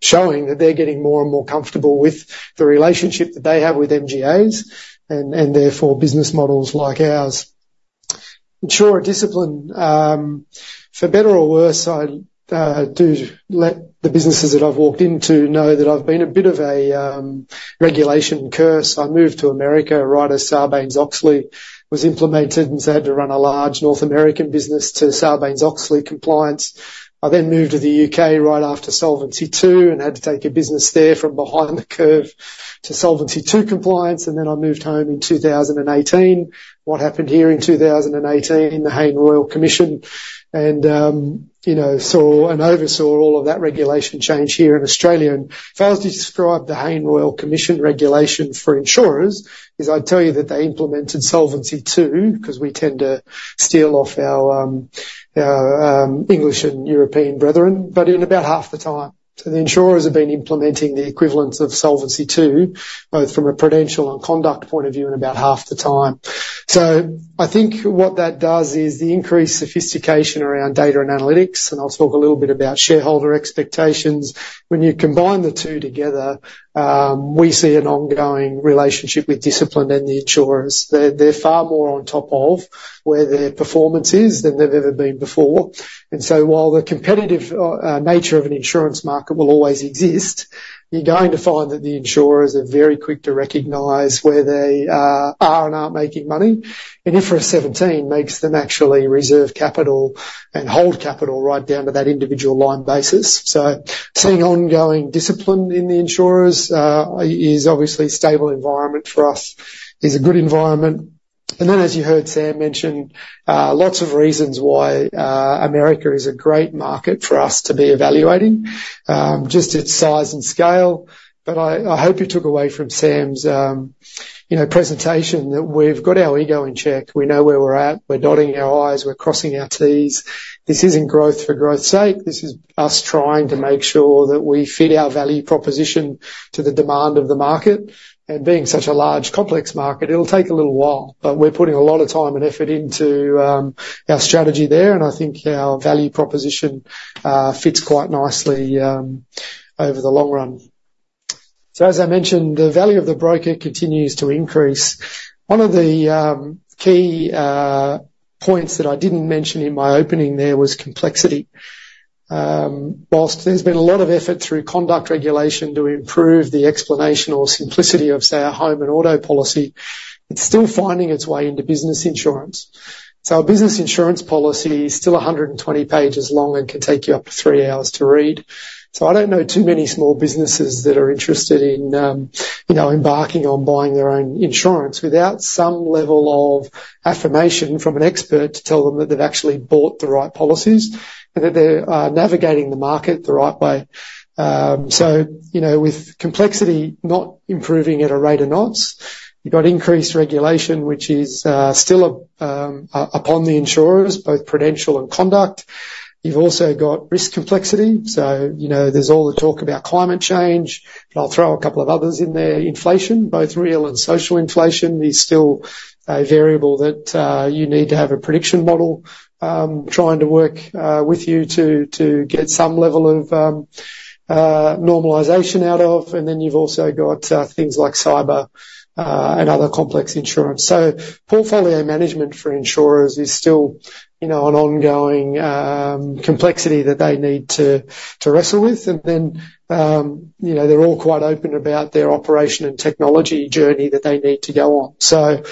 showing that they're getting more and more comfortable with the relationship that they have with MGAs and, and therefore, business models like ours. Insurer discipline, for better or worse, I do let the businesses that I've walked into know that I've been a bit of a regulation curse. I moved to America right as Sarbanes-Oxley was implemented, and so I had to run a large North American business to Sarbanes-Oxley compliance. I then moved to the UK right after Solvency II and had to take a business there from behind the curve to Solvency II compliance, and then I moved home in 2018. What happened here in 2018, in the Hayne Royal Commission and, you know, saw and oversaw all of that regulation change here in Australia. If I was to describe the Hayne Royal Commission regulation for insurers, is I'd tell you that they implemented Solvency II, 'cause we tend to steal off our, our, English and European brethren, but in about half the time. So the insurers have been implementing the equivalent of Solvency II, both from a prudential and conduct point of view, in about half the time. So I think what that does is the increased sophistication around data and analytics, and I'll talk a little bit about shareholder expectations. When you combine the two together, we see an ongoing relationship with discipline and the insurers. They're, they're far more on top of where their performance is than they've ever been before. And so while the competitive nature of an insurance market will always exist, you're going to find that the insurers are very quick to recognize where they are and aren't making money. And IFRS 17 makes them actually reserve capital and hold capital right down to that individual line basis. So seeing ongoing discipline in the insurers is obviously a stable environment for us, is a good environment. And then, as you heard Sam mention, lots of reasons why America is a great market for us to be evaluating, just its size and scale. But I, I hope you took away from Sam's, you know, presentation, that we've got our ego in check. We know where we're at. We're dotting our I's, we're crossing our T's. This isn't growth for growth's sake. This is us trying to make sure that we fit our value proposition to the demand of the market. Being such a large, complex market, it'll take a little while, but we're putting a lot of time and effort into our strategy there, and I think our value proposition fits quite nicely over the long run. As I mentioned, the value of the broker continues to increase. One of the key points that I didn't mention in my opening there was complexity. While there's been a lot of effort through conduct regulation to improve the explanation or simplicity of, say, a home and auto policy, it's still finding its way into business insurance. Our business insurance policy is still 120 pages long and can take you up to three hours to read. So I don't know too many small businesses that are interested in, you know, embarking on buying their own insurance without some level of affirmation from an expert to tell them that they've actually bought the right policies, and that they're navigating the market the right way. So, you know, with complexity not improving at a rate of knots, you've got increased regulation, which is still upon the insurers, both Prudential and Conduct. You've also got risk complexity, so, you know, there's all the talk about climate change, and I'll throw a couple of others in there. Inflation, both real and social inflation, is still a variable that you need to have a prediction model trying to work with you to get some level of normalization out of, and then you've also got things like cyber and other complex insurance. So portfolio management for insurers is still, you know, an ongoing complexity that they need to wrestle with. And then you know, they're all quite open about their operation and technology journey that they need to go on. So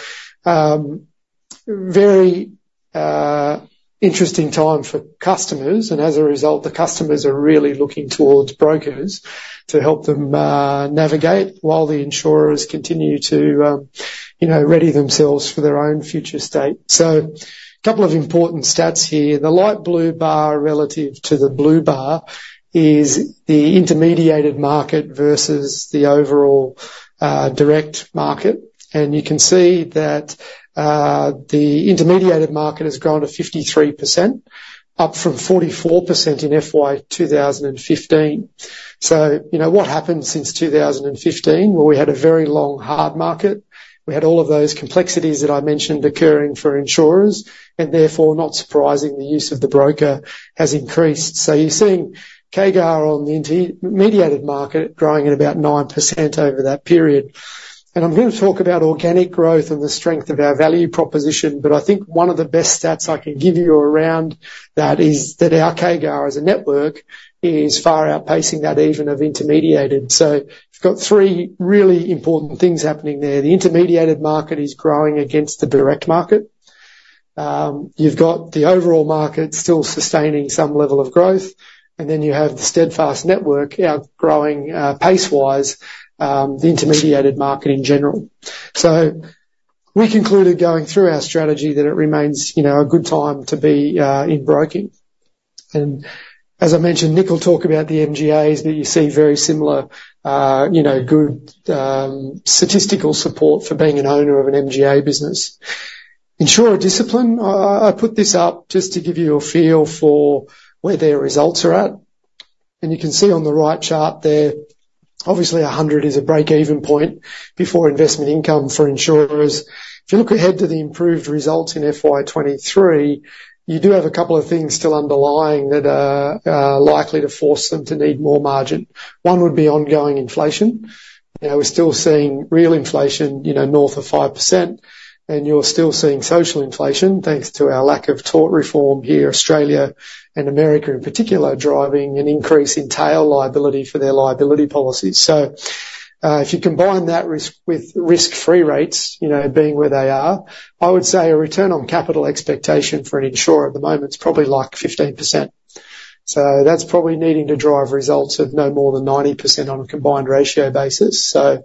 very interesting time for customers, and as a result, the customers are really looking towards brokers to help them navigate while the insurers continue to you know, ready themselves for their own future state. So a couple of important stats here. The light blue bar, relative to the blue bar, is the intermediated market versus the overall, direct market. And you can see that, the intermediated market has grown to 53%, up from 44% in FY 2015. So, you know, what happened since 2015, where we had a very long, hard market? We had all of those complexities that I mentioned occurring for insurers, and therefore, not surprising, the use of the broker has increased. So you're seeing CAGR on the intermediated market growing at about 9% over that period. And I'm going to talk about organic growth and the strength of our value proposition, but I think one of the best stats I can give you around that is that our CAGR as a network is far outpacing that even of intermediated. You've got three really important things happening there. The intermediated market is growing against the direct market. You've got the overall market still sustaining some level of growth, and then you have the Steadfast network outgrowing pace-wise the intermediated market in general. We concluded going through our strategy that it remains, you know, a good time to be in broking. As I mentioned, Nick will talk about the MGAs, but you see very similar, you know, good statistical support for being an owner of an MGA business. Insurer discipline. I put this up just to give you a feel for where their results are at. You can see on the right chart there, obviously, 100 is a break-even point before investment income for insurers. If you look ahead to the improved results in FY 23, you do have a couple of things still underlying that are likely to force them to need more margin. One would be ongoing inflation. Now, we're still seeing real inflation, you know, north of 5%, and you're still seeing social inflation, thanks to our lack of tort reform here, Australia and America, in particular, driving an increase in tail liability for their liability policies. So, if you combine that risk with risk-free rates, you know, being where they are, I would say a return on capital expectation for an insurer at the moment is probably, like, 15%. So that's probably needing to drive results of no more than 90% on a combined ratio basis. So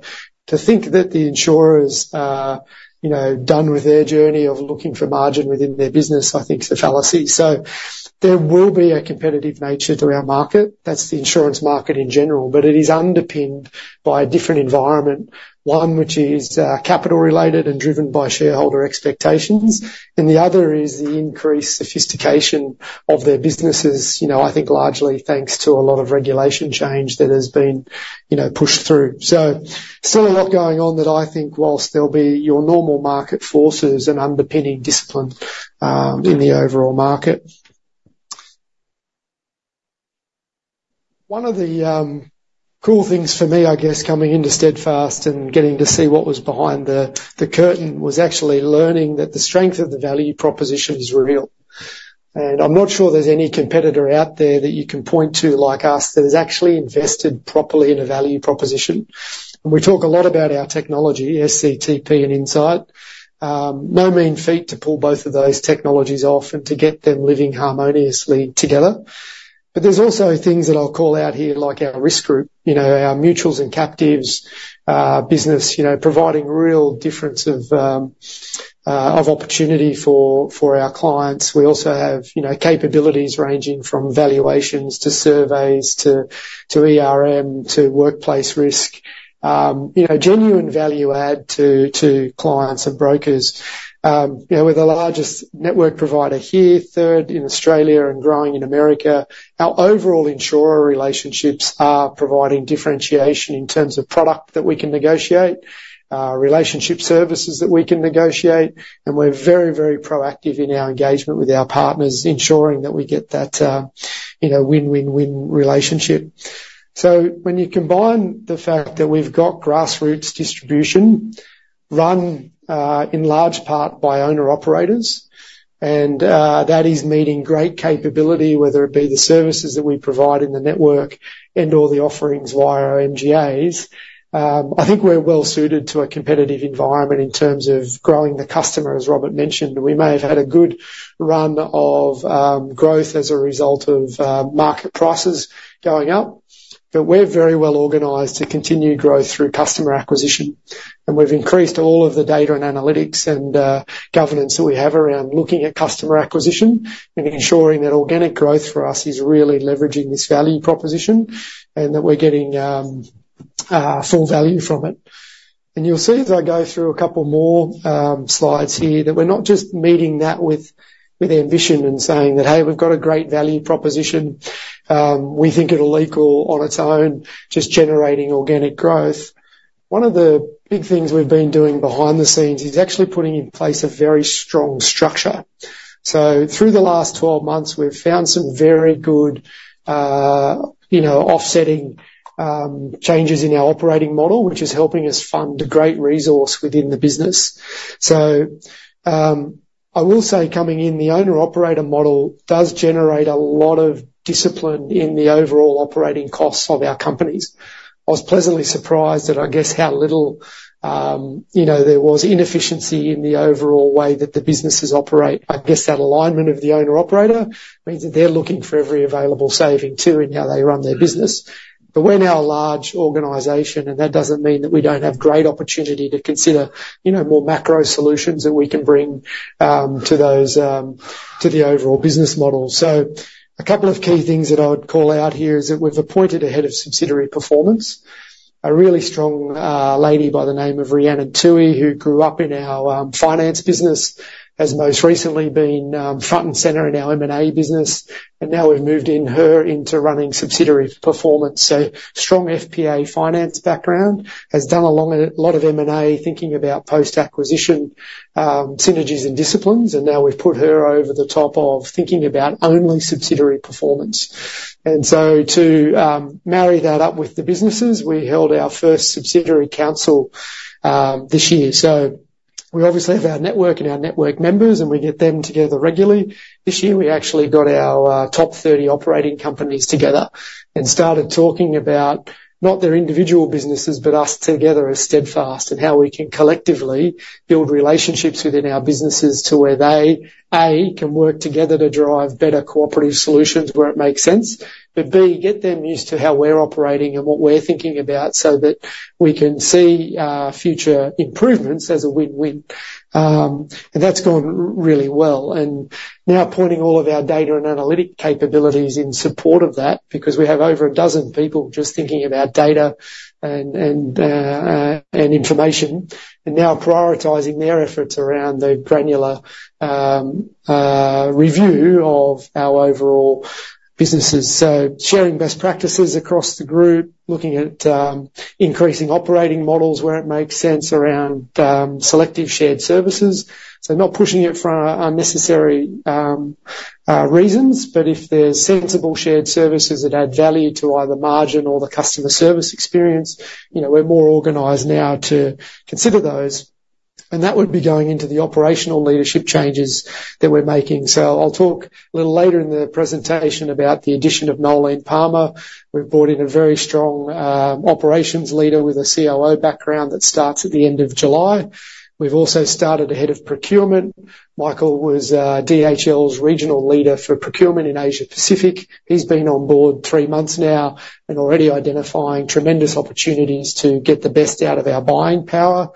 to think that the insurers are, you know, done with their journey of looking for margin within their business, I think is a fallacy. So there will be a competitive nature to our market. That's the insurance market in general, but it is underpinned by a different environment, one which is, capital related and driven by shareholder expectations, and the other is the increased sophistication of their businesses, you know, I think largely thanks to a lot of regulation change that has been, you know, pushed through. So still a lot going on that I think whilst there'll be your normal market forces and underpinning discipline, in the overall market. One of the, cool things for me, I guess, coming into Steadfast and getting to see what was behind the curtain, was actually learning that the strength of the value proposition is real. I'm not sure there's any competitor out there that you can point to like us, that has actually invested properly in a value proposition. We talk a lot about our technology, SCTP and Insight. No mean feat to pull both of those technologies off and to get them living harmoniously together. But there's also things that I'll call out here, like our risk group, you know, our mutuals and captives, business, you know, providing real difference of, of opportunity for, for our clients. We also have, you know, capabilities ranging from valuations to surveys to, to ERM to workplace risk. You know, genuine value add to, to clients and brokers. You know, we're the largest network provider here, third in Australia and growing in America. Our overall insurer relationships are providing differentiation in terms of product that we can negotiate, relationship services that we can negotiate, and we're very, very proactive in our engagement with our partners, ensuring that we get that, you know, win-win-win relationship. So when you combine the fact that we've got grassroots distribution run, in large part by owner-operators, and that is meeting great capability, whether it be the services that we provide in the network and or the offerings via our MGAs. I think we're well suited to a competitive environment in terms of growing the customer. As Robert mentioned, we may have had a good run of growth as a result of market prices going up, but we're very well organized to continue growth through customer acquisition. We've increased all of the data and analytics and governance that we have around looking at customer acquisition and ensuring that organic growth for us is really leveraging this value proposition, and that we're getting full value from it. You'll see, as I go through a couple more slides here, that we're not just meeting that with ambition and saying that, "Hey, we've got a great value proposition. We think it'll equal on its own, just generating organic growth." One of the big things we've been doing behind the scenes is actually putting in place a very strong structure. Through the last 12 months, we've found some very good, you know, offsetting changes in our operating model, which is helping us fund a great resource within the business. I will say coming in, the owner-operator model does generate a lot of discipline in the overall operating costs of our companies. I was pleasantly surprised at, I guess, how little, you know, there was inefficiency in the overall way that the businesses operate. I guess that alignment of the owner-operator means that they're looking for every available saving, too, in how they run their business. But we're now a large organization, and that doesn't mean that we don't have great opportunity to consider, you know, more macro solutions that we can bring, to those, to the overall business model. So a couple of key things that I would call out here is that we've appointed a head of subsidiary performance, a really strong lady by the name of Rhiannon Toohey, who grew up in our finance business, has most recently been front and center in our M&A business, and now we've moved her into running subsidiary performance. strong FPA finance background, has done a lot of M&A, thinking about post-acquisition synergies and disciplines, and now we've put her over the top of thinking about overall subsidiary performance. And so to marry that up with the businesses, we held our first subsidiary council this year. So we obviously have our network and our network members, and we get them together regularly. This year, we actually got our top 30 operating companies together and started talking about not their individual businesses, but us together as Steadfast, and how we can collectively build relationships within our businesses to where they, A, can work together to drive better cooperative solutions where it makes sense. But, B, get them used to how we're operating and what we're thinking about, so that we can see future improvements as a win-win. That's gone really well. Now pointing all of our data and analytic capabilities in support of that, because we have over 12 people just thinking about data and information, and now prioritizing their efforts around the granular review of our overall businesses. So sharing best practices across the group, looking at increasing operating models where it makes sense around selective shared services. So not pushing it for unnecessary reasons, but if there's sensible shared services that add value to either margin or the customer service experience, you know, we're more organized now to consider those. That would be going into the operational leadership changes that we're making. I'll talk a little later in the presentation about the addition of Noelene Palmer. We've brought in a very strong operations leader with a COO background that starts at the end of July. We've also started a head of procurement. Michael was DHL's regional leader for procurement in Asia Pacific. He's been on board three months now and already identifying tremendous opportunities to get the best out of our buying power.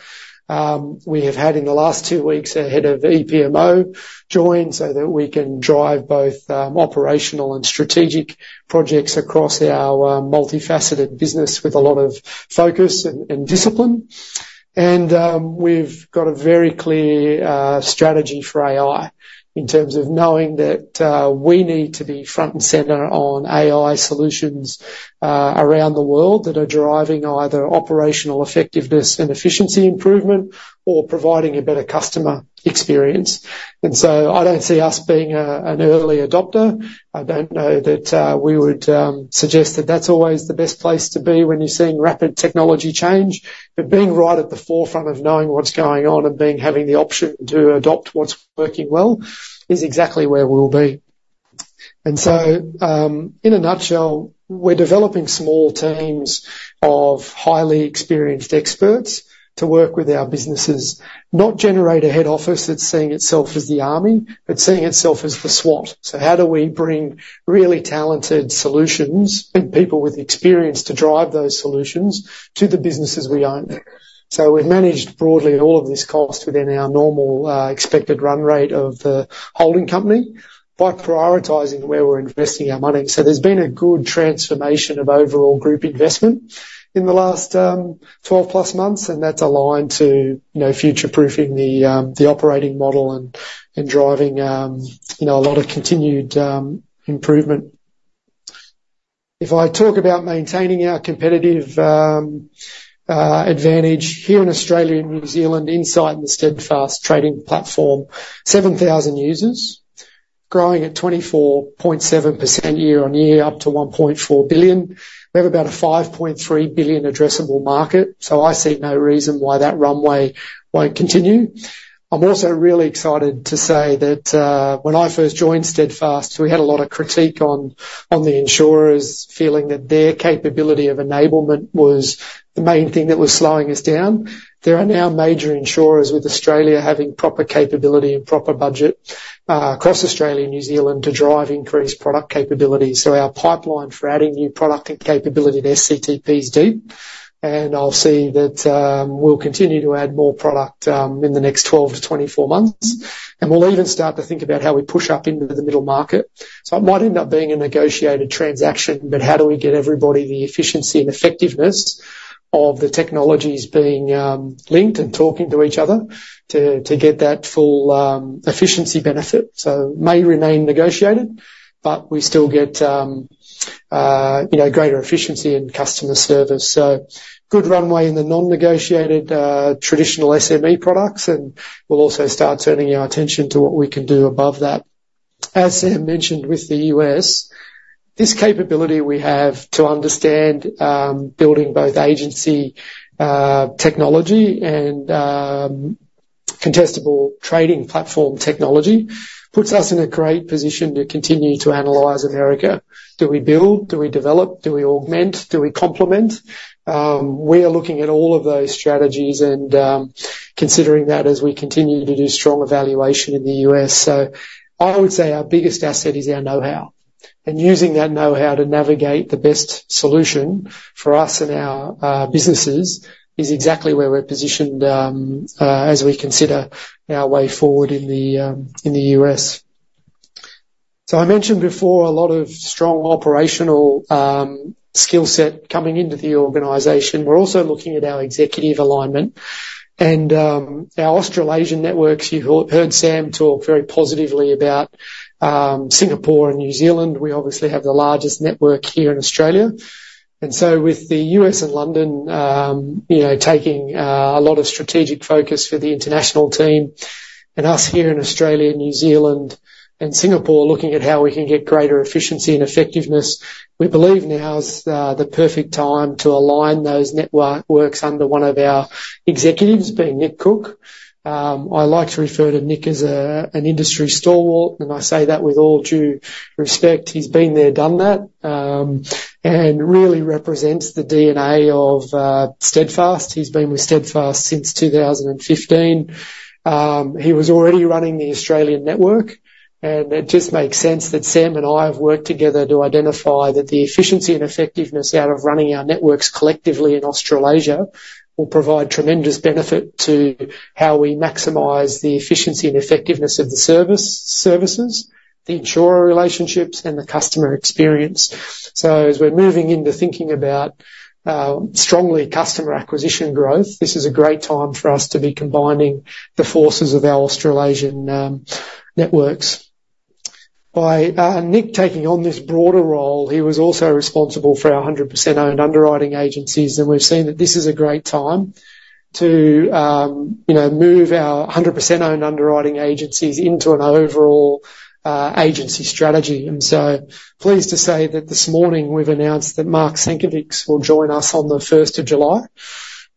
We have had, in the last 2 weeks, a head of EPMO join so that we can drive both operational and strategic projects across our multifaceted business with a lot of focus and discipline. We've got a very clear strategy for AI in terms of knowing that we need to be front and center on AI solutions around the world that are deriving either operational effectiveness and efficiency improvement or providing a better customer experience. So I don't see us being an early adopter. I don't know that we would suggest that that's always the best place to be when you're seeing rapid technology change. But being right at the forefront of knowing what's going on and having the option to adopt what's working well is exactly where we'll be. In a nutshell, we're developing small teams of highly experienced experts to work with our businesses, not generate a head office that's seeing itself as the army, but seeing itself as the SWAT. So how do we bring really talented solutions and people with experience to drive those solutions to the businesses we own? So we've managed broadly all of this cost within our normal, expected run rate of the holding company by prioritizing where we're investing our money. So there's been a good transformation of overall group investment in the last 12+ months, and that's aligned to, you know, future-proofing the operating model and driving, you know, a lot of continued improvement. If I talk about maintaining our competitive advantage here in Australia and New Zealand, inside the Steadfast Trading Platform, 7,000 users. growing at 24.7% year-on-year, up to 1.4 billion. We have about a 5.3 billion addressable market, so I see no reason why that runway won't continue. I'm also really excited to say that, when I first joined Steadfast, we had a lot of critique on the insurers, feeling that their capability of enablement was the main thing that was slowing us down. There are now major insurers with Australia having proper capability and proper budget, across Australia and New Zealand to drive increased product capability. So our pipeline for adding new product and capability to SCTP is deep, and I'll see that, we'll continue to add more product, in the next 12-24 months. And we'll even start to think about how we push up into the middle market. So it might end up being a negotiated transaction, but how do we get everybody the efficiency and effectiveness of the technologies being linked and talking to each other to get that full efficiency benefit? So may remain negotiated, but we still get you know greater efficiency in customer service. So good runway in the non-negotiated traditional SME products, and we'll also start turning our attention to what we can do above that. As Sam mentioned, with the US, this capability we have to understand building both agency technology and contestable trading platform technology puts us in a great position to continue to analyze America. Do we build? Do we develop? Do we augment? Do we complement? We are looking at all of those strategies and considering that as we continue to do strong evaluation in the US. So I would say our biggest asset is our know-how, and using that know-how to navigate the best solution for us and our businesses is exactly where we're positioned, as we consider our way forward in the US. So I mentioned before, a lot of strong operational skill set coming into the organization. We're also looking at our executive alignment and our Australasian networks. You heard Sam talk very positively about Singapore and New Zealand. We obviously have the largest network here in Australia. With the US and London, you know, taking a lot of strategic focus for the international team, and us here in Australia, New Zealand, and Singapore, looking at how we can get greater efficiency and effectiveness, we believe now is the perfect time to align those networks under one of our executives, being Nick Cook. I like to refer to Nick as an industry stalwart, and I say that with all due respect. He's been there, done that, and really represents the DNA of Steadfast. He's been with Steadfast since 2015. He was already running the Australian network, and it just makes sense that Sam and I have worked together to identify that the efficiency and effectiveness out of running our networks collectively in Australasia will provide tremendous benefit to how we maximize the efficiency and effectiveness of the service, services, the insurer relationships, and the customer experience. So as we're moving into thinking about strongly customer acquisition growth, this is a great time for us to be combining the forces of our Australasian networks. By Nick taking on this broader role, he was also responsible for our 100% owned underwriting agencies, and we've seen that this is a great time to, you know, move our 100% owned underwriting agencies into an overall agency strategy. I'm so pleased to say that this morning, we've announced that Mark Sienkiewicz will join us on the first of July.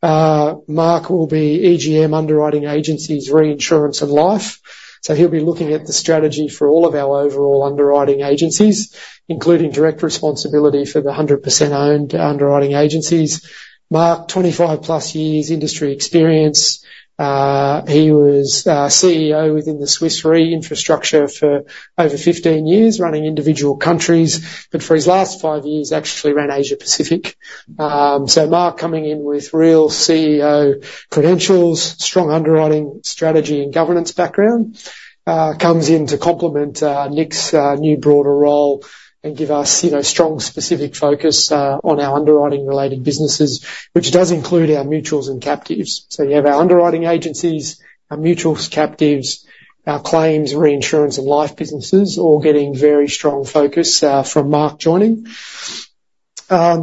Mark will be EGM, Underwriting Agencies, Reinsurance, and Life. So he'll be looking at the strategy for all of our overall underwriting agencies, including direct responsibility for the 100% owned underwriting agencies. Mark, 25+ years industry experience. He was CEO within the Swiss Re infrastructure for over 15 years, running individual countries, but for his last 5 years, actually ran Asia Pacific. So Mark, coming in with real CEO credentials, strong underwriting strategy and governance background, comes in to complement Nick's new, broader role and give us, you know, strong, specific focus on our underwriting-related businesses, which does include our mutuals and captives. So you have our underwriting agencies, our mutuals, captives, our claims, reinsurance, and life businesses, all getting very strong focus from Mark joining.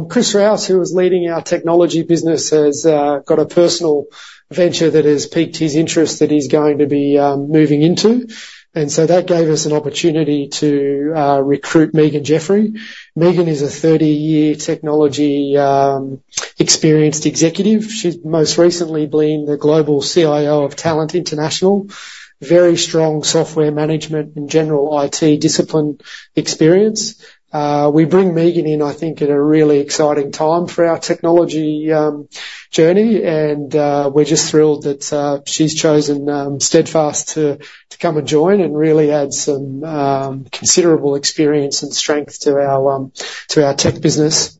Chris Rouse, who was leading our technology business, has got a personal venture that has piqued his interest, that he's going to be moving into. And so that gave us an opportunity to recruit Megan Jeffery. Megan is a 30-year technology experienced executive. She's most recently been the global CIO of Talent International. Very strong software management and general IT discipline experience. We bring Megan in, I think, at a really exciting time for our technology journey, and we're just thrilled that she's chosen Steadfast to come and join, and really add some considerable experience and strength to our to our tech business.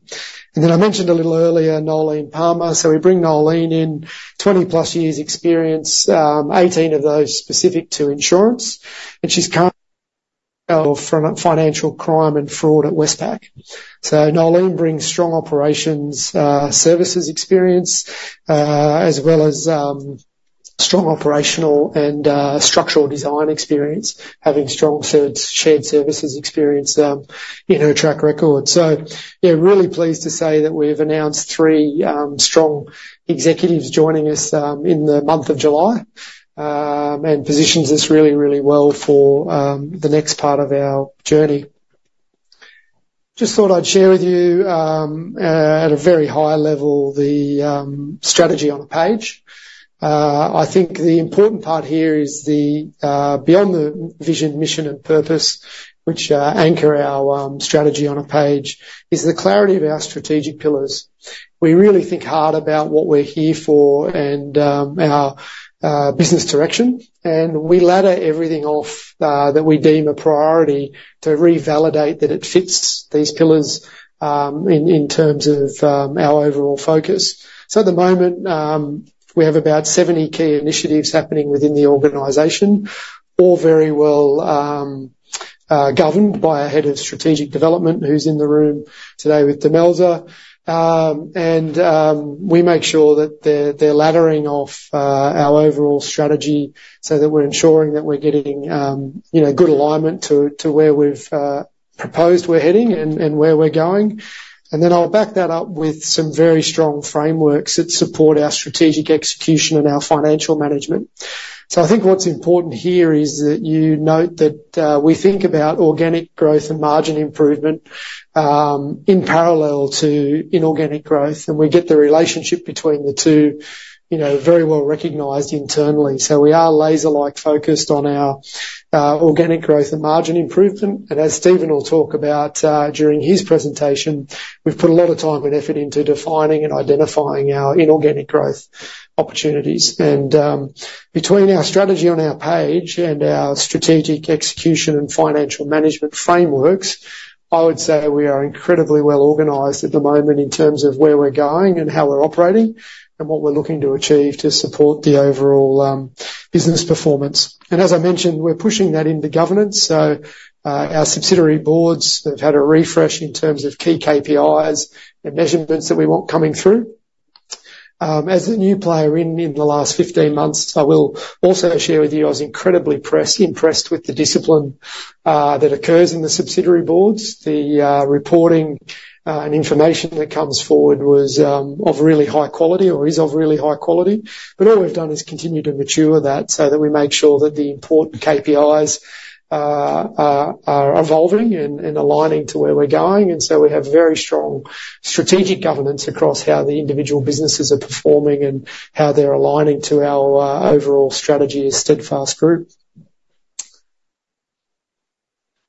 And then I mentioned a little earlier, Noelene Palmer. So we bring Noelene in, 20-plus years experience, 18 of those specific to insurance, and she's come from financial crime and fraud at Westpac. So Noelene brings strong operations, services experience, as well as, strong operational and, structural design experience, having strong shared services experience, in her track record. So yeah, really pleased to say that we've announced three strong executives joining us, in the month of July, and positions us really, really well for, the next part of our journey. Just thought I'd share with you, at a very high level, the strategy on a page. I think the important part here is the, beyond the vision, mission, and purpose, which, anchor our, strategy on a page, is the clarity of our strategic pillars. We really think hard about what we're here for and, our business direction, and we ladder everything off that we deem a priority to revalidate that it fits these pillars, in terms of our overall focus. So at the moment, we have about 70 key initiatives happening within the organization. All very well governed by our Head of Strategic Development, who's in the room today with Demelza. And we make sure that they're, they're laddering off our overall strategy, so that we're ensuring that we're getting, you know, good alignment to, to where we've proposed we're heading and, and where we're going. And then I'll back that up with some very strong frameworks that support our strategic execution and our financial management. So I think what's important here is that you note that we think about organic growth and margin improvement in parallel to inorganic growth, and we get the relationship between the two, you know, very well-recognized internally. So we are laser-like focused on our organic growth and margin improvement, and as Steven will talk about during his presentation, we've put a lot of time and effort into defining and identifying our inorganic growth opportunities. And between our strategy on our page and our strategic execution and financial management frameworks, I would say we are incredibly well organized at the moment in terms of where we're going and how we're operating, and what we're looking to achieve to support the overall business performance. And as I mentioned, we're pushing that into governance, so our subsidiary boards have had a refresh in terms of key KPIs and measurements that we want coming through. As a new player in the last 15 months, I will also share with you, I was incredibly impressed with the discipline that occurs in the subsidiary boards. The reporting and information that comes forward was of really high quality or is of really high quality. But all we've done is continue to mature that, so that we make sure that the important KPIs are evolving and aligning to where we're going. And so we have very strong strategic governance across how the individual businesses are performing and how they're aligning to our overall strategy as Steadfast Group.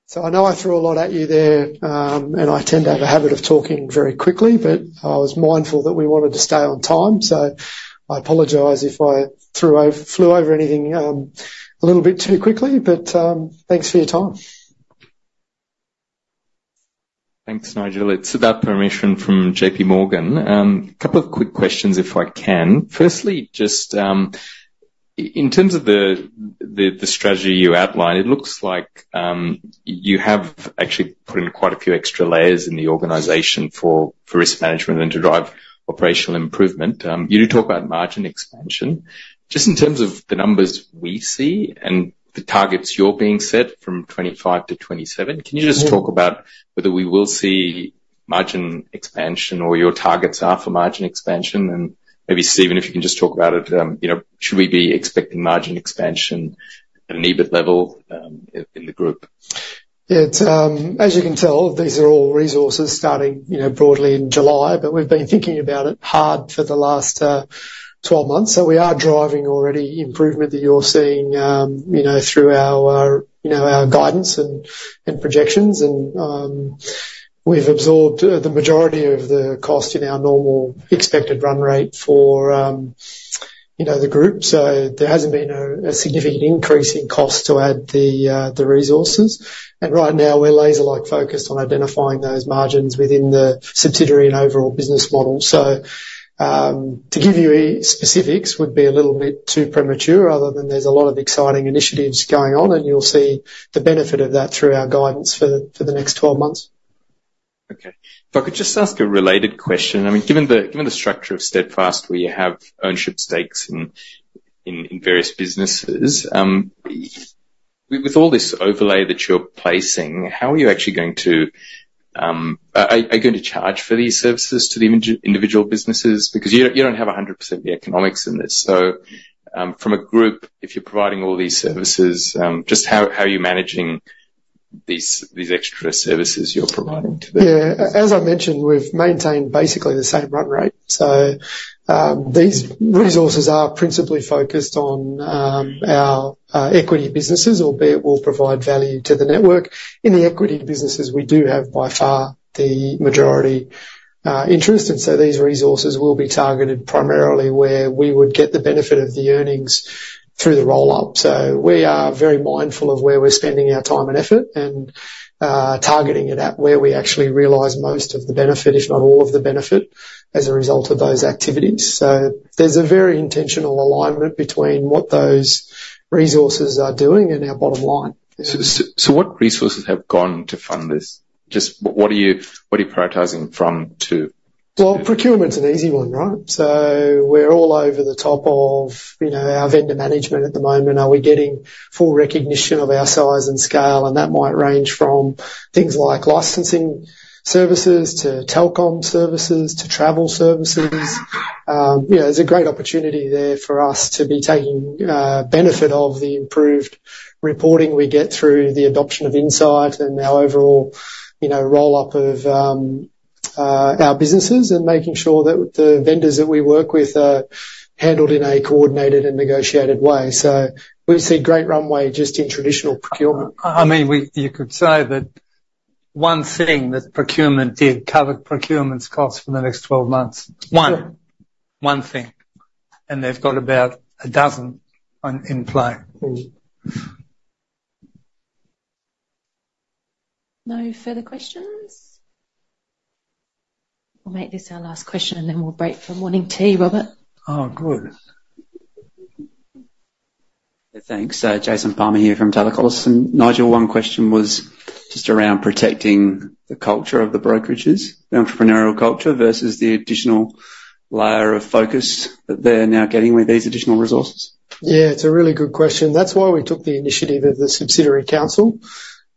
So I know I threw a lot at you there, and I tend to have a habit of talking very quickly, but I was mindful that we wanted to stay on time, so I apologize if I flew over anything a little bit too quickly, but thanks for your time. Thanks, Nigel. It's about permission from JPMorgan. A couple of quick questions, if I can. Firstly, just in terms of the strategy you outlined, it looks like you have actually put in quite a few extra layers in the organization for risk management and to drive operational improvement. You did talk about margin expansion. Just in terms of the numbers we see and the targets you're being set from 2025 to 2027, can you just talk about whether we will see margin expansion or your targets are for margin expansion? And maybe, Stephen, if you can just talk about it, you know, should we be expecting margin expansion at an EBIT level in the group? It's as you can tell, these are all resources starting, you know, broadly in July, but we've been thinking about it hard for the last 12 months. So we are driving already improvement that you're seeing, you know, through our, you know, our guidance and, and, projections, and, we've absorbed the majority of the cost in our normal expected run rate for, you know, the group. So there hasn't been a significant increase in cost to add the the resources. And right now, we're laser-like focused on identifying those margins within the subsidiary and overall business model. So, to give you any specifics would be a little bit too premature, other than there's a lot of exciting initiatives going on, and you'll see the benefit of that through our guidance for the, for the next 12 months. Okay. If I could just ask a related question, I mean, given the structure of Steadfast, where you have ownership stakes in various businesses, with all this overlay that you're placing, how are you actually going to... Are you going to charge for these services to the individual businesses? Because you don't have a hundred percent the economics in this. So, from a group, if you're providing all these services, just how are you managing these extra services you're providing to them? Yeah. As I mentioned, we've maintained basically the same run rate. So, these resources are principally focused on our equity businesses, albeit will provide value to the network. In the equity businesses, we do have, by far, the majority interest, and so these resources will be targeted primarily where we would get the benefit of the earnings through the rollup. So we are very mindful of where we're spending our time and effort, and targeting it at where we actually realize most of the benefit, if not all of the benefit, as a result of those activities. So there's a very intentional alignment between what those resources are doing and our bottom line. So, what resources have gone to fund this? Just what are you prioritizing from to? Well, procurement's an easy one, right? So we're all over the top of, you know, our vendor management at the moment. Are we getting full recognition of our size and scale? And that might range from things like licensing services, to telecom services, to travel services. You know, there's a great opportunity there for us to be taking benefit of the improved reporting we get through the adoption of Insight and our overall, you know, rollup of our businesses and making sure that the vendors that we work with are handled in a coordinated and negotiated way. So we see great runway just in traditional procurement. I mean, we—you could say that one thing that procurement did cover procurement's costs for the next 12 months. One thing, and they've got about 12 in play. No further questions? We'll make this our last question, and then we'll break for morning tea, Robert. Oh, good. Thanks. Jason Palmer here from Taylor Collison. Nigel, one question was just around protecting the culture of the brokerages, the entrepreneurial culture, versus the additional layer of focus that they're now getting with these additional resources. Yeah, it's a really good question. That's why we took the initiative of the Subsidiary Council.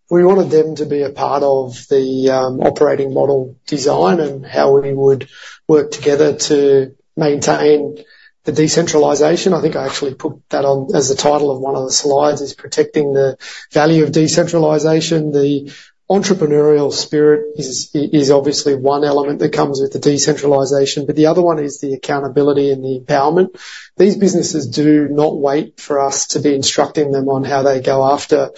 We wanted them to be a part of the operating model design and how we would work together to maintain the decentralization. I think I actually put that on as the title of one of the slides, is Protecting the Value of Decentralization. The entrepreneurial spirit is, is obviously one element that comes with the decentralization, but the other one is the accountability and the empowerment. These businesses do not wait for us to be instructing them on how they go after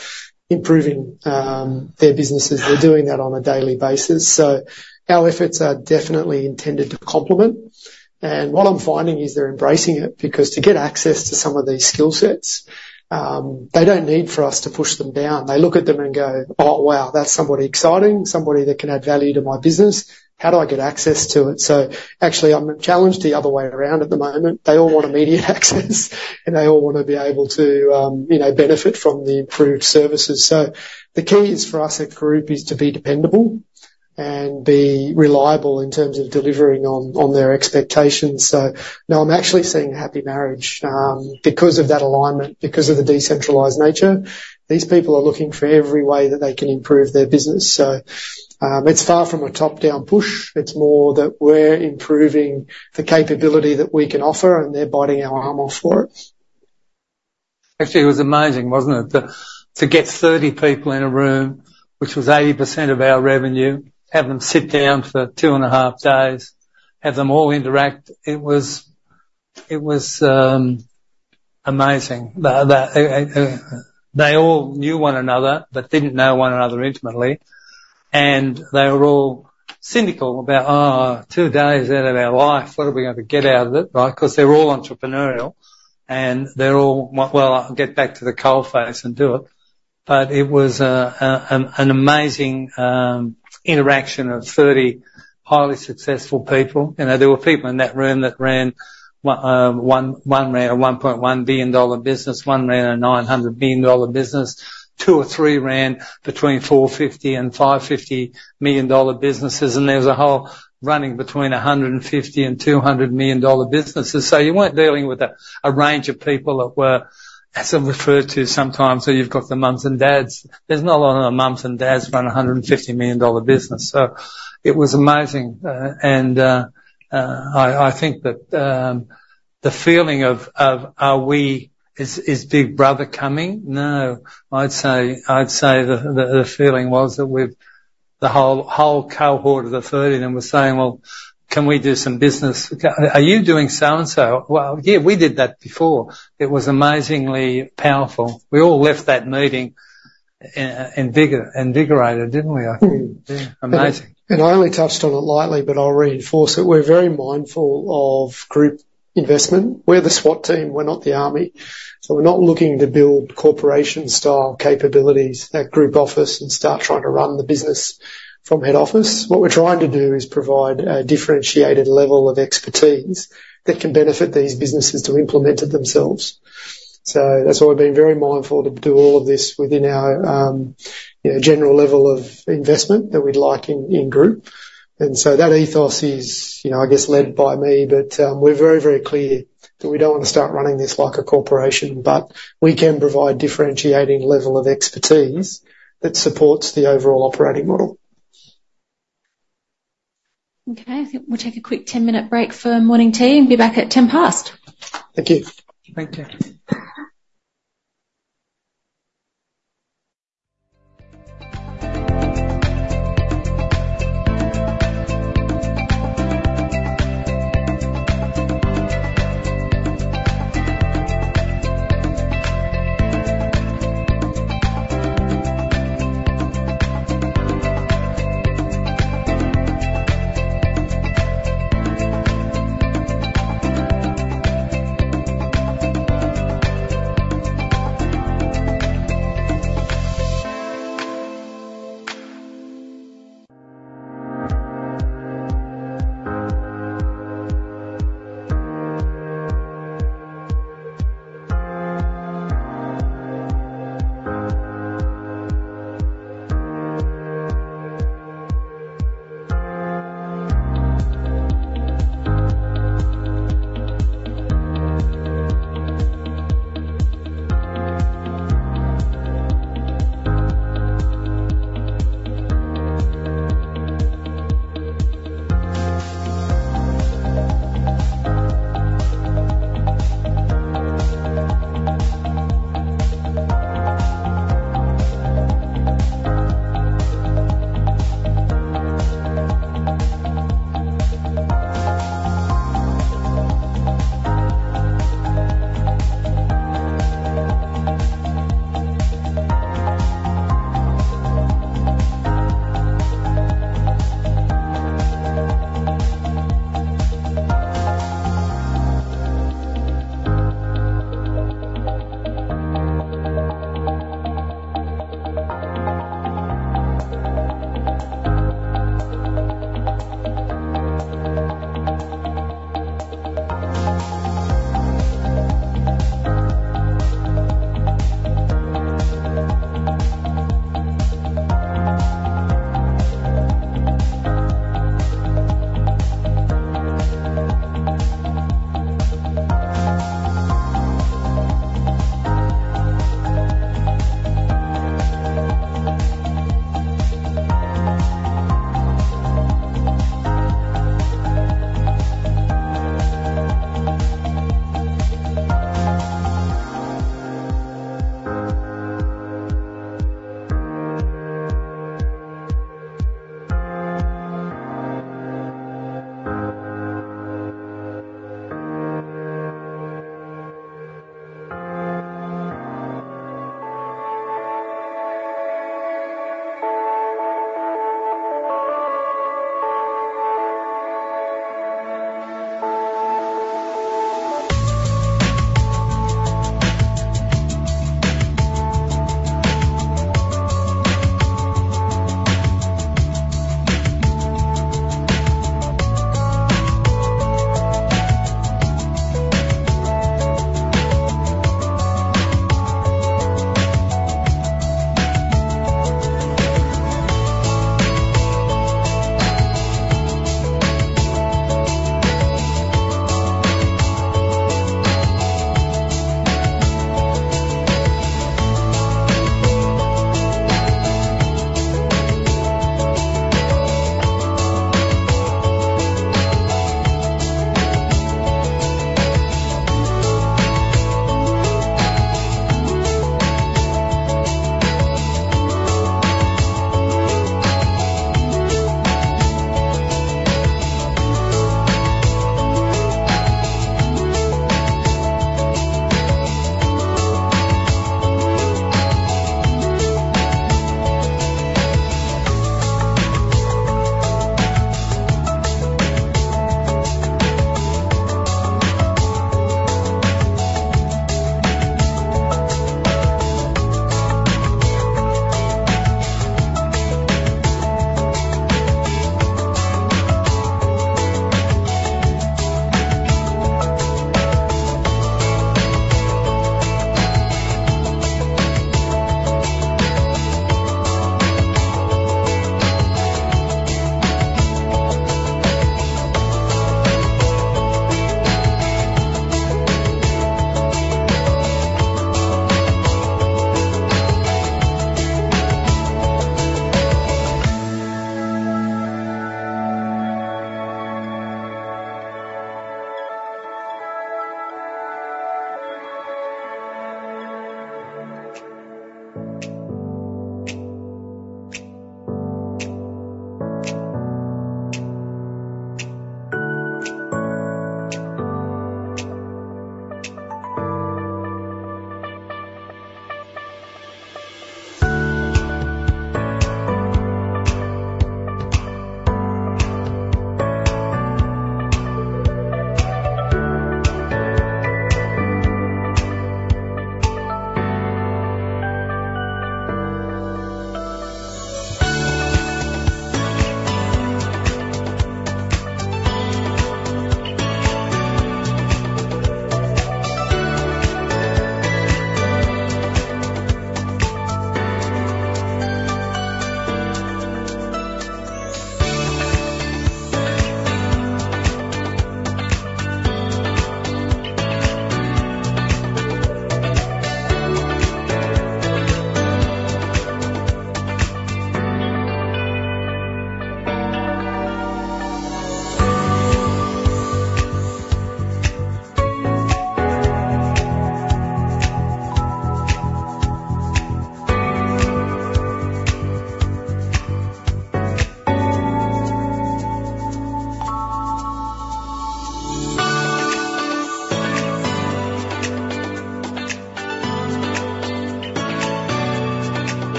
improving their businesses. They're doing that on a daily basis. So our efforts are definitely intended to complement. And what I'm finding is they're embracing it, because to get access to some of these skill sets, they don't need for us to push them down. They look at them and go, "Oh, wow, that's somebody exciting, somebody that can add value to my business. How do I get access to it?" So actually, I'm challenged the other way around at the moment. They all want immediate access, and they all wanna be able to, you know, benefit from the improved services. So the key is for us, as a group, is to be dependable and be reliable in terms of delivering on their expectations. So now I'm actually seeing happy marriage. Because of that alignment, because of the decentralized nature, these people are looking for every way that they can improve their business. So, it's far from a top-down push. It's more that we're improving the capability that we can offer, and they're biting our arm off for it. Actually, it was amazing, wasn't it? To get 30 people in a room, which was 80% of our revenue, have them sit down for 2.5 days, have them all interact. It was amazing. They all knew one another, but didn't know one another intimately, and they were all cynical about, "Ah, two days out of our life, what are we gonna get out of it?" Right? 'Cause they're all entrepreneurial, and they're all, "Well, I'll get back to the coal face and do it." But it was an amazing interaction of 30 highly successful people. You know, there were people in that room that ran, one, one ran a 1.1 billion dollar business, one ran a 900 million dollar business, two or three ran between 450 million and 550 million dollar businesses, and there was a whole running between 150 million and 200 million dollar businesses. So you weren't dealing with a range of people that were, as I'm referred to sometimes, so you've got the moms and dads. There's not a lot of moms and dads run a 150 million dollar business. So it was amazing. I, I think that the feeling of are we—is Big Brother coming? No, I'd say the feeling was that with the whole cohort of the 30 of them was saying, "Well, can we do some business? Are you doing so and so? Well, yeah, we did that before." It was amazingly powerful. We all left that meeting invigorated, didn't we? Amazing. I only touched on it lightly, but I'll reinforce it. We're very mindful of group investment. We're the SWAT team. We're not the army. So we're not looking to build corporation-style capabilities, that group office, and start trying to run the business from head office. What we're trying to do is provide a differentiated level of expertise that can benefit these businesses to implement it themselves. So that's why we've been very mindful to do all of this within our, you know, general level of investment that we'd like in, in group. And so that ethos is, you know, I guess, led by me, but, we're very, very clear that we don't want to start running this like a corporation, but we can provide differentiating level of expertise that supports the overall operating model. Okay, I think we'll take a quick 10-minute break for morning tea and be back at 10 past. Thank you. Thank you. Well, good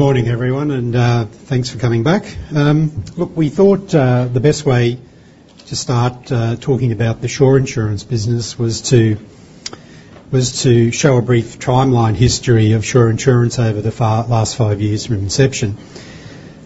morning, everyone, and thanks for coming back. Look, we thought the best way to start talking about the Sure Insurance business was to show a brief timeline history of Sure Insurance over the past 5 years from inception.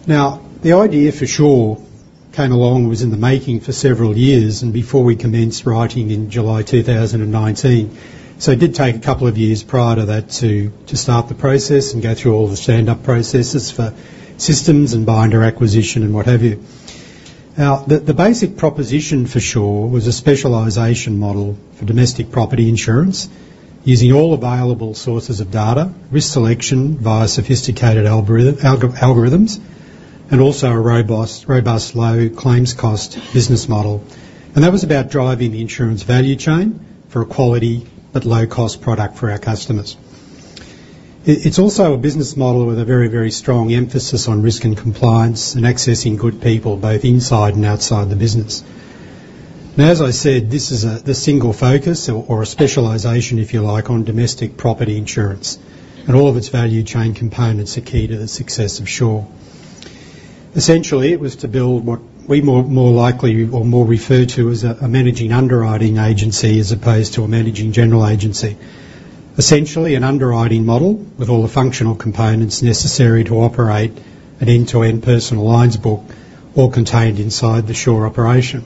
Now, the idea for Sure came along, was in the making for several years and before we commenced writing in July 2019. So it did take a couple of years prior to that to start the process and go through all the stand-up processes for systems and binder acquisition and what have you. Now, the basic proposition for Sure was a specialization model for domestic property insurance, using all available sources of data, risk selection via sophisticated algorithms, and also a robust low claims cost business model. That was about driving the insurance value chain for a quality but low cost product for our customers. It, it's also a business model with a very, very strong emphasis on risk and compliance and accessing good people, both inside and outside the business. As I said, this is a, the single focus or, or a specialization, if you like, on domestic property insurance, and all of its value chain components are key to the success of Sure. Essentially, it was to build what we more, more likely or more refer to as a, a managing underwriting agency, as opposed to a managing general agency. Essentially, an underwriting model with all the functional components necessary to operate an end-to-end personal lines book, all contained inside the Sure operation.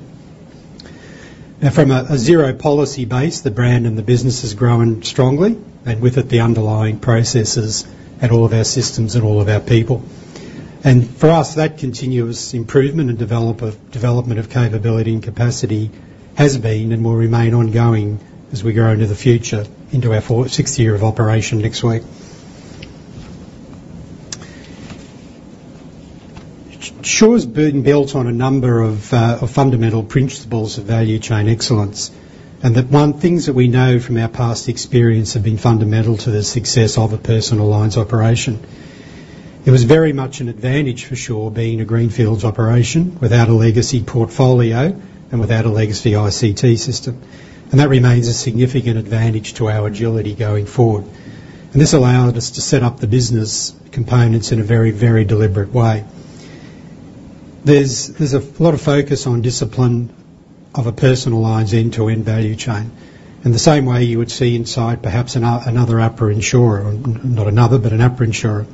Now, from a zero policy base, the brand and the business has grown strongly, and with it, the underlying processes and all of our systems and all of our people. For us, that continuous improvement and development of capability and capacity has been and will remain ongoing as we go into the future, into our fourth... sixth year of operation next week. Sure's been built on a number of fundamental principles of value chain excellence, and those things that we know from our past experience have been fundamental to the success of a personal lines operation. It was very much an advantage for Sure, being a greenfields operation without a legacy portfolio and without a legacy ICT system, and that remains a significant advantage to our agility going forward. This allowed us to set up the business components in a very, very deliberate way. There's a lot of focus on discipline of a personal lines end-to-end value chain, in the same way you would see inside, perhaps another APRA insurer, or not another, but an APRA insurer.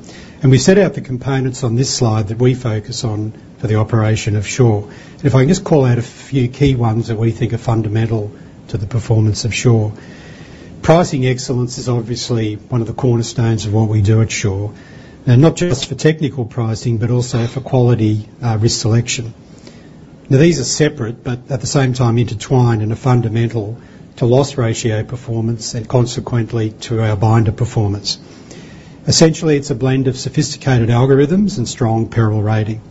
We set out the components on this slide that we focus on for the operation of Sure. If I can just call out a few key ones that we think are fundamental to the performance of Sure. Pricing excellence is obviously one of the cornerstones of what we do at Sure, and not just for technical pricing, but also for quality, risk selection. Now, these are separate, but at the same time intertwined and are fundamental to loss ratio performance and consequently to our binder performance. Essentially, it's a blend of sophisticated algorithms and strong peril rating.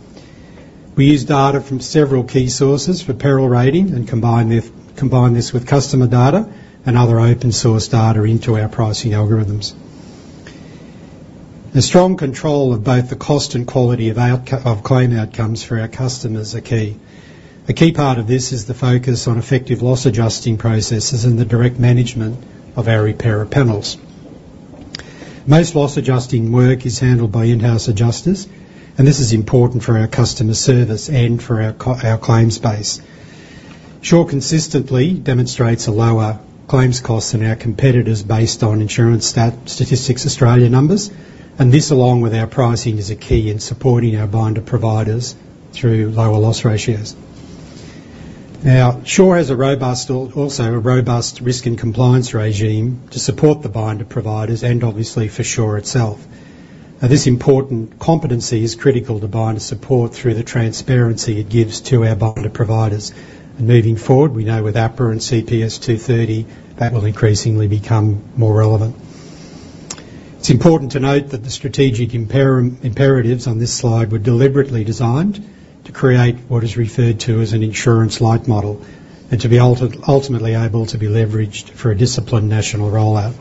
We use data from several key sources for peril rating and combine this with customer data and other open source data into our pricing algorithms. The strong control of both the cost and quality of outcome of claim outcomes for our customers are key. A key part of this is the focus on effective loss adjusting processes and the direct management of our repair panels. Most loss adjusting work is handled by in-house adjusters, and this is important for our customer service and for our claims base. Sure consistently demonstrates a lower claims cost than our competitors based on Insurance Statistics Australia numbers, and this, along with our pricing, is a key in supporting our binder providers through lower loss ratios. Now, Sure has a robust tool, also a robust risk and compliance regime to support the binder providers and obviously for Sure itself. Now, this important competency is critical to binder support through the transparency it gives to our binder providers. And moving forward, we know with APRA and CPS 230, that will increasingly become more relevant. It's important to note that the strategic imperatives on this slide were deliberately designed to create what is referred to as an insurance light model, and to be ultimately able to be leveraged for a disciplined national rollout.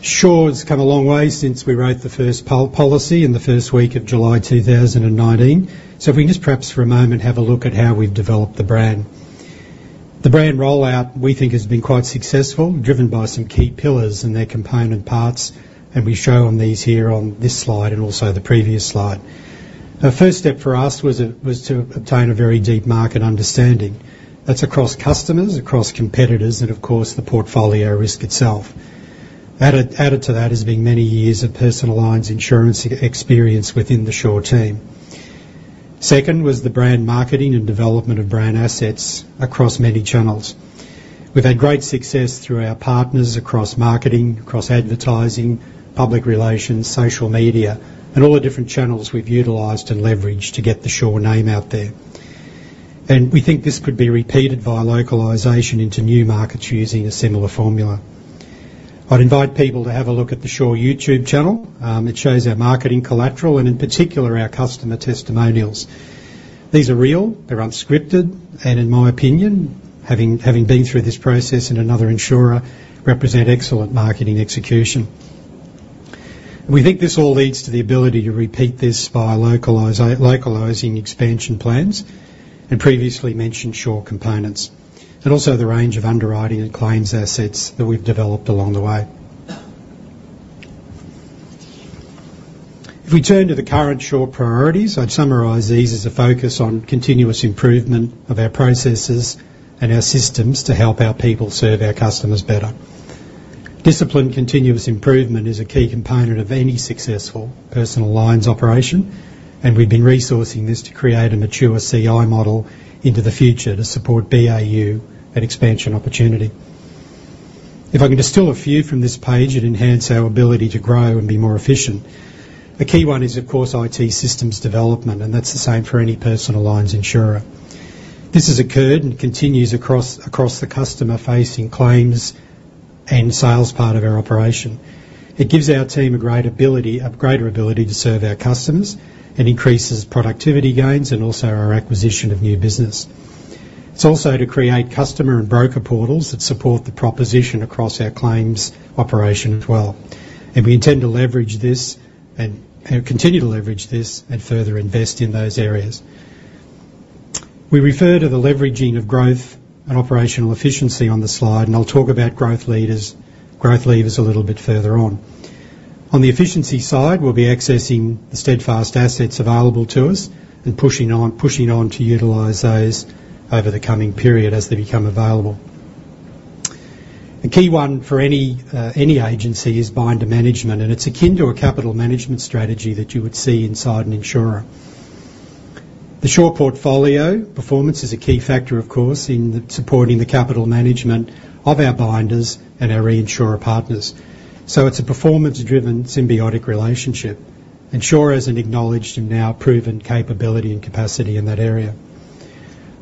Sure has come a long way since we wrote the first policy in the first week of July 2019. So if we can just perhaps for a moment have a look at how we've developed the brand. The brand rollout, we think, has been quite successful, driven by some key pillars and their component parts, and we show on these here on this slide and also the previous slide. Our first step for us was to obtain a very deep market understanding. That's across customers, across competitors, and of course, the portfolio risk itself. Added to that has been many years of personal lines insurance experience within the Sure team. Second was the brand marketing and development of brand assets across many channels. We've had great success through our partners across marketing, across advertising, public relations, social media, and all the different channels we've utilized and leveraged to get the Sure name out there. And we think this could be repeated via localization into new markets using a similar formula. I'd invite people to have a look at the Sure YouTube channel. It shows our marketing collateral and, in particular, our customer testimonials. These are real, they're unscripted, and in my opinion, having been through this process in another insurer, represent excellent marketing execution. We think this all leads to the ability to repeat this by localizing expansion plans and previously mentioned Sure components, and also the range of underwriting and claims assets that we've developed along the way. If we turn to the current Sure priorities, I'd summarize these as a focus on continuous improvement of our processes and our systems to help our people serve our customers better. Disciplined, continuous improvement is a key component of any successful personal lines operation, and we've been resourcing this to create a mature CI model into the future to support BAU and expansion opportunity. If I can distill a few from this page, it'd enhance our ability to grow and be more efficient. The key one is, of course, IT systems development, and that's the same for any personal lines insurer. This has occurred and continues across, across the customer-facing claims and sales part of our operation. It gives our team a great ability, a greater ability to serve our customers and increases productivity gains and also our acquisition of new business. It's also to create customer and broker portals that support the proposition across our claims operation as well, and we intend to leverage this and, and continue to leverage this and further invest in those areas. We refer to the leveraging of growth and operational efficiency on the slide, and I'll talk about growth leaders, growth levers a little bit further on. On the efficiency side, we'll be accessing the Steadfast assets available to us and pushing on, pushing on to utilize those over the coming period as they become available. A key one for any, any agency is binder management, and it's akin to a capital management strategy that you would see inside an insurer. The Sure portfolio performance is a key factor, of course, in supporting the capital management of our binders and our reinsurer partners. So it's a performance-driven, symbiotic relationship, and Sure has an acknowledged and now proven capability and capacity in that area.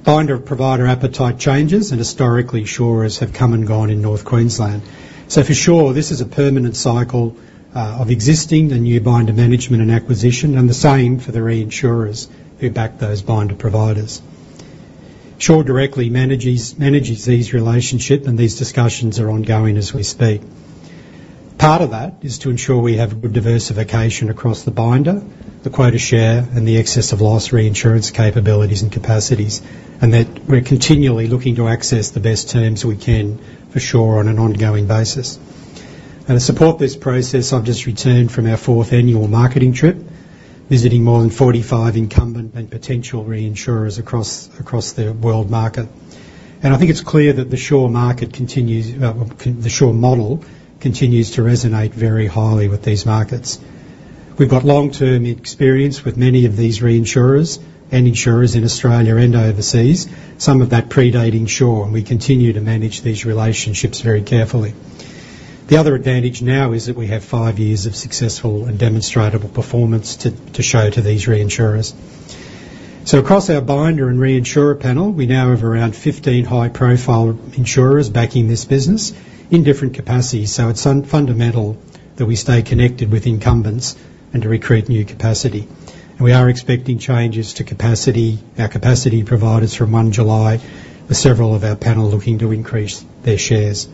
Binder provider appetite changes, and historically, Sure's have come and gone in North Queensland. So for Sure, this is a permanent cycle of existing and new binder management and acquisition, and the same for the reinsurers who back those binder providers. Sure directly manages these relationships, and these discussions are ongoing as we speak. Part of that is to ensure we have good diversification across the binder, the quota share, and the excess of loss reinsurance capabilities and capacities, and that we're continually looking to access the best terms we can for Sure on an ongoing basis. To support this process, I've just returned from our fourth annual marketing trip, visiting more than 45 incumbent and potential reinsurers across the world market. I think it's clear that the Sure market continues, the Sure model continues to resonate very highly with these markets. We've got long-term experience with many of these reinsurers and insurers in Australia and overseas, some of that predating Sure, and we continue to manage these relationships very carefully. The other advantage now is that we have 5 years of successful and demonstrable performance to show to these reinsurers. So across our binder and reinsurer panel, we now have around 15 high-profile insurers backing this business in different capacities, so it's fundamental that we stay connected with incumbents and to recruit new capacity. And we are expecting changes to capacity, our capacity providers from 1 July, with several of our panel looking to increase their shares.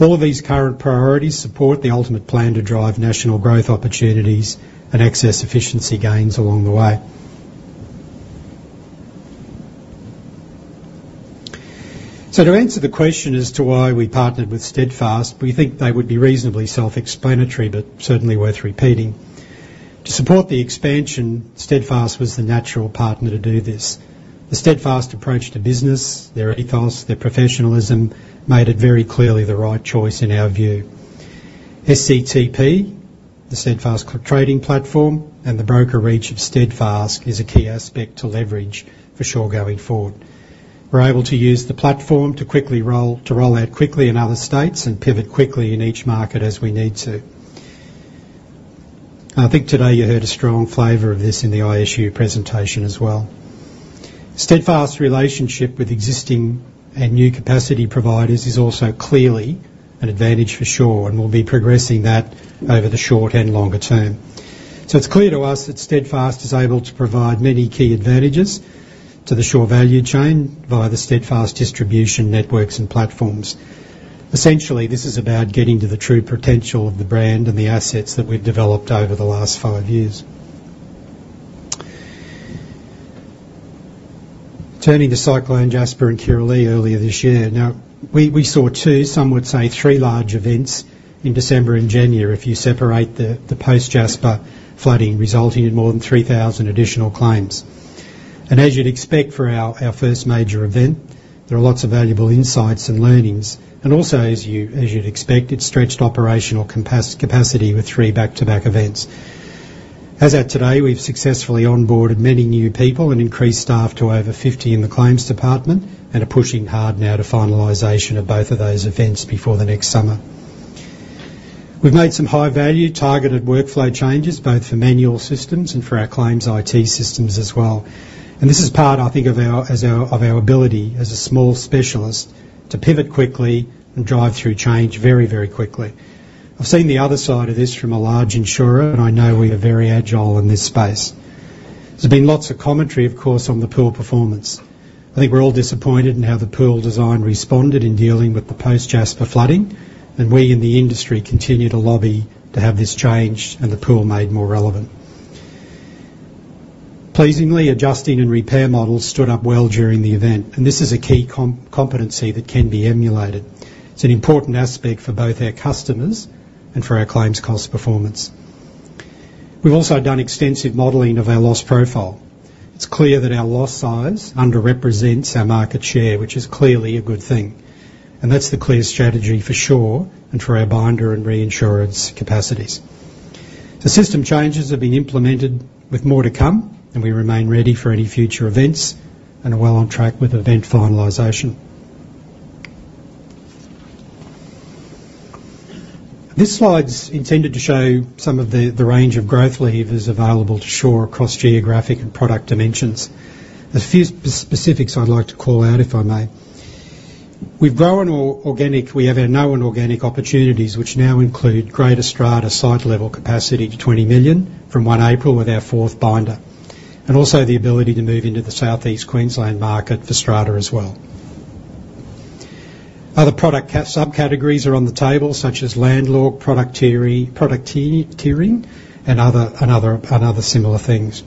All of these current priorities support the ultimate plan to drive national growth opportunities and excess efficiency gains along the way. So to answer the question as to why we partnered with Steadfast, we think they would be reasonably self-explanatory, but certainly worth repeating. To support the expansion, Steadfast was the natural partner to do this. The Steadfast approach to business, their ethos, their professionalism, made it very clearly the right choice in our view. SCTP, the Steadfast Trading Platform, and the broker reach of Steadfast is a key aspect to leverage for Sure going forward. We're able to use the platform to quickly roll out quickly in other states and pivot quickly in each market as we need to. I think today you heard a strong flavor of this in the ISU presentation as well. Steadfast's relationship with existing and new capacity providers is also clearly an advantage for Sure, and we'll be progressing that over the short and longer term. So it's clear to us that Steadfast is able to provide many key advantages to the Sure value chain via the Steadfast distribution networks and platforms. Essentially, this is about getting to the true potential of the brand and the assets that we've developed over the last five years. Turning to Cyclone Jasper and Kirrily earlier this year, now, we saw two, some would say three, large events in December and January, if you separate the post-Jasper flooding, resulting in more than 3,000 additional claims. And as you'd expect for our first major event, there are lots of valuable insights and learnings. And also, as you'd expect, it stretched operational capacity with three back-to-back events. As at today, we've successfully onboarded many new people and increased staff to over 50 in the claims department and are pushing hard now to finalization of both of those events before the next summer. We've made some high-value, targeted workflow changes, both for manual systems and for our claims IT systems as well, and this is part, I think, of our ability as a small specialist to pivot quickly and drive through change very, very quickly. I've seen the other side of this from a large insurer, and I know we are very agile in this space. There's been lots of commentary, of course, on the pool performance. I think we're all disappointed in how the pool design responded in dealing with the post-Jasper flooding, and we in the industry continue to lobby to have this changed and the pool made more relevant. Pleasingly, adjusting and repair models stood up well during the event, and this is a key competency that can be emulated. It's an important aspect for both our customers and for our claims cost performance. We've also done extensive modeling of our loss profile. It's clear that our loss size underrepresents our market share, which is clearly a good thing, and that's the clear strategy for Sure and for our binder and reinsurance capacities. The system changes have been implemented with more to come, and we remain ready for any future events and are well on track with event finalization. This slide's intended to show some of the range of growth levers available to Sure across geographic and product dimensions. There's a few specifics I'd like to call out, if I may. We have our known organic opportunities, which now include greater strata site level capacity to 20 million from 1 April with our fourth binder, and also the ability to move into the Southeast Queensland market for strata as well. Other product cat-subcategories are on the table, such as landlord, product tiering, product tier-tiering, and other, and other, and other similar things.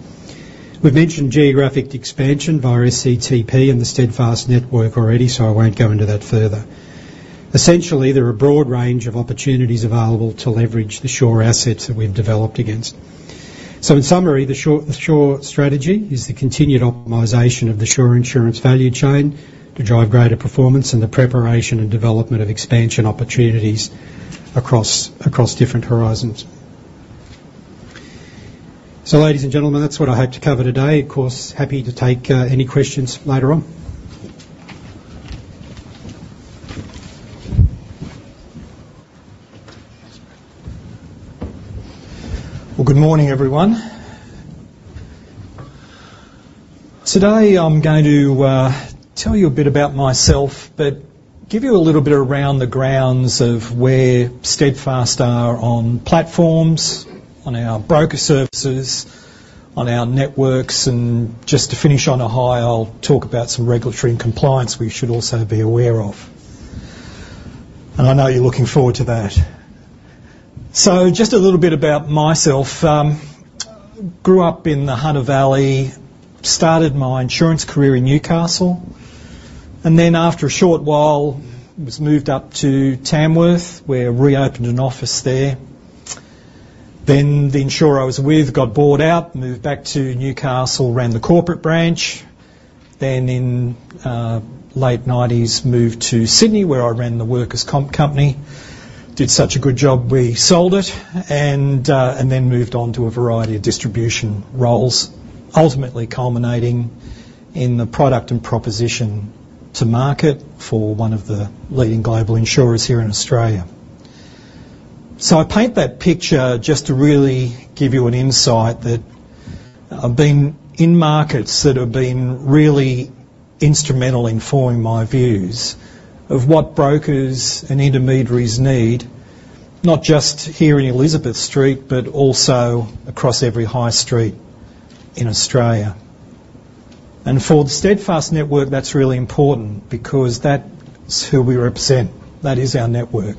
We've mentioned geographic expansion via SCTP and the Steadfast network already, so I won't go into that further. Essentially, there are a broad range of opportunities available to leverage the Sure assets that we've developed against. So in summary, the Sure, the Sure strategy is the continued optimization of the Sure Insurance value chain to drive greater performance and the preparation and development of expansion opportunities across different horizons. So ladies and gentlemen, that's what I hope to cover today. Of course, happy to take any questions later on. Well, good morning, everyone. Today, I'm going to tell you a bit about myself, but give you a little bit around the grounds of where Steadfast are on platforms, on our broker services, on our networks, and just to finish on a high, I'll talk about some regulatory and compliance we should also be aware of. And I know you're looking forward to that. So just a little bit about myself: grew up in the Hunter Valley, started my insurance career in Newcastle, and then after a short while, was moved up to Tamworth, where I reopened an office there. Then, the insurer I was with got bought out, moved back to Newcastle, ran the corporate branch. Then in late nineties, moved to Sydney, where I ran the workers' comp company. Did such a good job, we sold it, and then moved on to a variety of distribution roles, ultimately culminating in the product and proposition to market for one of the leading global insurers here in Australia. So I paint that picture just to really give you an Insight that I've been in markets that have been really instrumental in forming my views of what brokers and intermediaries need, not just here in Elizabeth Street, but also across every high street in Australia. And for the Steadfast network, that's really important because that is who we represent. That is our network.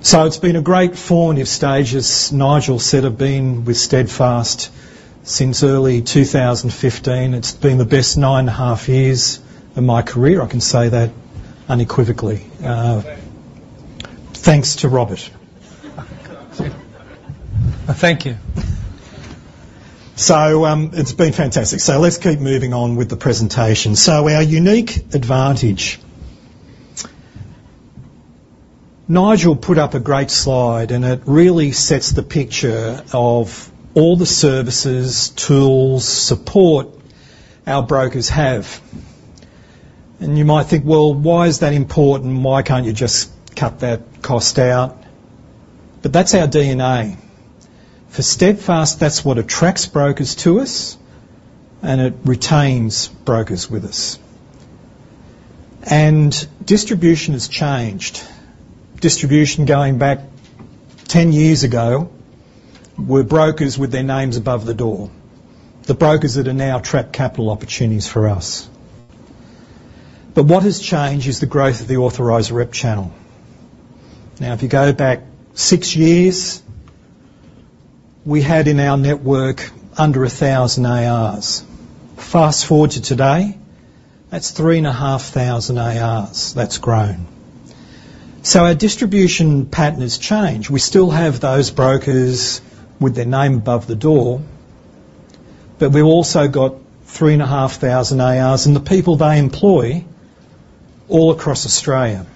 So it's been a great formative stages. Nigel said I've been with Steadfast since early 2015. It's been the best 9.5 years of my career. I can say that unequivocally, thanks to Robert. Thank you. So, it's been fantastic. So let's keep moving on with the presentation. So our unique advantage. Nigel put up a great slide, and it really sets the picture of all the services, tools, support our brokers have.... And you might think: Well, why is that important? Why can't you just cut that cost out? But that's our DNA. For Steadfast, that's what attracts brokers to us, and it retains brokers with us. And distribution has changed. Distribution going back 10 years ago were brokers with their names above the door, the brokers that are now trapped capital opportunities for us. But what has changed is the growth of the authorized rep channel. Now, if you go back 6 years, we had in our network under 1,000 ARs. Fast forward to today, that's 3,500 ARs that's grown. So our distribution pattern has changed. We still have those brokers with their name above the door, but we've also got 3,500 ARs and the people they employ all across Australia.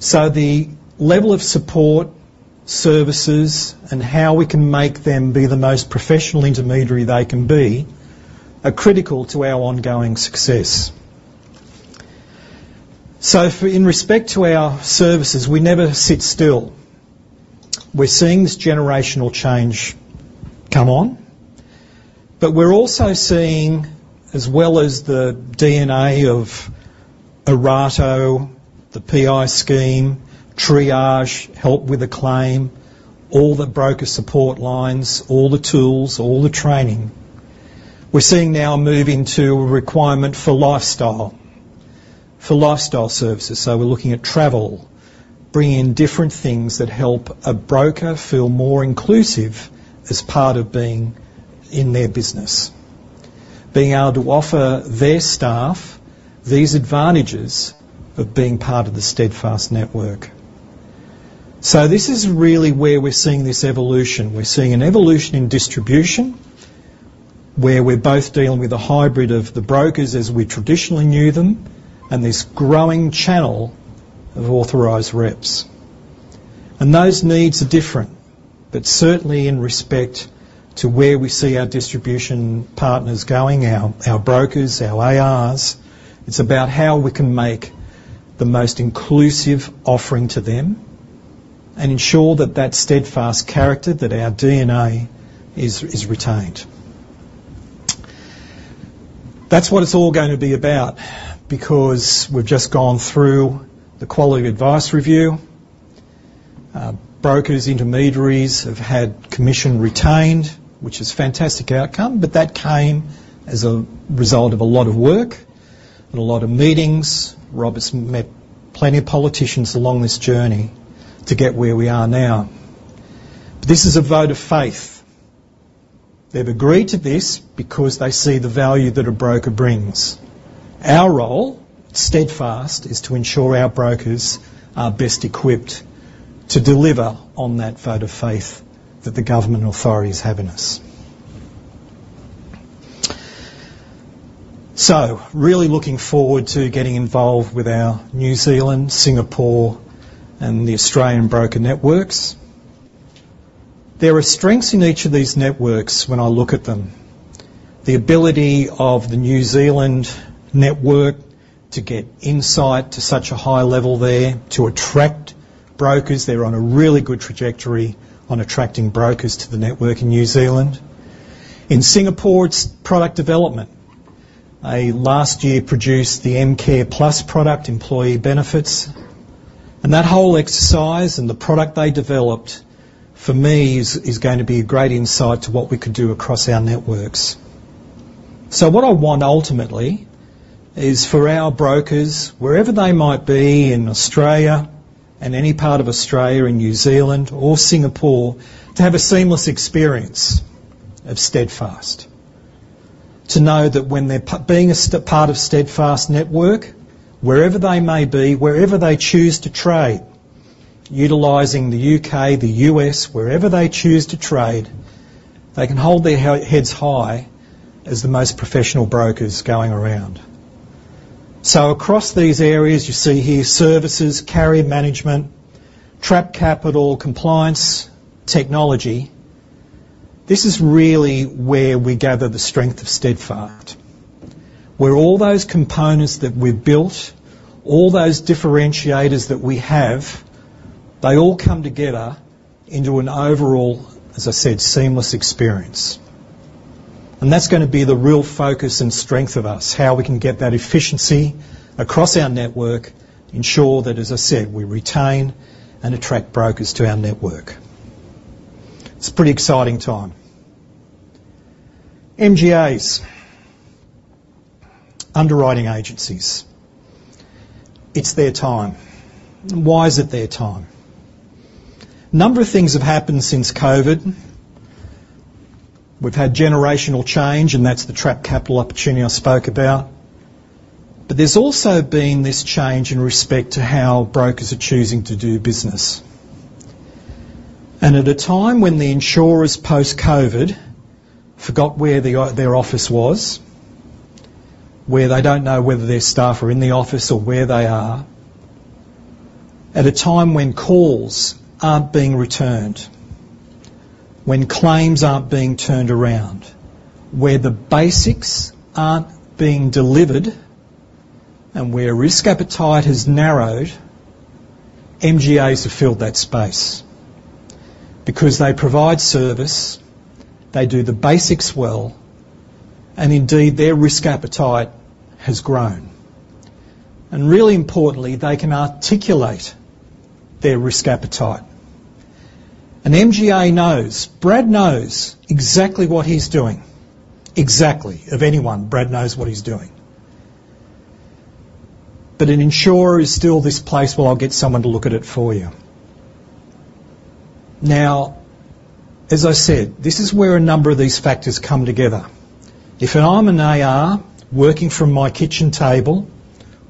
So the level of support, services, and how we can make them be the most professional intermediary they can be, are critical to our ongoing success. So for—in respect to our services, we never sit still. We're seeing this generational change come on, but we're also seeing, as well as the DNA of Erato, the PI scheme, triage, help with a claim, all the broker support lines, all the tools, all the training, we're seeing now a moving to a requirement for lifestyle, for lifestyle services. So we're looking at travel, bringing in different things that help a broker feel more inclusive as part of being in their business, being able to offer their staff these advantages of being part of the Steadfast network. So this is really where we're seeing this evolution. We're seeing an evolution in distribution, where we're both dealing with a hybrid of the brokers as we traditionally knew them and this growing channel of authorized reps. And those needs are different, but certainly in respect to where we see our distribution partners going, our, our brokers, our ARs, it's about how we can make the most inclusive offering to them and ensure that that Steadfast character, that our DNA is, is retained. That's what it's all going to be about because we've just gone through the Quality Advice Review. Brokers, intermediaries, have had commission retained, which is a fantastic outcome, but that came as a result of a lot of work and a lot of meetings. Robert's met plenty of politicians along this journey to get where we are now. But this is a vote of faith. They've agreed to this because they see the value that a broker brings. Our role, Steadfast, is to ensure our brokers are best equipped to deliver on that vote of faith that the government authority is having us. So really looking forward to getting involved with our New Zealand, Singapore, and the Australian broker networks. There are strengths in each of these networks when I look at them. The ability of the New Zealand network to get Insight to such a high level there, to attract brokers, they're on a really good trajectory on attracting brokers to the network in New Zealand. In Singapore, it's product development. They last year produced the M Care Plus product, employee benefits, and that whole exercise and the product they developed, for me, is going to be a great insight to what we could do across our networks. So what I want ultimately is for our brokers, wherever they might be, in Australia, and any part of Australia, or New Zealand, or Singapore, to have a seamless experience of Steadfast. To know that when they're being a part of Steadfast network, wherever they may be, wherever they choose to trade, utilizing the U.K., the U.S., wherever they choose to trade, they can hold their heads high as the most professional brokers going around. So across these areas, you see here, services, carrier management, trapped capital, compliance, technology, this is really where we gather the strength of Steadfast, where all those components that we've built, all those differentiators that we have, they all come together into an overall, as I said, seamless experience. That's gonna be the real focus and strength of us, how we can get that efficiency across our network, ensure that, as I said, we retain and attract brokers to our network. It's a pretty exciting time. MGAs, underwriting agencies, it's their time. Why is it their time? A number of things have happened since COVID. We've had generational change, and that's the trapped capital opportunity I spoke about. But there's also been this change in respect to how brokers are choosing to do business. At a time when the insurers, post-COVID, forgot where their office was, where they don't know whether their staff are in the office or where they are. At a time when calls aren't being returned, when claims aren't being turned around, where the basics aren't being delivered, and where risk appetite has narrowed, MGAs have filled that space because they provide service, they do the basics well, and indeed, their risk appetite has grown. Really importantly, they can articulate their risk appetite. An MGA knows, Brad knows exactly what he's doing. Exactly, of anyone, Brad knows what he's doing. But an insurer is still this place where I'll get someone to look at it for you. Now, as I said, this is where a number of these factors come together. If I'm an AR working from my kitchen table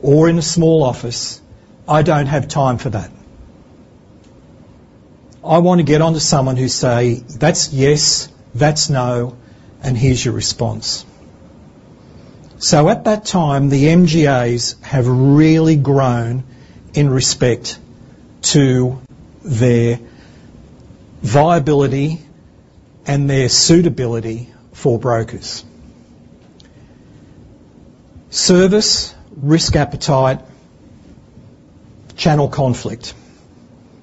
or in a small office, I don't have time for that. I want to get on to someone who says, "That's yes, that's no, and here's your response." So at that time, the MGAs have really grown in respect to their viability and their suitability for brokers. Service, risk appetite, channel conflict.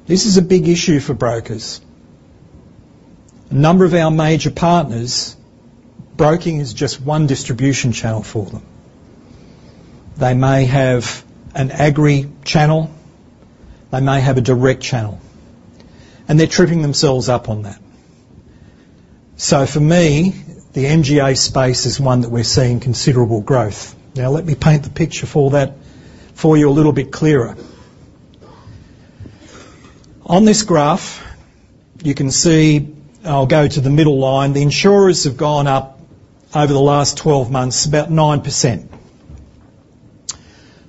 This is a big issue for brokers. A number of our major partners, broking is just one distribution channel for them. They may have an agri channel, they may have a direct channel, and they're tripping themselves up on that. So for me, the MGA space is one that we're seeing considerable growth. Now, let me paint the picture for that for you a little bit clearer. On this graph, you can see, I'll go to the middle line, the insurers have gone up over the last 12 months, about 9%.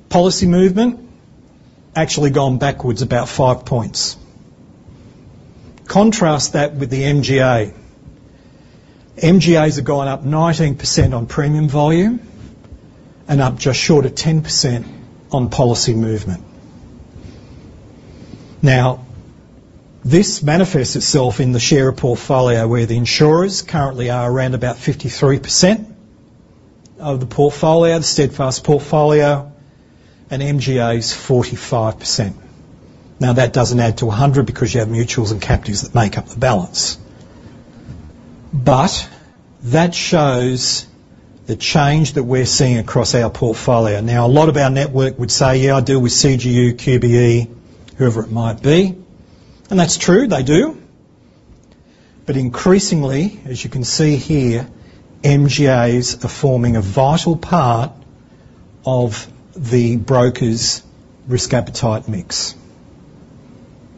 Policy movement, actually gone backwards about 5 points. Contrast that with the MGA. MGAs have gone up 19% on premium volume and up just short of 10% on policy movement. Now, this manifests itself in the share of portfolio, where the insurers currently are around about 53% of the portfolio, the Steadfast portfolio, and MGA is 45%. Now, that doesn't add to 100 because you have mutuals and captives that make up the balance. But that shows the change that we're seeing across our portfolio. Now, a lot of our network would say, "Yeah, I deal with CGU, QBE," whoever it might be, and that's true, they do. But increasingly, as you can see here, MGAs are forming a vital part of the broker's risk appetite mix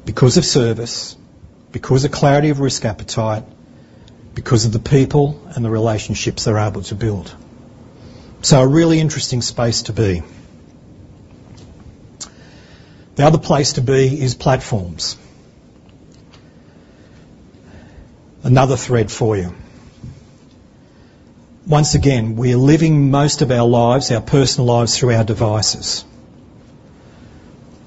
because of service, because of clarity of risk appetite, because of the people and the relationships they're able to build. So a really interesting space to be. The other place to be is platforms. Another thread for you. Once again, we are living most of our lives, our personal lives, through our devices.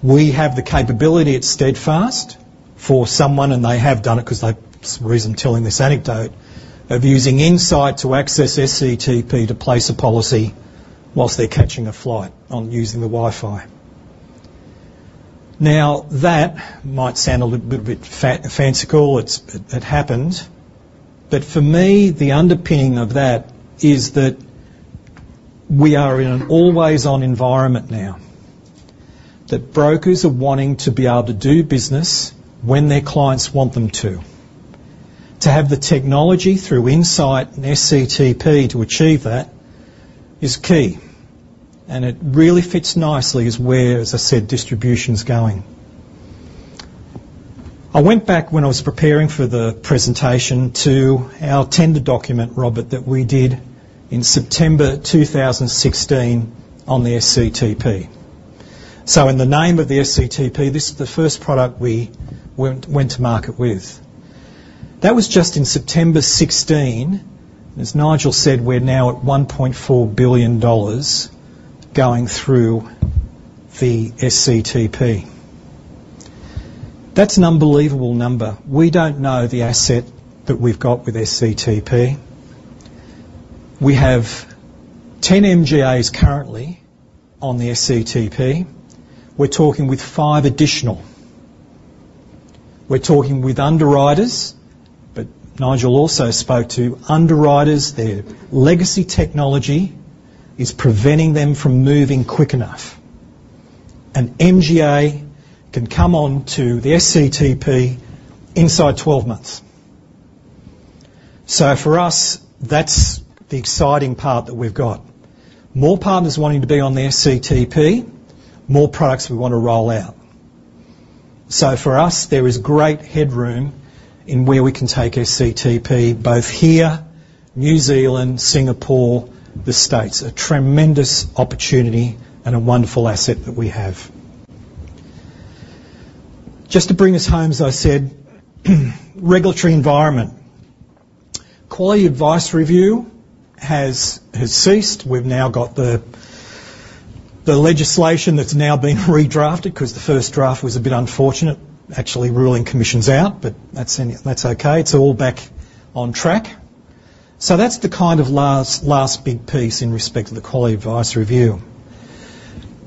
We have the capability at Steadfast for someone, and they have done it because there's a reason I'm telling this anecdote, of using Insight to access SCTP to place a policy while they're catching a flight on using the Wi-Fi. Now, that might sound a little bit fanciful. It happens, but for me, the underpinning of that is that we are in an always-on environment now, that brokers are wanting to be able to do business when their clients want them to. To have the technology through Insight and SCTP to achieve that is key, and it really fits nicely is where, as I said, distribution is going. I went back when I was preparing for the presentation to our tender document, Robert, that we did in September 2016 on the SCTP. So in the name of the SCTP, this is the first product we went to market with. That was just in September 2016. As Nigel said, we're now at 1.4 billion dollars going through the SCTP. That's an unbelievable number. We don't know the asset that we've got with SCTP. We have 10 MGAs currently on the SCTP. We're talking with 5 additional. We're talking with underwriters, but Nigel also spoke to underwriters. Their legacy technology is preventing them from moving quick enough. An MGA can come on to the SCTP inside 12 months. So for us, that's the exciting part that we've got. More partners wanting to be on the SCTP, more products we want to roll out. So for us, there is great headroom in where we can take SCTP, both here, New Zealand, Singapore, the States, a tremendous opportunity and a wonderful asset that we have. Just to bring us home, as I said, regulatory environment. Quality Advice Review has ceased. We've now got the legislation that's now been redrafted, because the first draft was a bit unfortunate, actually ruling commissions out, but that's in, that's okay. It's all back on track. So that's the kind of last, last big piece in respect to the Quality Advice Review.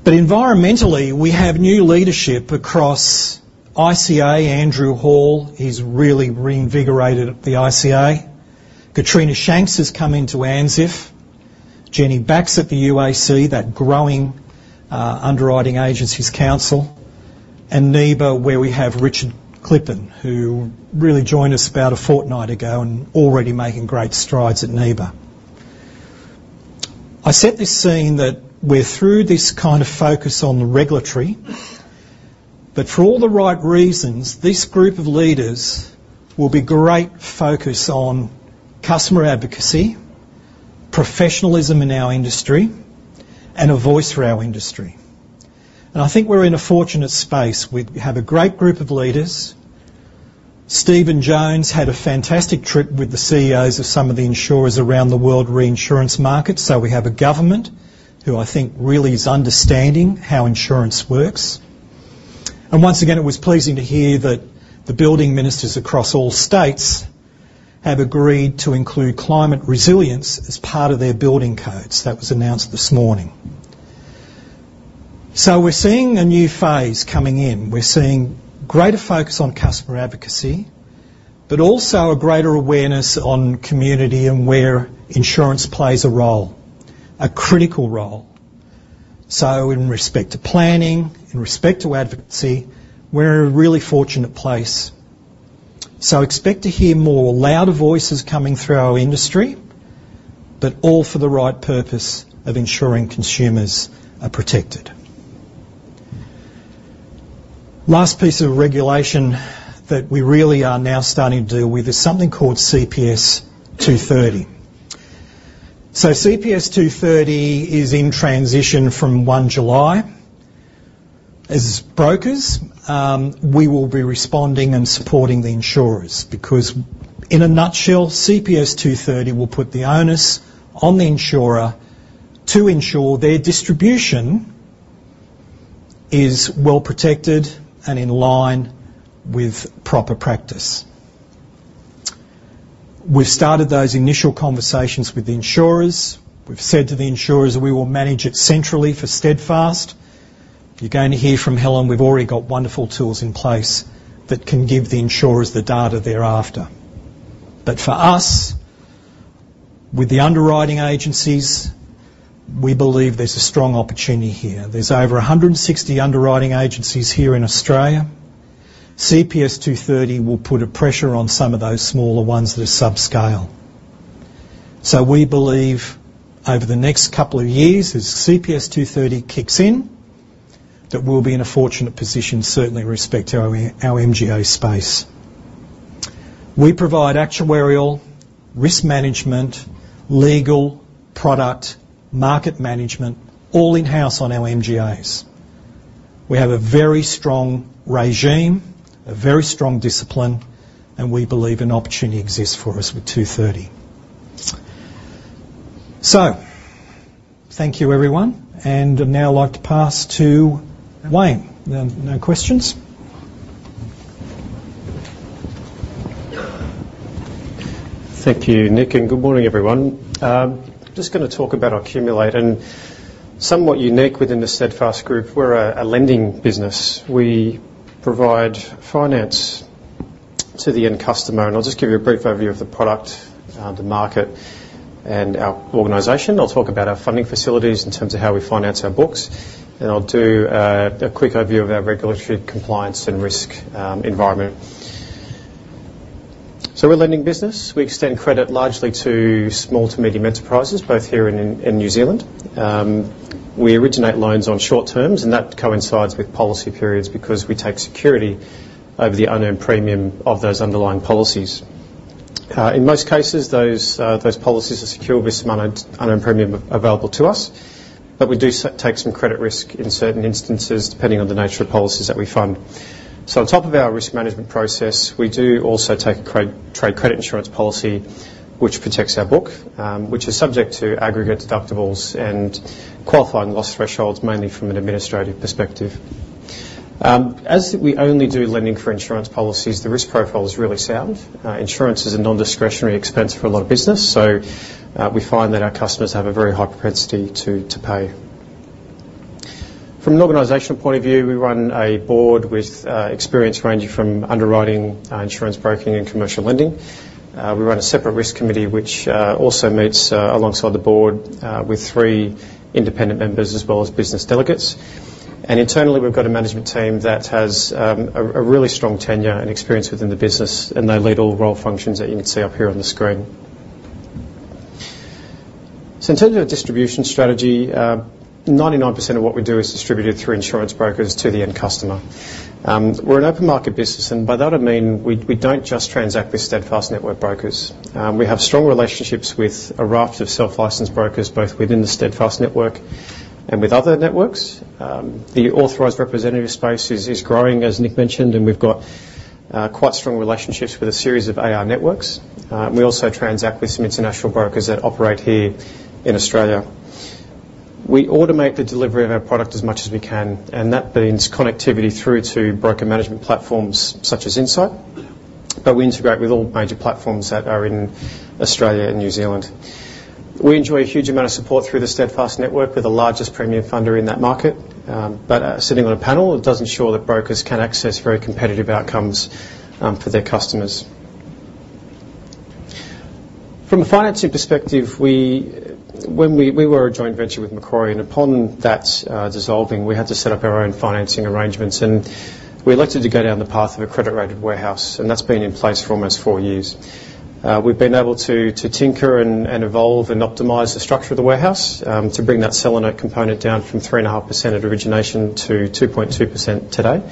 But environmentally, we have new leadership across ICA. Andrew Hall, he's really reinvigorated the ICA. Katrina Shanks has come into ANZIIF. Jenny Bax at the UAC, that growing Underwriting Agencies Council, and NIBA, where we have Richard Klipin, who really joined us about a fortnight ago and already making great strides at NIBA. I set this scene that we're through this kind of focus on the regulatory, but for all the right reasons, this group of leaders will be great focus on customer advocacy, professionalism in our industry, and a voice for our industry. And I think we're in a fortunate space. We, we have a great group of leaders. Stephen Jones had a fantastic trip with the CEOs of some of the insurers around the world, reinsurance markets, so we have a government who I think really is understanding how insurance works. Once again, it was pleasing to hear that the building ministers across all states have agreed to include climate resilience as part of their building codes. That was announced this morning. We're seeing a new phase coming in. We're seeing greater focus on customer advocacy, but also a greater awareness on community and where insurance plays a role, a critical role. In respect to planning, in respect to advocacy, we're in a really fortunate place. Expect to hear more louder voices coming through our industry, but all for the right purpose of ensuring consumers are protected. Last piece of regulation that we really are now starting to deal with is something called CPS 230. So CPS 230 is in transition from 1 July. As brokers, we will be responding and supporting the insurers, because in a nutshell, CPS 230 will put the onus on the insurer to ensure their distribution is well protected and in line with proper practice. We've started those initial conversations with the insurers. We've said to the insurers that we will manage it centrally for Steadfast. You're going to hear from Helen, we've already got wonderful tools in place that can give the insurers the data they're after. But for us, with the underwriting agencies, we believe there's a strong opportunity here. There's over 160 underwriting agencies here in Australia. CPS 230 will put a pressure on some of those smaller ones that are subscale. So we believe over the next couple of years, as CPS 230 kicks in, that we'll be in a fortunate position, certainly in respect to our MGA space. We provide actuarial, risk management, legal, product, market management, all in-house on our MGAs. We have a very strong regime, a very strong discipline, and we believe an opportunity exists for us with 230. So thank you, everyone, and I'd now like to pass to Wayne. No questions? Thank you, Nick, and good morning, everyone. Just going to talk about Accumulate, and somewhat unique within the Steadfast Group, we're a lending business. We provide finance to the end customer, and I'll just give you a brief overview of the product, the market, and our organization. I'll talk about our funding facilities in terms of how we finance our books, and I'll do a quick overview of our regulatory compliance and risk environment. So we're a lending business. We extend credit largely to small to medium enterprises, both here and in New Zealand. We originate loans on short terms, and that coincides with policy periods because we take security over the unearned premium of those underlying policies. In most cases, those policies are secured with some unearned premium available to us, but we do take some credit risk in certain instances, depending on the nature of policies that we fund. So on top of our risk management process, we do also take a trade credit insurance policy, which protects our book, which is subject to aggregate deductibles and qualifying loss thresholds, mainly from an administrative perspective. As we only do lending for insurance policies, the risk profile is really sound. Insurance is a non-discretionary expense for a lot of business, so we find that our customers have a very high propensity to pay. From an organizational point of view, we run a board with experience ranging from underwriting, insurance broking, and commercial lending. We run a separate risk committee, which also meets alongside the board with three independent members, as well as business delegates. And internally, we've got a management team that has a really strong tenure and experience within the business, and they lead all role functions that you can see up here on the screen. So in terms of our distribution strategy, 99% of what we do is distributed through insurance brokers to the end customer. We're an open market business, and by that I mean we don't just transact with Steadfast network brokers. We have strong relationships with a raft of self-licensed brokers, both within the Steadfast network and with other networks. The authorized representative space is growing, as Nick mentioned, and we've got quite strong relationships with a series of AR networks. And we also transact with some international brokers that operate here in Australia. We automate the delivery of our product as much as we can, and that means connectivity through to broker management platforms such as Insight, but we integrate with all major platforms that are in Australia and New Zealand. We enjoy a huge amount of support through the Steadfast network. We're the largest premium funder in that market, but sitting on a panel, it does ensure that brokers can access very competitive outcomes for their customers. From a financing perspective, we were a joint venture with Macquarie, and upon that dissolving, we had to set up our own financing arrangements, and we elected to go down the path of a credit-rated warehouse, and that's been in place for almost four years. We've been able to tinker and evolve and optimize the structure of the warehouse to bring that senior note component down from 3.5% at origination to 2.2% today.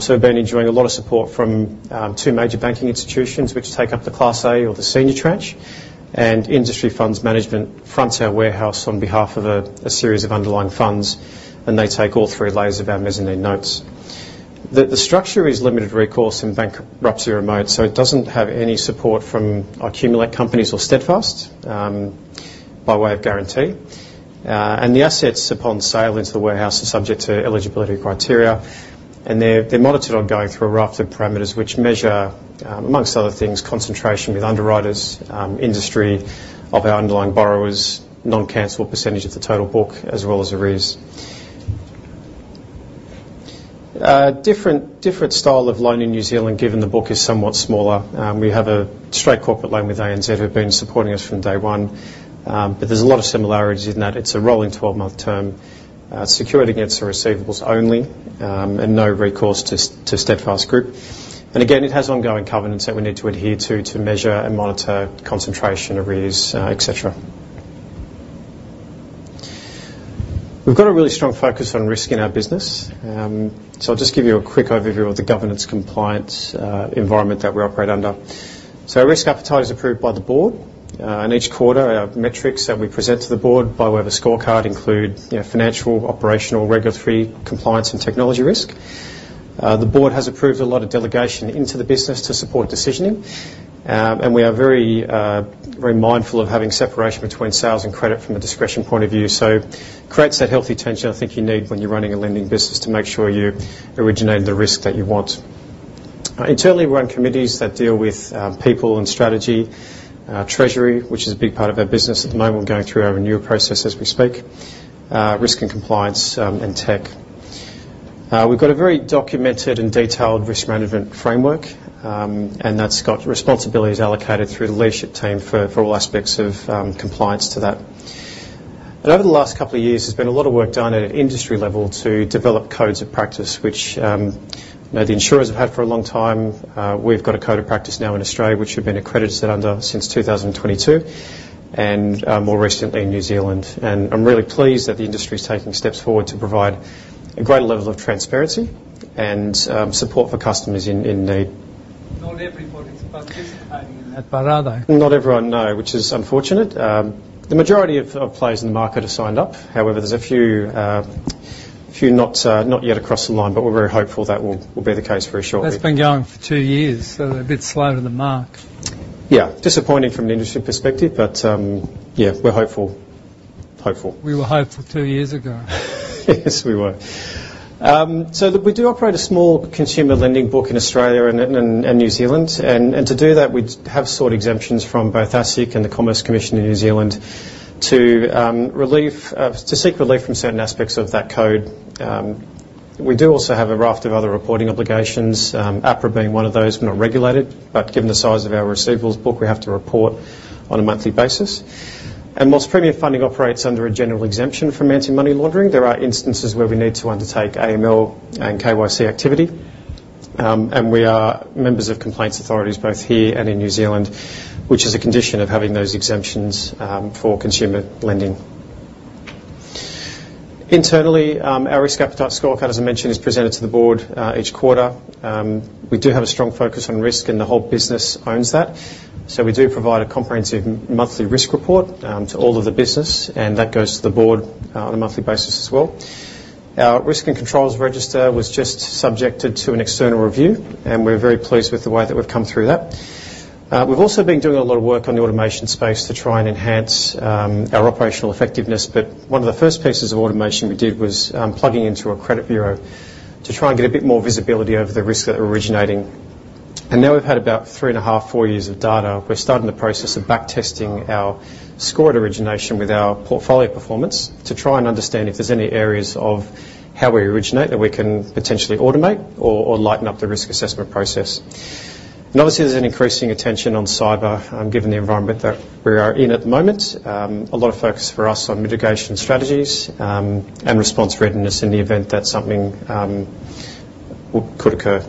So we've been enjoying a lot of support from two major banking institutions, which take up the Class A or the senior tranche, and Industry Funds Management fronts our warehouse on behalf of a series of underlying funds, and they take all three layers of our mezzanine notes. The structure is limited recourse and bankruptcy remote, so it doesn't have any support from Accumulate companies or Steadfast by way of guarantee. And the assets upon sale into the warehouse are subject to eligibility criteria, and they're monitored ongoing through a raft of parameters, which measure, among other things, concentration with underwriters, industry of our underlying borrowers, non-cancelable percentage of the total book, as well as arrears. Different style of loan in New Zealand, given the book is somewhat smaller. We have a straight corporate loan with ANZ, who've been supporting us from day one, but there's a lot of similarities in that. It's a rolling 12-month term, secured against the receivables only, and no recourse to Steadfast Group. And again, it has ongoing covenants that we need to adhere to, to measure and monitor concentration, arrears, et cetera. We've got a really strong focus on risk in our business. So I'll just give you a quick overview of the governance compliance environment that we operate under. So our risk appetite is approved by the board, and each quarter, our metrics that we present to the board by way of a scorecard include, you know, financial, operational, regulatory, compliance, and technology risk. The board has approved a lot of delegation into the business to support decisioning, and we are very, very mindful of having separation between sales and credit from a discretion point of view. So creates that healthy tension I think you need when you're running a lending business to make sure you originate the risk that you want. Internally, we run committees that deal with people and strategy, treasury, which is a big part of our business. At the moment, we're going through our renewal process as we speak, risk and compliance, and tech. We've got a very documented and detailed risk management framework, and that's got responsibilities allocated through the leadership team for all aspects of compliance to that. And over the last couple of years, there's been a lot of work done at an industry level to develop codes of practice, which, you know, the insurers have had for a long time. We've got a code of practice now in Australia, which we've been accredited under since 2022, and more recently in New Zealand. And I'm really pleased that the industry is taking steps forward to provide a greater level of transparency and support for customers in need. Not everybody's participating in that, but rather- Not everyone, no, which is unfortunate. The majority of players in the market are signed up. However, there's a few not yet across the line, but we're very hopeful that will be the case very shortly. That's been going for 2 years, so they're a bit slow to the mark. Yeah. Disappointing from an industry perspective, but, yeah, we're hopeful. Hopeful. We were hopeful two years ago. Yes, we were. So we do operate a small consumer lending book in Australia and New Zealand. And to do that, we have sought exemptions from both ASIC and the Commerce Commission in New Zealand to seek relief from certain aspects of that code. We do also have a raft of other reporting obligations, APRA being one of those. We're not regulated, but given the size of our receivables book, we have to report on a monthly basis. And while premium funding operates under a general exemption from anti-money laundering, there are instances where we need to undertake AML and KYC activity, and we are members of complaints authorities both here and in New Zealand, which is a condition of having those exemptions, for consumer lending. Internally, our risk appetite scorecard, as I mentioned, is presented to the board each quarter. We do have a strong focus on risk, and the whole business owns that, so we do provide a comprehensive monthly risk report to all of the business, and that goes to the board on a monthly basis as well. Our risk and controls register was just subjected to an external review, and we're very pleased with the way that we've come through that. We've also been doing a lot of work on the automation space to try and enhance our operational effectiveness, but one of the first pieces of automation we did was plugging into a credit bureau to try and get a bit more visibility over the risk that we're originating. Now we've had about 3.5-4 years of data, we're starting the process of back testing our scored origination with our portfolio performance to try and understand if there's any areas of how we originate that we can potentially automate or, or lighten up the risk assessment process. And obviously, there's an increasing attention on cyber, given the environment that we are in at the moment. A lot of focus for us on mitigation strategies, and response readiness in the event that something could occur.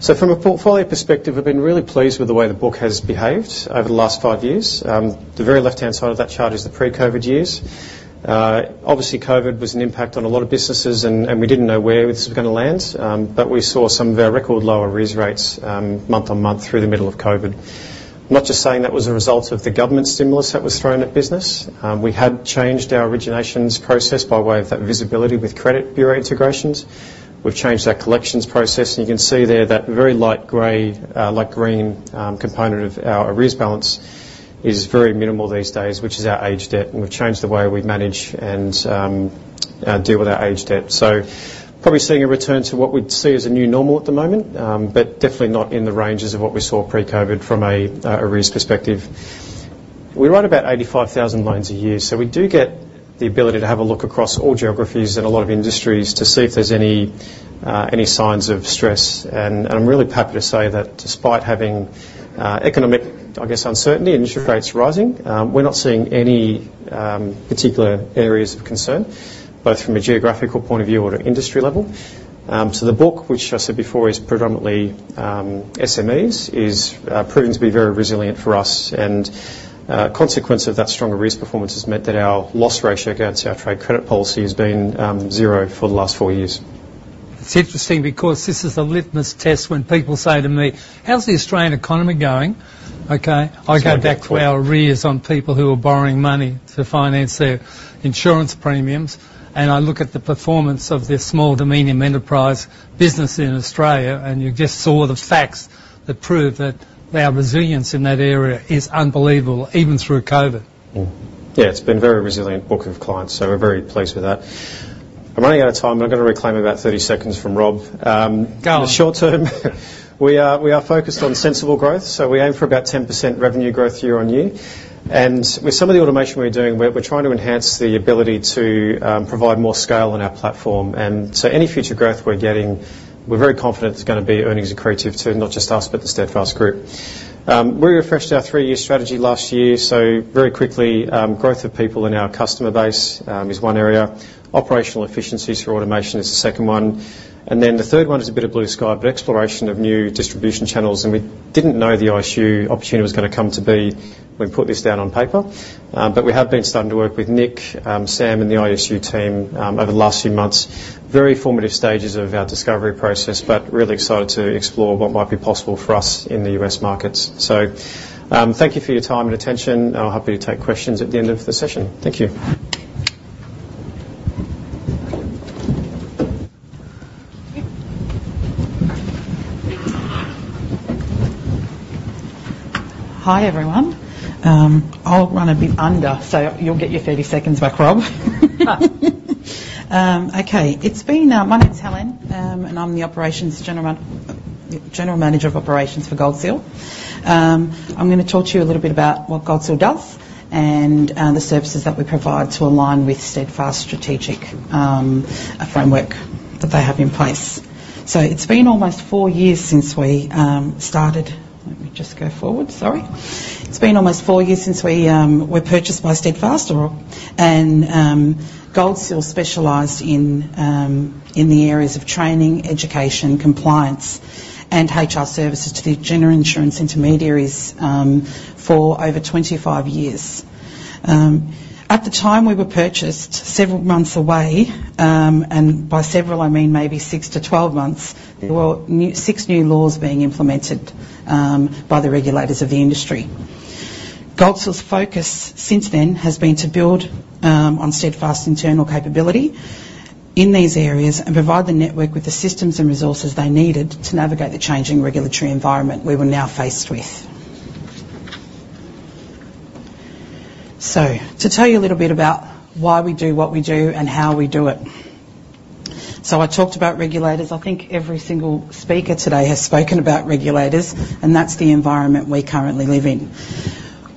So from a portfolio perspective, I've been really pleased with the way the book has behaved over the last 5 years. The very left-hand side of that chart is the pre-COVID years. Obviously, COVID was an impact on a lot of businesses, and we didn't know where this was gonna land, but we saw some of our record low arrears rates, month-on-month through the middle of COVID. I'm not just saying that was a result of the government stimulus that was thrown at business. We had changed our originations process by way of that visibility with credit bureau integrations. We've changed our collections process, and you can see there that very light gray, light green, component of our arrears balance... is very minimal these days, which is our aged debt, and we've changed the way we manage and deal with our aged debt. So probably seeing a return to what we'd see as a new normal at the moment, but definitely not in the ranges of what we saw pre-COVID from a arrears perspective. We write about 85,000 loans a year, so we do get the ability to have a look across all geographies and a lot of industries to see if there's any any signs of stress. And I'm really happy to say that despite having economic, I guess, uncertainty and interest rates rising, we're not seeing any particular areas of concern, both from a geographical point of view or at industry level. So the book, which I said before, is predominantly SMEs, is proving to be very resilient for us, and consequence of that stronger risk performance has meant that our loss ratio against our trade credit policy has been zero for the last four years. It's interesting because this is a litmus test when people say to me: "How's the Australian economy going?" Okay. That's a great point. I go back to our arrears on people who are borrowing money to finance their insurance premiums, and I look at the performance of their small to medium enterprise business in Australia, and you just saw the facts that prove that our resilience in that area is unbelievable, even through COVID. Yeah, it's been a very resilient book of clients, so we're very pleased with that. I'm running out of time, but I'm going to reclaim about 30 seconds from Rob. Go. In the short term, we are focused on sensible growth, so we aim for about 10% revenue growth year-on-year. With some of the automation we're doing, we're trying to enhance the ability to provide more scale on our platform. So any future growth we're getting, we're very confident it's going to be earnings accretive to not just us, but the Steadfast Group. We refreshed our three-year strategy last year, so very quickly, growth of people in our customer base is one area. Operational efficiencies through automation is the second one, and then the third one is a bit of blue sky, but exploration of new distribution channels, and we didn't know the ISU opportunity was going to come to be when we put this down on paper. But we have been starting to work with Nick, Sam, and the ISU team over the last few months. Very formative stages of our discovery process, but really excited to explore what might be possible for us in the US markets. So, thank you for your time and attention. I'll be happy to take questions at the end of the session. Thank you. Hi, everyone. I'll run a bit under, so you'll get your 30 seconds back, Rob. Okay. It's been my name is Helen, and I'm the general manager of operations for Gold Seal. I'm going to talk to you a little bit about what Gold Seal does and the services that we provide to align with Steadfast's strategic framework that they have in place. So it's been almost 4 years since we were purchased by Steadfast Group, and Gold Seal specialized in the areas of training, education, compliance, and HR services to the general insurance intermediaries for over 25 years. At the time we were purchased, several months away, and by several, I mean maybe 6-12 months, there were six new laws being implemented by the regulators of the industry. Gold Seal's focus since then has been to build on Steadfast's internal capability in these areas and provide the network with the systems and resources they needed to navigate the changing regulatory environment we were now faced with. So to tell you a little bit about why we do what we do and how we do it. So I talked about regulators. I think every single speaker today has spoken about regulators, and that's the environment we currently live in.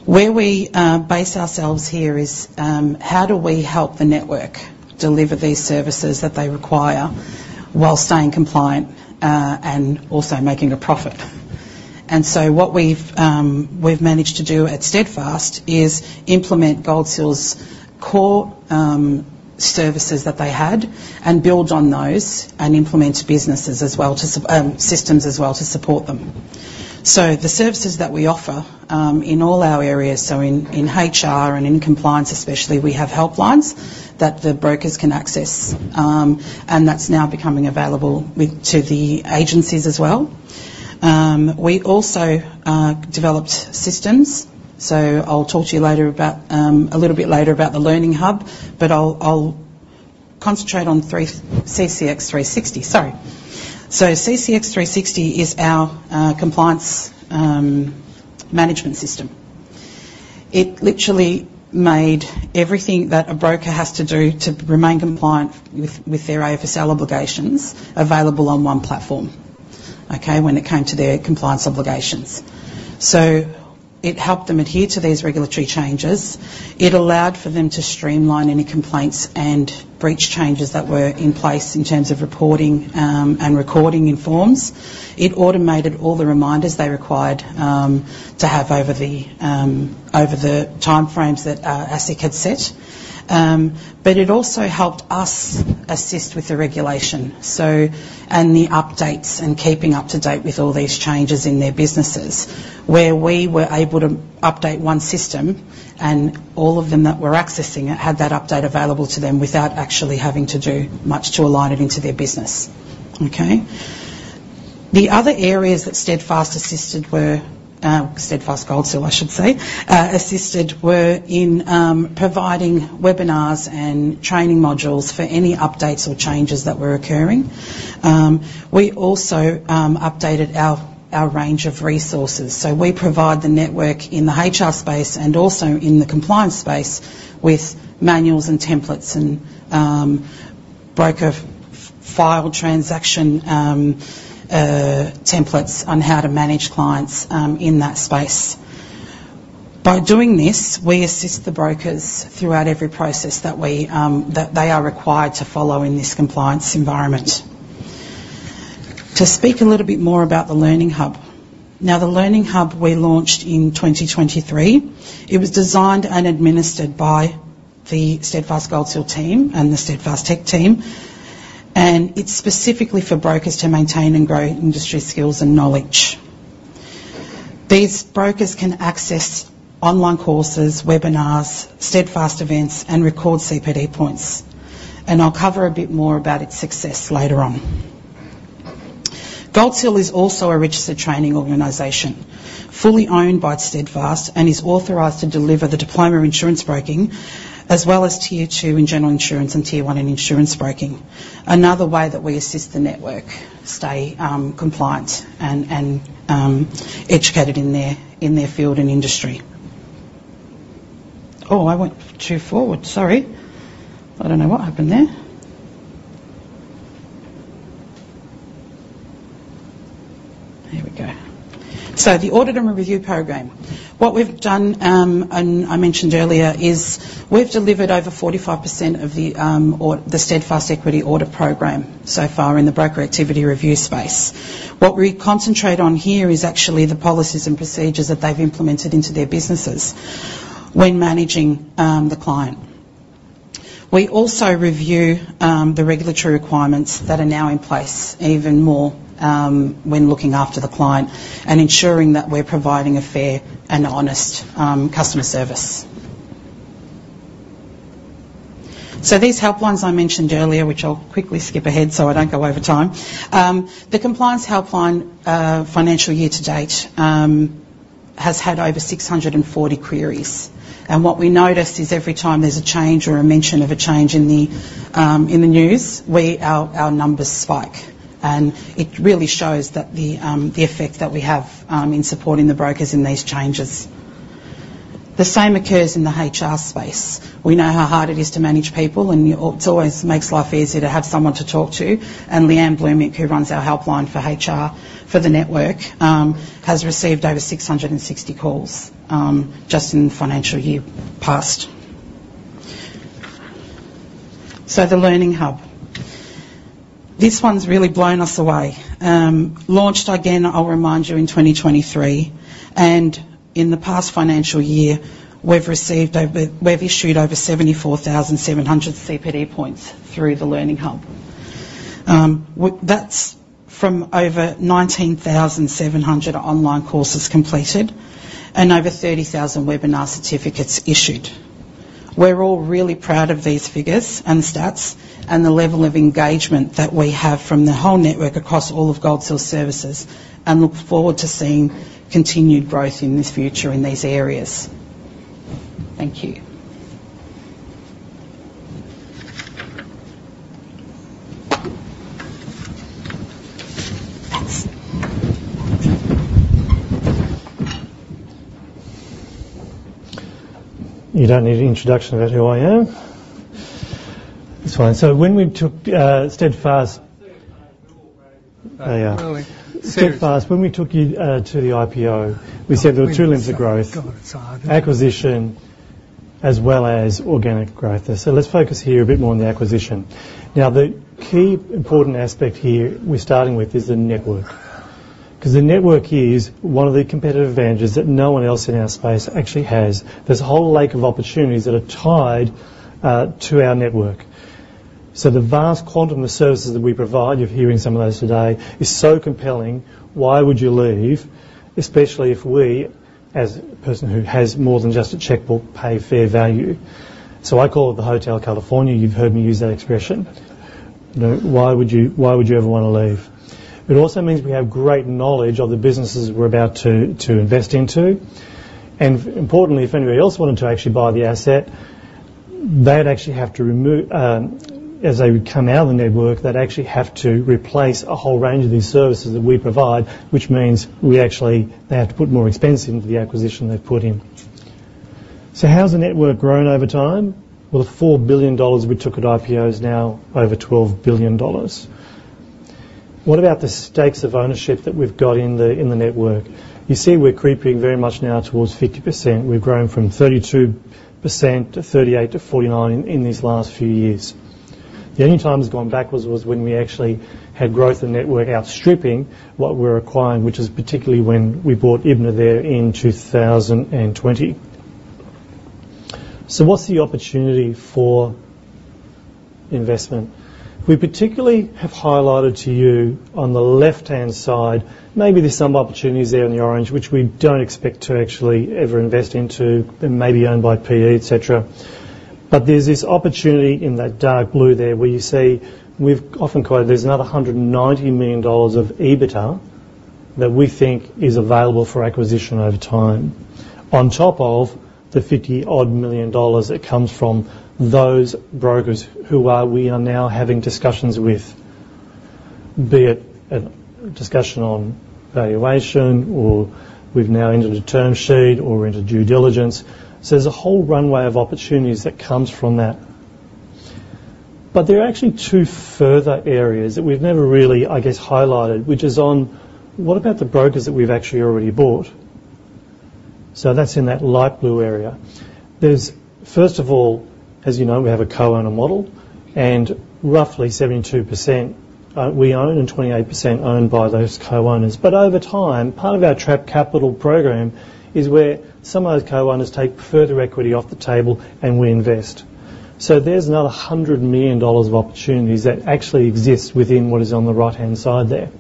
Where we base ourselves here is how do we help the network deliver these services that they require while staying compliant and also making a profit? And so what we've managed to do at Steadfast is implement Gold Seal's core services that they had and build on those, and implement systems as well to support them. So the services that we offer in all our areas, so in HR and in compliance especially, we have helplines that the brokers can access, and that's now becoming available to the agencies as well. We also developed systems, so I'll talk to you later about a little bit later about the Learning Hub, but I'll concentrate on CCX360. So CCX360 is our compliance management system. It literally made everything that a broker has to do to remain compliant with their AFSL obligations available on one platform, okay, when it came to their compliance obligations. So it helped them adhere to these regulatory changes. It allowed for them to streamline any complaints and breach changes that were in place in terms of reporting and recording in forms. It automated all the reminders they required to have over the time frames that ASIC had set. But it also helped us assist with the regulation and the updates and keeping up to date with all these changes in their businesses, where we were able to update one system, and all of them that were accessing it had that update available to them without actually having to do much to align it into their business. Okay? The other areas that Steadfast assisted were, Steadfast Gold Seal, I should say, assisted were in, providing webinars and training modules for any updates or changes that were occurring. We also, updated our, our range of resources. So we provide the network in the HR space and also in the compliance space with manuals and templates and, broker file transaction, templates on how to manage clients, in that space. By doing this, we assist the brokers throughout every process that we, that they are required to follow in this compliance environment. To speak a little bit more about the Learning Hub: Now, the Learning Hub we launched in 2023. It was designed and administered by the Steadfast Gold Seal team and the Steadfast Tech team, and it's specifically for brokers to maintain and grow industry skills and knowledge. These brokers can access online courses, webinars, Steadfast events, and record CPD points, and I'll cover a bit more about its success later on. Gold Seal is also a registered training organization, fully owned by Steadfast, and is authorized to deliver the Diploma of Insurance Broking, as well as Tier Two in General Insurance and Tier One in Insurance Broking. Another way that we assist the network stay compliant and educated in their field and industry. Oh, I went too forward. Sorry! I don't know what happened there. Here we go. So the Audit and Review program. What we've done, and I mentioned earlier, is we've delivered over 45% of the Steadfast Equity Audit program so far in the broker activity review space. What we concentrate on here is actually the policies and procedures that they've implemented into their businesses when managing the client. We also review the regulatory requirements that are now in place even more when looking after the client and ensuring that we're providing a fair and honest customer service. So these helplines I mentioned earlier, which I'll quickly skip ahead so I don't go over time. The Compliance Helpline, financial year to date, has had over 640 queries, and what we noticed is every time there's a change or a mention of a change in the news, our numbers spike, and it really shows that the effect that we have in supporting the brokers in these changes. The same occurs in the HR space. We know how hard it is to manage people, and it always makes life easier to have someone to talk to. And Leanne Blumink, who runs our helpline for HR for the network, has received over 660 calls, just in the financial year past. So the Learning Hub, this one's really blown us away. Launched again, I'll remind you, in 2023, and in the past financial year, we've issued over 74,700 CPD points through the Learning Hub. That's from over 19,700 online courses completed and over 30,000 webinar certificates issued. We're all really proud of these figures and stats and the level of engagement that we have from the whole network across all of Gold Seal services and look forward to seeing continued growth in this future in these areas. Thank you. You don't need an introduction about who I am. That's fine. So when we took Steadfast, when we took you to the IPO, we said there were two limbs of growth: acquisition as well as organic growth. So let's focus here a bit more on the acquisition. Now, the key important aspect here we're starting with is the network, because the network is one of the competitive advantages that no one else in our space actually has. There's a whole lake of opportunities that are tied to our network. So the vast quantum of services that we provide, you're hearing some of those today, is so compelling, why would you leave, especially if we, as a person who has more than just a checkbook, pay fair value? So I call it the Hotel California. You've heard me use that expression. You know, why would you, why would you ever want to leave? It also means we have great knowledge of the businesses we're about to, to invest into. And importantly, if anybody else wanted to actually buy the asset, they'd actually have to, as they would come out of the network, they'd actually have to replace a whole range of these services that we provide, which means they have to put more expense into the acquisition they've put in. So how's the network grown over time? Well, the 4 billion dollars we took at IPO is now over 12 billion dollars. What about the stakes of ownership that we've got in the network? You see, we're creeping very much now towards 50%. We've grown from 32% to 38% to 49% in these last few years. The only time it's gone backwards was when we actually had growth in network outstripping what we're acquiring, which is particularly when we bought IBNA there in 2020. So what's the opportunity for investment? We particularly have highlighted to you on the left-hand side, maybe there's some opportunities there in the orange, which we don't expect to actually ever invest into and may be owned by PE, et cetera. But there's this opportunity in that dark blue there, where you see we've often quoted, there's another 190 million dollars of EBITDA that we think is available for acquisition over time, on top of the 50-odd million dollars that comes from those brokers who are, we are now having discussions with, be it a discussion on valuation, or we've now entered a term sheet or into due diligence. So there's a whole runway of opportunities that comes from that. But there are actually two further areas that we've never really, I guess, highlighted, which is on what about the brokers that we've actually already bought? So that's in that light blue area. There's first of all, as you know, we have a co-owner model, and roughly 72%, we own and 28% owned by those co-owners. But over time, part of our trapped capital program is where some of those co-owners take further equity off the table and we invest. So there's another 100 million dollars of opportunities that actually exist within what is on the right-hand side there.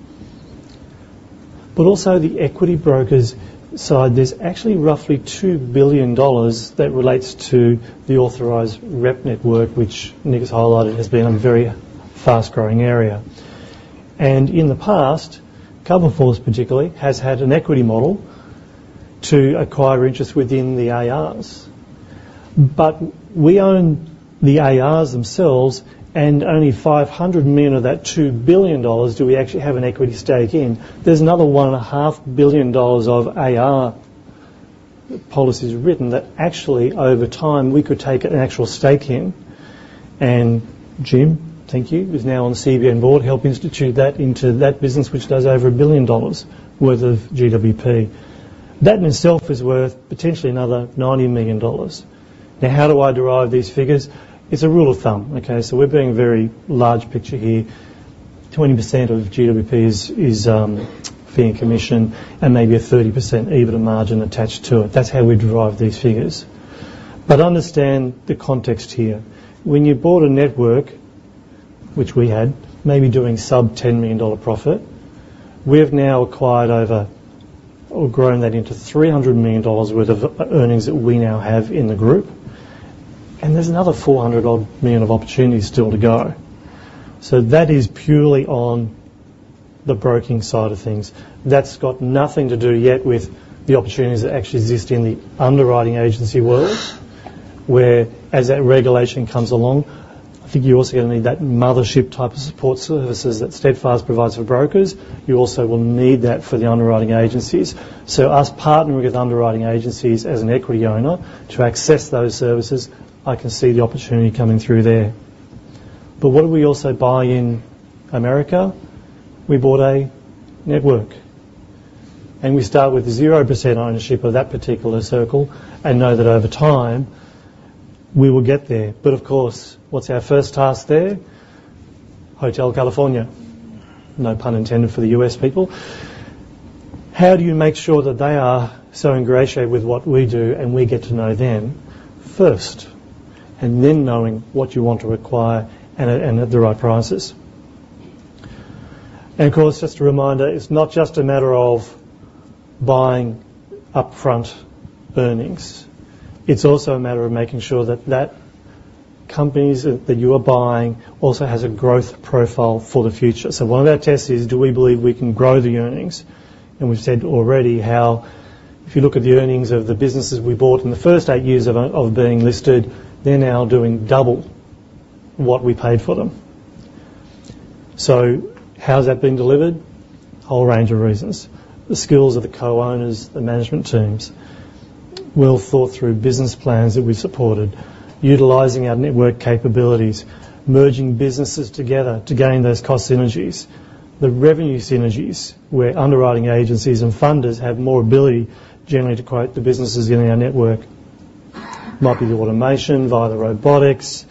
But also the equity brokers side, there's actually roughly 2 billion dollars that relates to the authorized rep network, which Nick has highlighted, has been a very fast-growing area. In the past, Coverforce, particularly, has had an equity model to acquire interest within the ARs, but we own the ARs themselves, and only 500 million of that 2 billion dollars do we actually have an equity stake in. There's another 1.5 billion dollars of AR policies written that actually, over time, we could take an actual stake in. And Jim, thank you, who's now on the CBN board, helped institute that into that business, which does over 1 billion dollars worth of GWP. That in itself is worth potentially another 90 million dollars. Now, how do I derive these figures? It's a rule of thumb, okay? So we're being very large picture here. 20% of GWP is fee and commission, and maybe a 30% EBITDA margin attached to it. That's how we derive these figures. Understand the context here. When you bought a network, which we had, maybe doing sub-AUD 10 million profit, we have now acquired over or grown that into 300 million dollars worth of earnings that we now have in the group, and there's another 400 million odd of opportunities still to go. So that is purely on the broking side of things. That's got nothing to do yet with the opportunities that actually exist in the underwriting agency world, where as that regulation comes along, I think you're also going to need that mothership type of support services that Steadfast provides for brokers. You also will need that for the underwriting agencies. So us partnering with underwriting agencies as an equity owner to access those services, I can see the opportunity coming through there. But what do we also buy in America? We bought a network, and we start with 0% ownership of that particular circle and know that over time, we will get there. But of course, what's our first task there? Hotel California. No pun intended for the US people. How do you make sure that they are so ingratiated with what we do, and we get to know them first, and then knowing what you want to acquire and at, and at the right prices? And of course, just a reminder, it's not just a matter of buying upfront earnings, it's also a matter of making sure that the companies that you are buying also has a growth profile for the future. So one of our tests is, do we believe we can grow the earnings? We've said already how if you look at the earnings of the businesses we bought in the first eight years of being listed, they're now doing double what we paid for them. So how's that been delivered? A whole range of reasons. The skills of the co-owners, the management teams, well thought through business plans that we supported, utilizing our network capabilities, merging businesses together to gain those cost synergies, the revenue synergies, where underwriting agencies and funders have more ability, generally, to create the businesses in our network. Might be the automation via the robotics,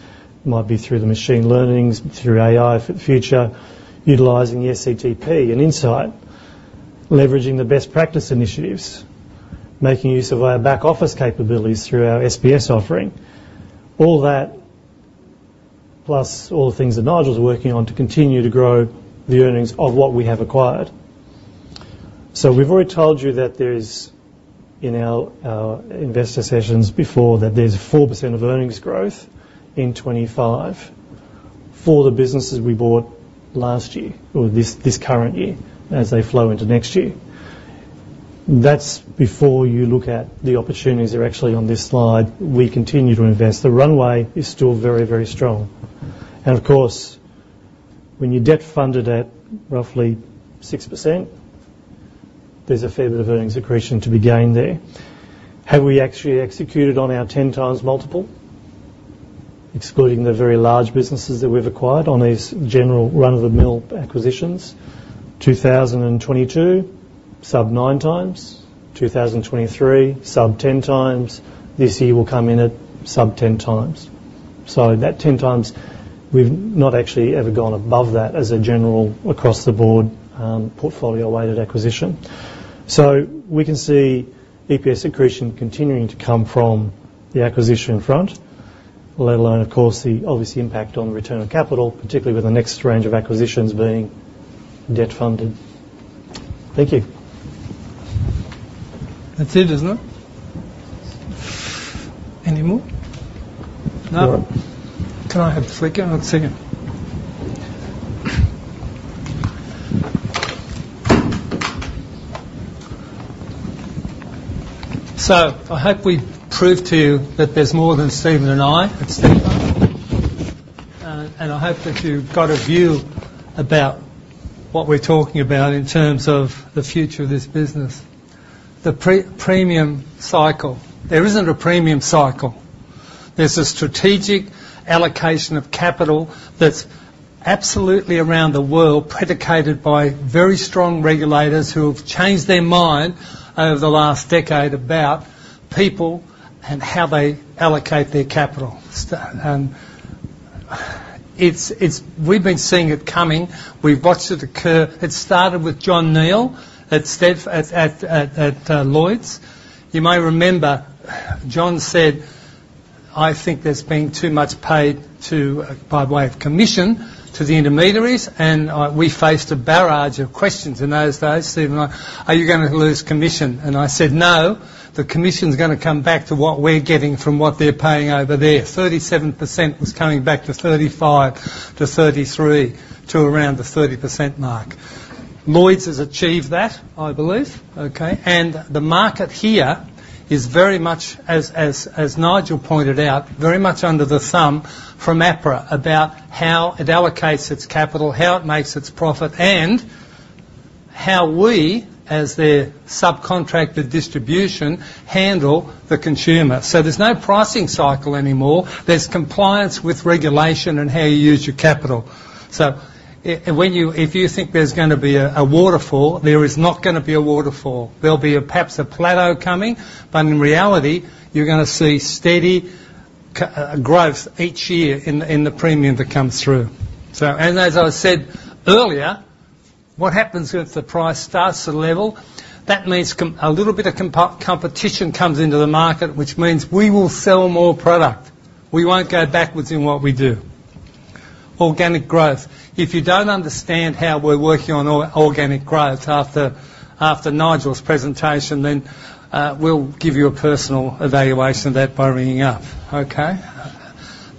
might be through the machine learnings, through AI for the future, utilizing the SCTP and insight, leveraging the best practice initiatives, making use of our back-office capabilities through our SBS offering. All that, plus all the things that Nigel is working on to continue to grow the earnings of what we have acquired. So we've already told you that there's... In our investor sessions before, that there's a 4% of earnings growth in 2025 for the businesses we bought last year or this current year, as they flow into next year. That's before you look at the opportunities that are actually on this slide. We continue to invest. The runway is still very, very strong. And of course, when you're debt funded at roughly 6%, there's a fair bit of earnings accretion to be gained there. Have we actually executed on our 10x multiple, excluding the vTery large businesses that we've acquired on these general run-of-the-mill acquisitions? 2022, sub 9x. 2023, sub 10x. This year will come in at sub 10x. So that 10x, we've not actually ever gone above that as a general across-the-board, portfolio-weighted acquisition. So we can see EPS accretion continuing to come from the acquisition front, let alone, of course, the obvious impact on return on capital, particularly with the next range of acquisitions being debt-funded. Thank you. That's it, isn't it? Any more? No. Can I have the flicker one second? So I hope we've proved to you that there's more than Stephen and I. And I hope that you've got a view about what we're talking about in terms of the future of this business. The premium cycle. There isn't a premium cycle. There's a strategic allocation of capital that's absolutely around the world, predicated by very strong regulators who have changed their mind over the last decade about people and how they allocate their capital. It's. We've been seeing it coming. We've watched it occur. It started with John Neal at Lloyd's. You may remember, John said, "I think there's been too much paid to, by way of commission, to the intermediaries," and, we faced a barrage of questions in those days, Stephen and I: "Are you gonna lose commission?" And I said, "No, the commission's gonna come back to what we're getting from what they're paying over there." 37% was coming back to 35%, to 33%, to around the 30% mark. Lloyd’s has achieved that, I believe, okay? And the market here is very much as, as, as Nigel pointed out, very much under the thumb from APRA about how it allocates its capital, how it makes its profit, and how we, as their subcontractor distribution, handle the consumer. So there's no pricing cycle anymore. There's compliance with regulation and how you use your capital. So when you if you think there's gonna be a, a waterfall, there is not gonna be a waterfall. There'll be a, perhaps, a plateau coming, but in reality, you're gonna see steady growth each year in the, in the premium that comes through. So... And as I said earlier, what happens if the price starts to level? That means a little bit of competition comes into the market, which means we will sell more product. We won't go backwards in what we do. Organic growth. If you don't understand how we're working on organic growth after, after Nigel's presentation, then, we'll give you a personal evaluation of that by ringing up, okay?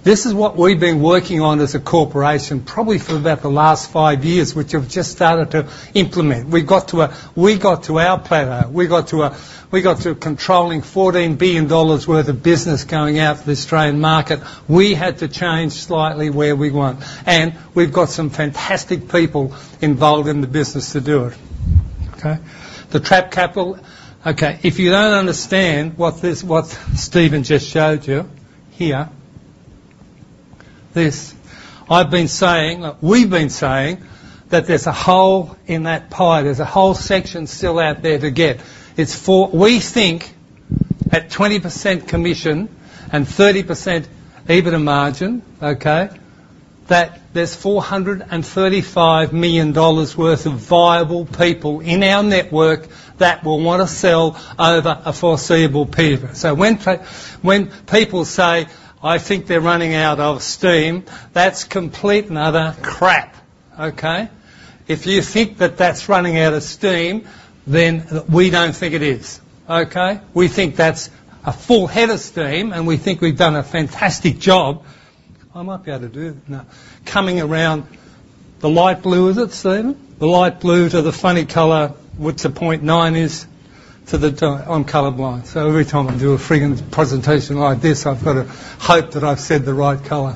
This is what we've been working on as a corporation, probably for about the last five years, which we've just started to implement. We got to our plateau. We got to controlling 14 billion dollars worth of business going out to the Australian market. We had to change slightly where we want, and we've got some fantastic people involved in the business to do it, okay? The trapped capital. Okay, if you don't understand what this, what Stephen just showed you here, this, I've been saying, we've been saying that there's a hole in that pie. There's a whole section still out there to get. It's for... We think, at 20% commission and 30% EBITDA margin, okay, that there's 435 million dollars worth of viable people in our network that will want to sell over a foreseeable period. So when people say, "I think they're running out of steam," that's complete and utter crap, okay? If you think that that's running out of steam, then we don't think it is, okay? We think that's a full head of steam, and we think we've done a fantastic job. I might be able to do it now. Coming around, the light blue, is it, Stephen? The light blue to the funny color, which the 0.9 is, to the... I'm color blind, so every time I do a freaking presentation like this, I've got to hope that I've said the right color.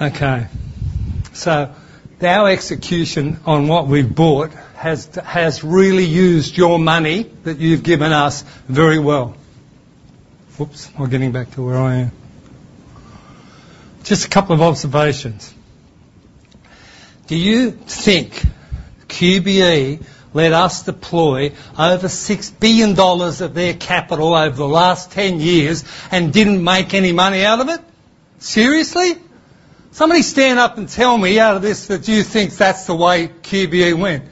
Okay, so our execution on what we've bought has really used your money that you've given us very well. Whoops! We're getting back to where I am. Just a couple of observations. Do you think QBE let us deploy over 6 billion dollars of their capital over the last 10 years and didn't make any money out of it? Seriously? Somebody stand up and tell me out of this that you think that's the way QBE went.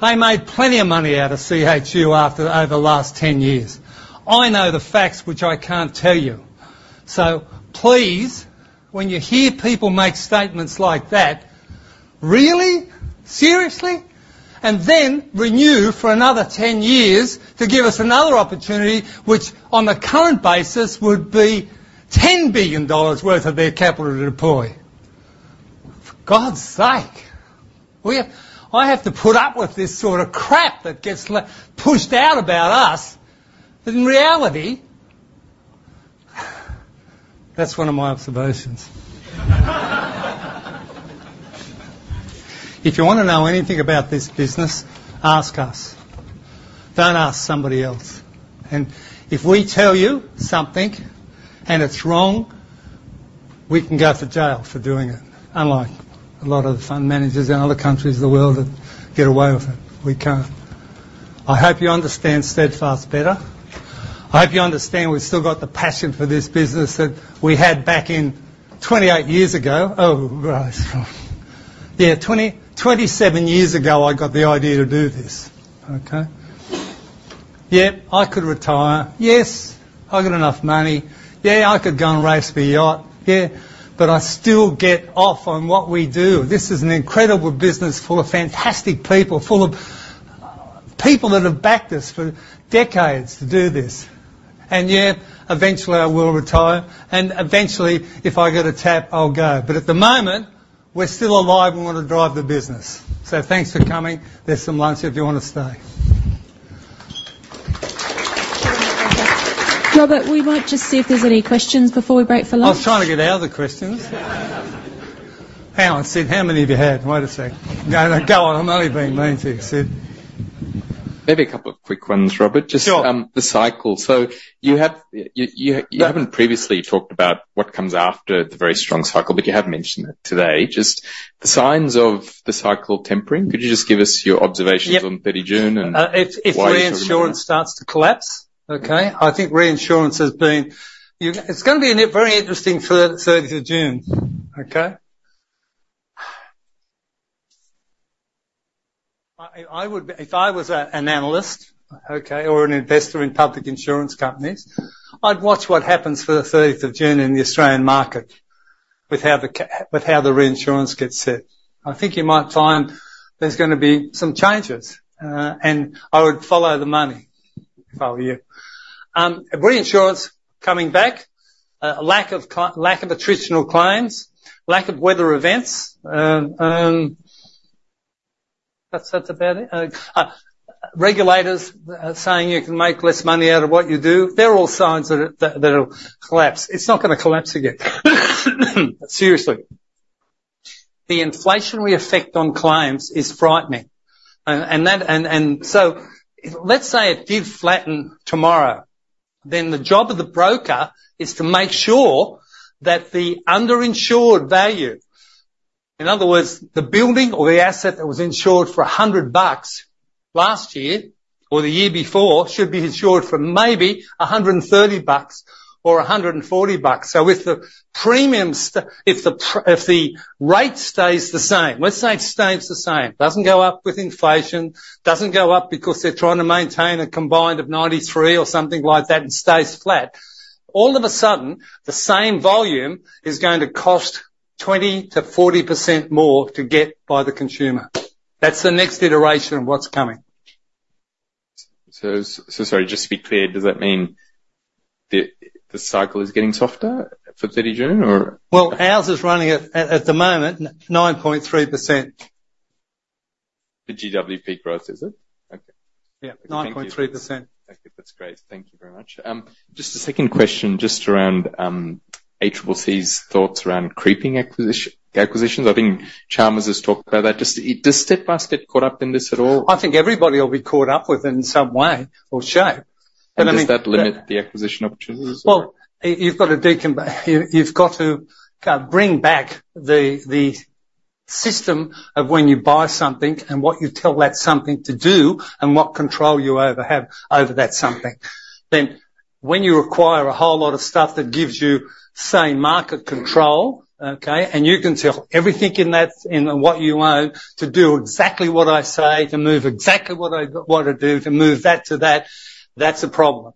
They made plenty of money out of CHU after, over the last 10 years. I know the facts, which I can't tell you. So please, when you hear people make statements like that, really? Seriously? And then renew for another 10 years to give us another opportunity, which, on the current basis, would be 10 billion dollars worth of their capital to deploy. For God's sake, we have, I have to put up with this sort of crap that gets pushed out about us, but in reality... That's one of my observations. If you want to know anything about this business, ask us. Don't ask somebody else. And if we tell you something and it's wrong, we can go to jail for doing it, unlike a lot of the fund managers in other countries of the world that get away with it, we can't. I hope you understand Steadfast better. I hope you understand we've still got the passion for this business that we had back in 28 years ago. Oh, right. Yeah, 27 years ago, I got the idea to do this, okay? Yep, I could retire. Yes, I've got enough money. Yeah, I could go and race my yacht. Yeah, but I still get off on what we do. This is an incredible business full of fantastic people, full of people that have backed us for decades to do this. And, yeah, eventually, I will retire, and eventually, if I get a tap, I'll go. But at the moment, we're still alive and want to drive the business. So thanks for coming. There's some lunch if you want to stay. Robert, we might just see if there's any questions before we break for lunch. I was trying to get out of the questions. Hang on, Sid, how many have you had? Wait a sec. Go, go on. I'm only being mean to you, Sid. Maybe a couple of quick ones, Robert. Sure. Just, the cycle. So you have, you haven't previously talked about what comes after the very strong cycle, but you have mentioned it today. Just the signs of the cycle tempering. Could you just give us your observations? Yep. on 30 June, and If reinsurance starts to collapse, okay? I think reinsurance has been... It's gonna be a very interesting thirtieth of June, okay? If I was an analyst, okay, or an investor in public insurance companies, I'd watch what happens for the thirtieth of June in the Australian market with how the reinsurance gets set. I think you might find there's gonna be some changes, and I would follow the money if I were you. Reinsurance coming back, lack of attritional claims, lack of weather events, that's about it. Regulators saying you can make less money out of what you do, they're all signs that it'll collapse. It's not gonna collapse again. Seriously. The inflationary effect on claims is frightening, and that. So let's say it did flatten tomorrow, then the job of the broker is to make sure that the underinsured value, in other words, the building or the asset that was insured for 100 bucks last year or the year before, should be insured for maybe 130 bucks or 140 bucks. So if the rate stays the same, let's say it stays the same, doesn't go up with inflation, doesn't go up because they're trying to maintain a combined of 93 or something like that and stays flat, all of a sudden, the same volume is going to cost 20%-40% more to get by the consumer. That's the next iteration of what's coming. So sorry, just to be clear, does that mean the cycle is getting softer for 30 June, or? Well, ours is running at the moment, 9.3%. The GWP growth, is it? Okay. Yeah- Thank you. 9.3%. Okay, that's great. Thank you very much. Just a second question, just around ACCC's thoughts around creeping acquisition, acquisitions. I think Chalmers has talked about that. Just, does Steadfast get caught up in this at all? I think everybody will be caught up with in some way or shape. But I mean- Does that limit the acquisition opportunities? Well, you've got to bring back the system of when you buy something and what you tell that something to do and what control you have over that something. Then, when you acquire a whole lot of stuff that gives you, say, market control, okay, and you can tell everything in that, in what you own, to do exactly what I say, to move exactly what I want to do, to move that to that, that's a problem.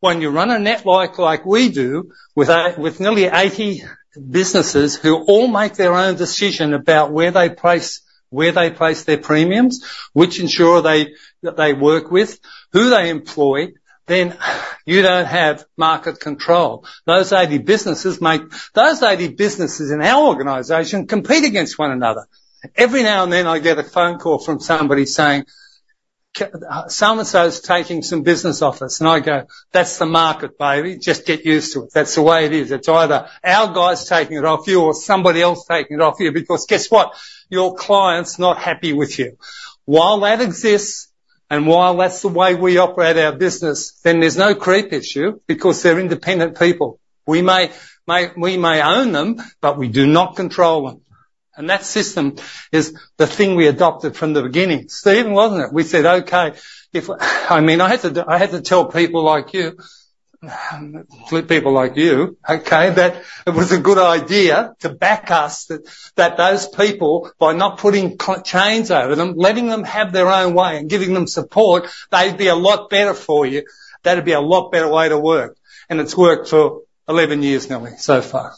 When you run a network like we do, with nearly 80 businesses who all make their own decision about where they place their premiums, which insurer they work with, who they employ, then you don't have market control. Those 80 businesses in our organization compete against one another. Every now and then, I get a phone call from somebody saying, "so and so is taking some business off us." And I go, "That's the market, baby. Just get used to it. That's the way it is. It's either our guys taking it off you or somebody else taking it off you, because guess what? Your client's not happy with you." While that exists, and while that's the way we operate our business, then there's no creep issue because they're independent people. We may own them, but we do not control them. And that system is the thing we adopted from the beginning. Steven, wasn't it? We said, "Okay, if..." I mean, I had to, I had to tell people like you, okay, that it was a good idea to back us, that those people, by not putting chains over them, letting them have their own way and giving them support, they'd be a lot better for you. That'd be a lot better way to work. And it's worked for 11 years now so far.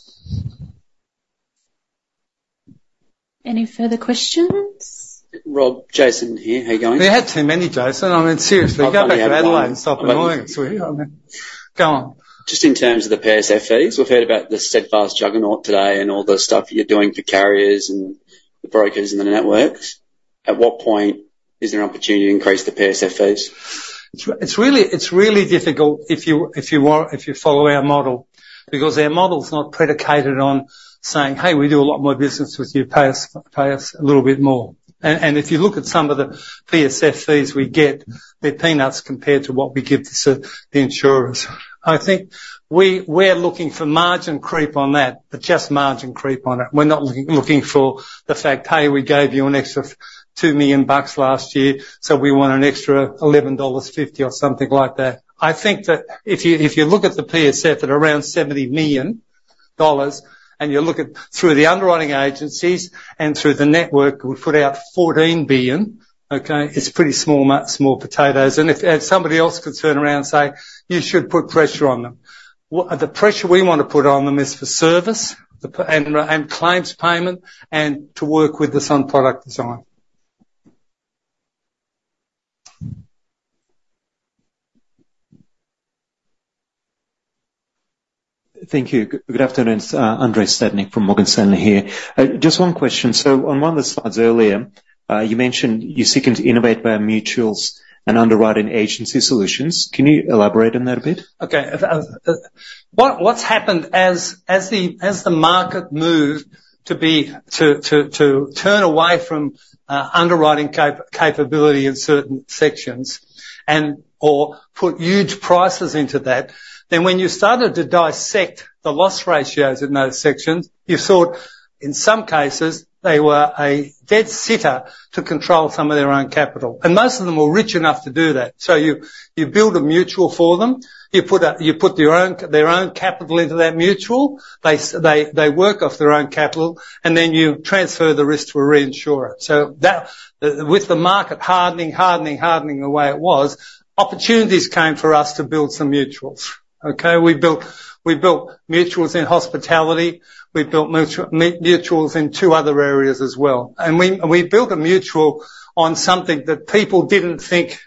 Any further questions? Rob, Jason here. How you going? You've had too many, Jason. I mean, seriously- <crosstalk> Go back to Adelaide and stop in the morning. Sweet. Okay, go on. Just in terms of the PSF fees, we've heard about the Steadfast juggernaut today and all the stuff you're doing for carriers and the brokers and the networks. At what point is there an opportunity to increase the PSF fees? It's really difficult if you want. If you follow our model, because our model is not predicated on saying, "Hey, we do a lot more business with you. Pay us a little bit more." And if you look at some of the PSF fees we get, they're peanuts compared to what we give to the insurers. I think we're looking for margin creep on that, but just margin creep on it. We're not looking for the fact, "Hey, we gave you an extra 2 million bucks last year, so we want an extra 11.50 dollars," or something like that. I think that if you look at the PSF at around 70 million dollars, and you look at through the underwriting agencies and through the network, we put out 14 billion, okay? It's pretty small nuts, small potatoes. And if somebody else could turn around and say, "You should put pressure on them," what the pressure we want to put on them is for service, the pricing and claims payment, and to work with us on product design. Thank you. Good afternoon, it's Andrei Stadnik from Morgan Stanley here. Just one question. So on one of the slides earlier, you mentioned you're seeking to innovate via mutuals and underwriting agency solutions. Can you elaborate on that a bit? Okay. What's happened as the market moved to turn away from underwriting capability in certain sections and/or put huge prices into that, then when you started to dissect the loss ratios in those sections, you saw it, in some cases, they were a dead sitter to control some of their own capital, and most of them were rich enough to do that. So you build a mutual for them, you put your own... their own capital into that mutual. They work off their own capital, and then you transfer the risk to a reinsurer. So that with the market hardening the way it was, opportunities came for us to build some mutuals, okay? We built mutuals in hospitality, we built mutuals in two other areas as well. We built a mutual on something that people didn't think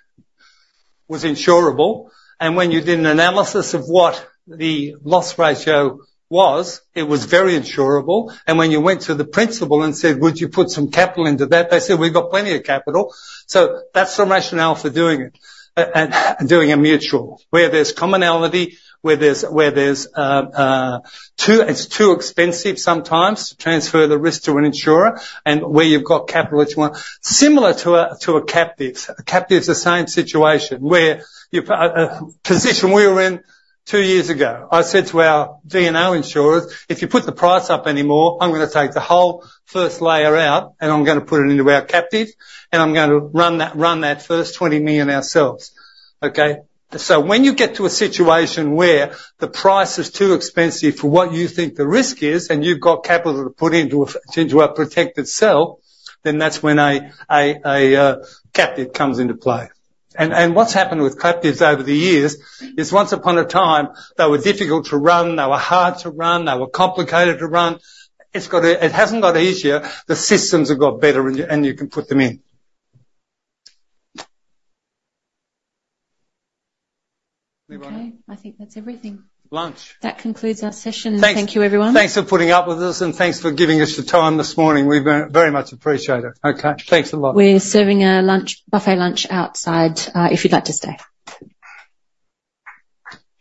was insurable, and when you did an analysis of what the loss ratio was, it was very insurable, and when you went to the principal and said, "Would you put some capital into that?" They said, "We've got plenty of capital." So that's some rationale for doing it, and doing a mutual, where there's commonality, where there's too, it's too expensive sometimes to transfer the risk to an insurer and where you've got capital which is similar to a captive. A captive is the same situation, the position we were in two years ago, I said to our D&O insurers, "If you put the price up anymore, I'm gonna take the whole first layer out, and I'm gonna put it into our captive, and I'm gonna run that, run that first 20 million ourselves." Okay? So when you get to a situation where the price is too expensive for what you think the risk is, and you've got capital to put into a protected cell, then that's when a captive comes into play. And what's happened with captives over the years is once upon a time, they were difficult to run, they were hard to run, they were complicated to run. It hasn't got easier, the systems have got better, and you can put them in. Okay, I think that's everything. Lunch. That concludes our session. Thanks. Thank you, everyone. Thanks for putting up with us, and thanks for giving us the time this morning. We very, very much appreciate it. Okay, thanks a lot. We're serving our lunch, buffet lunch outside, if you'd like to stay.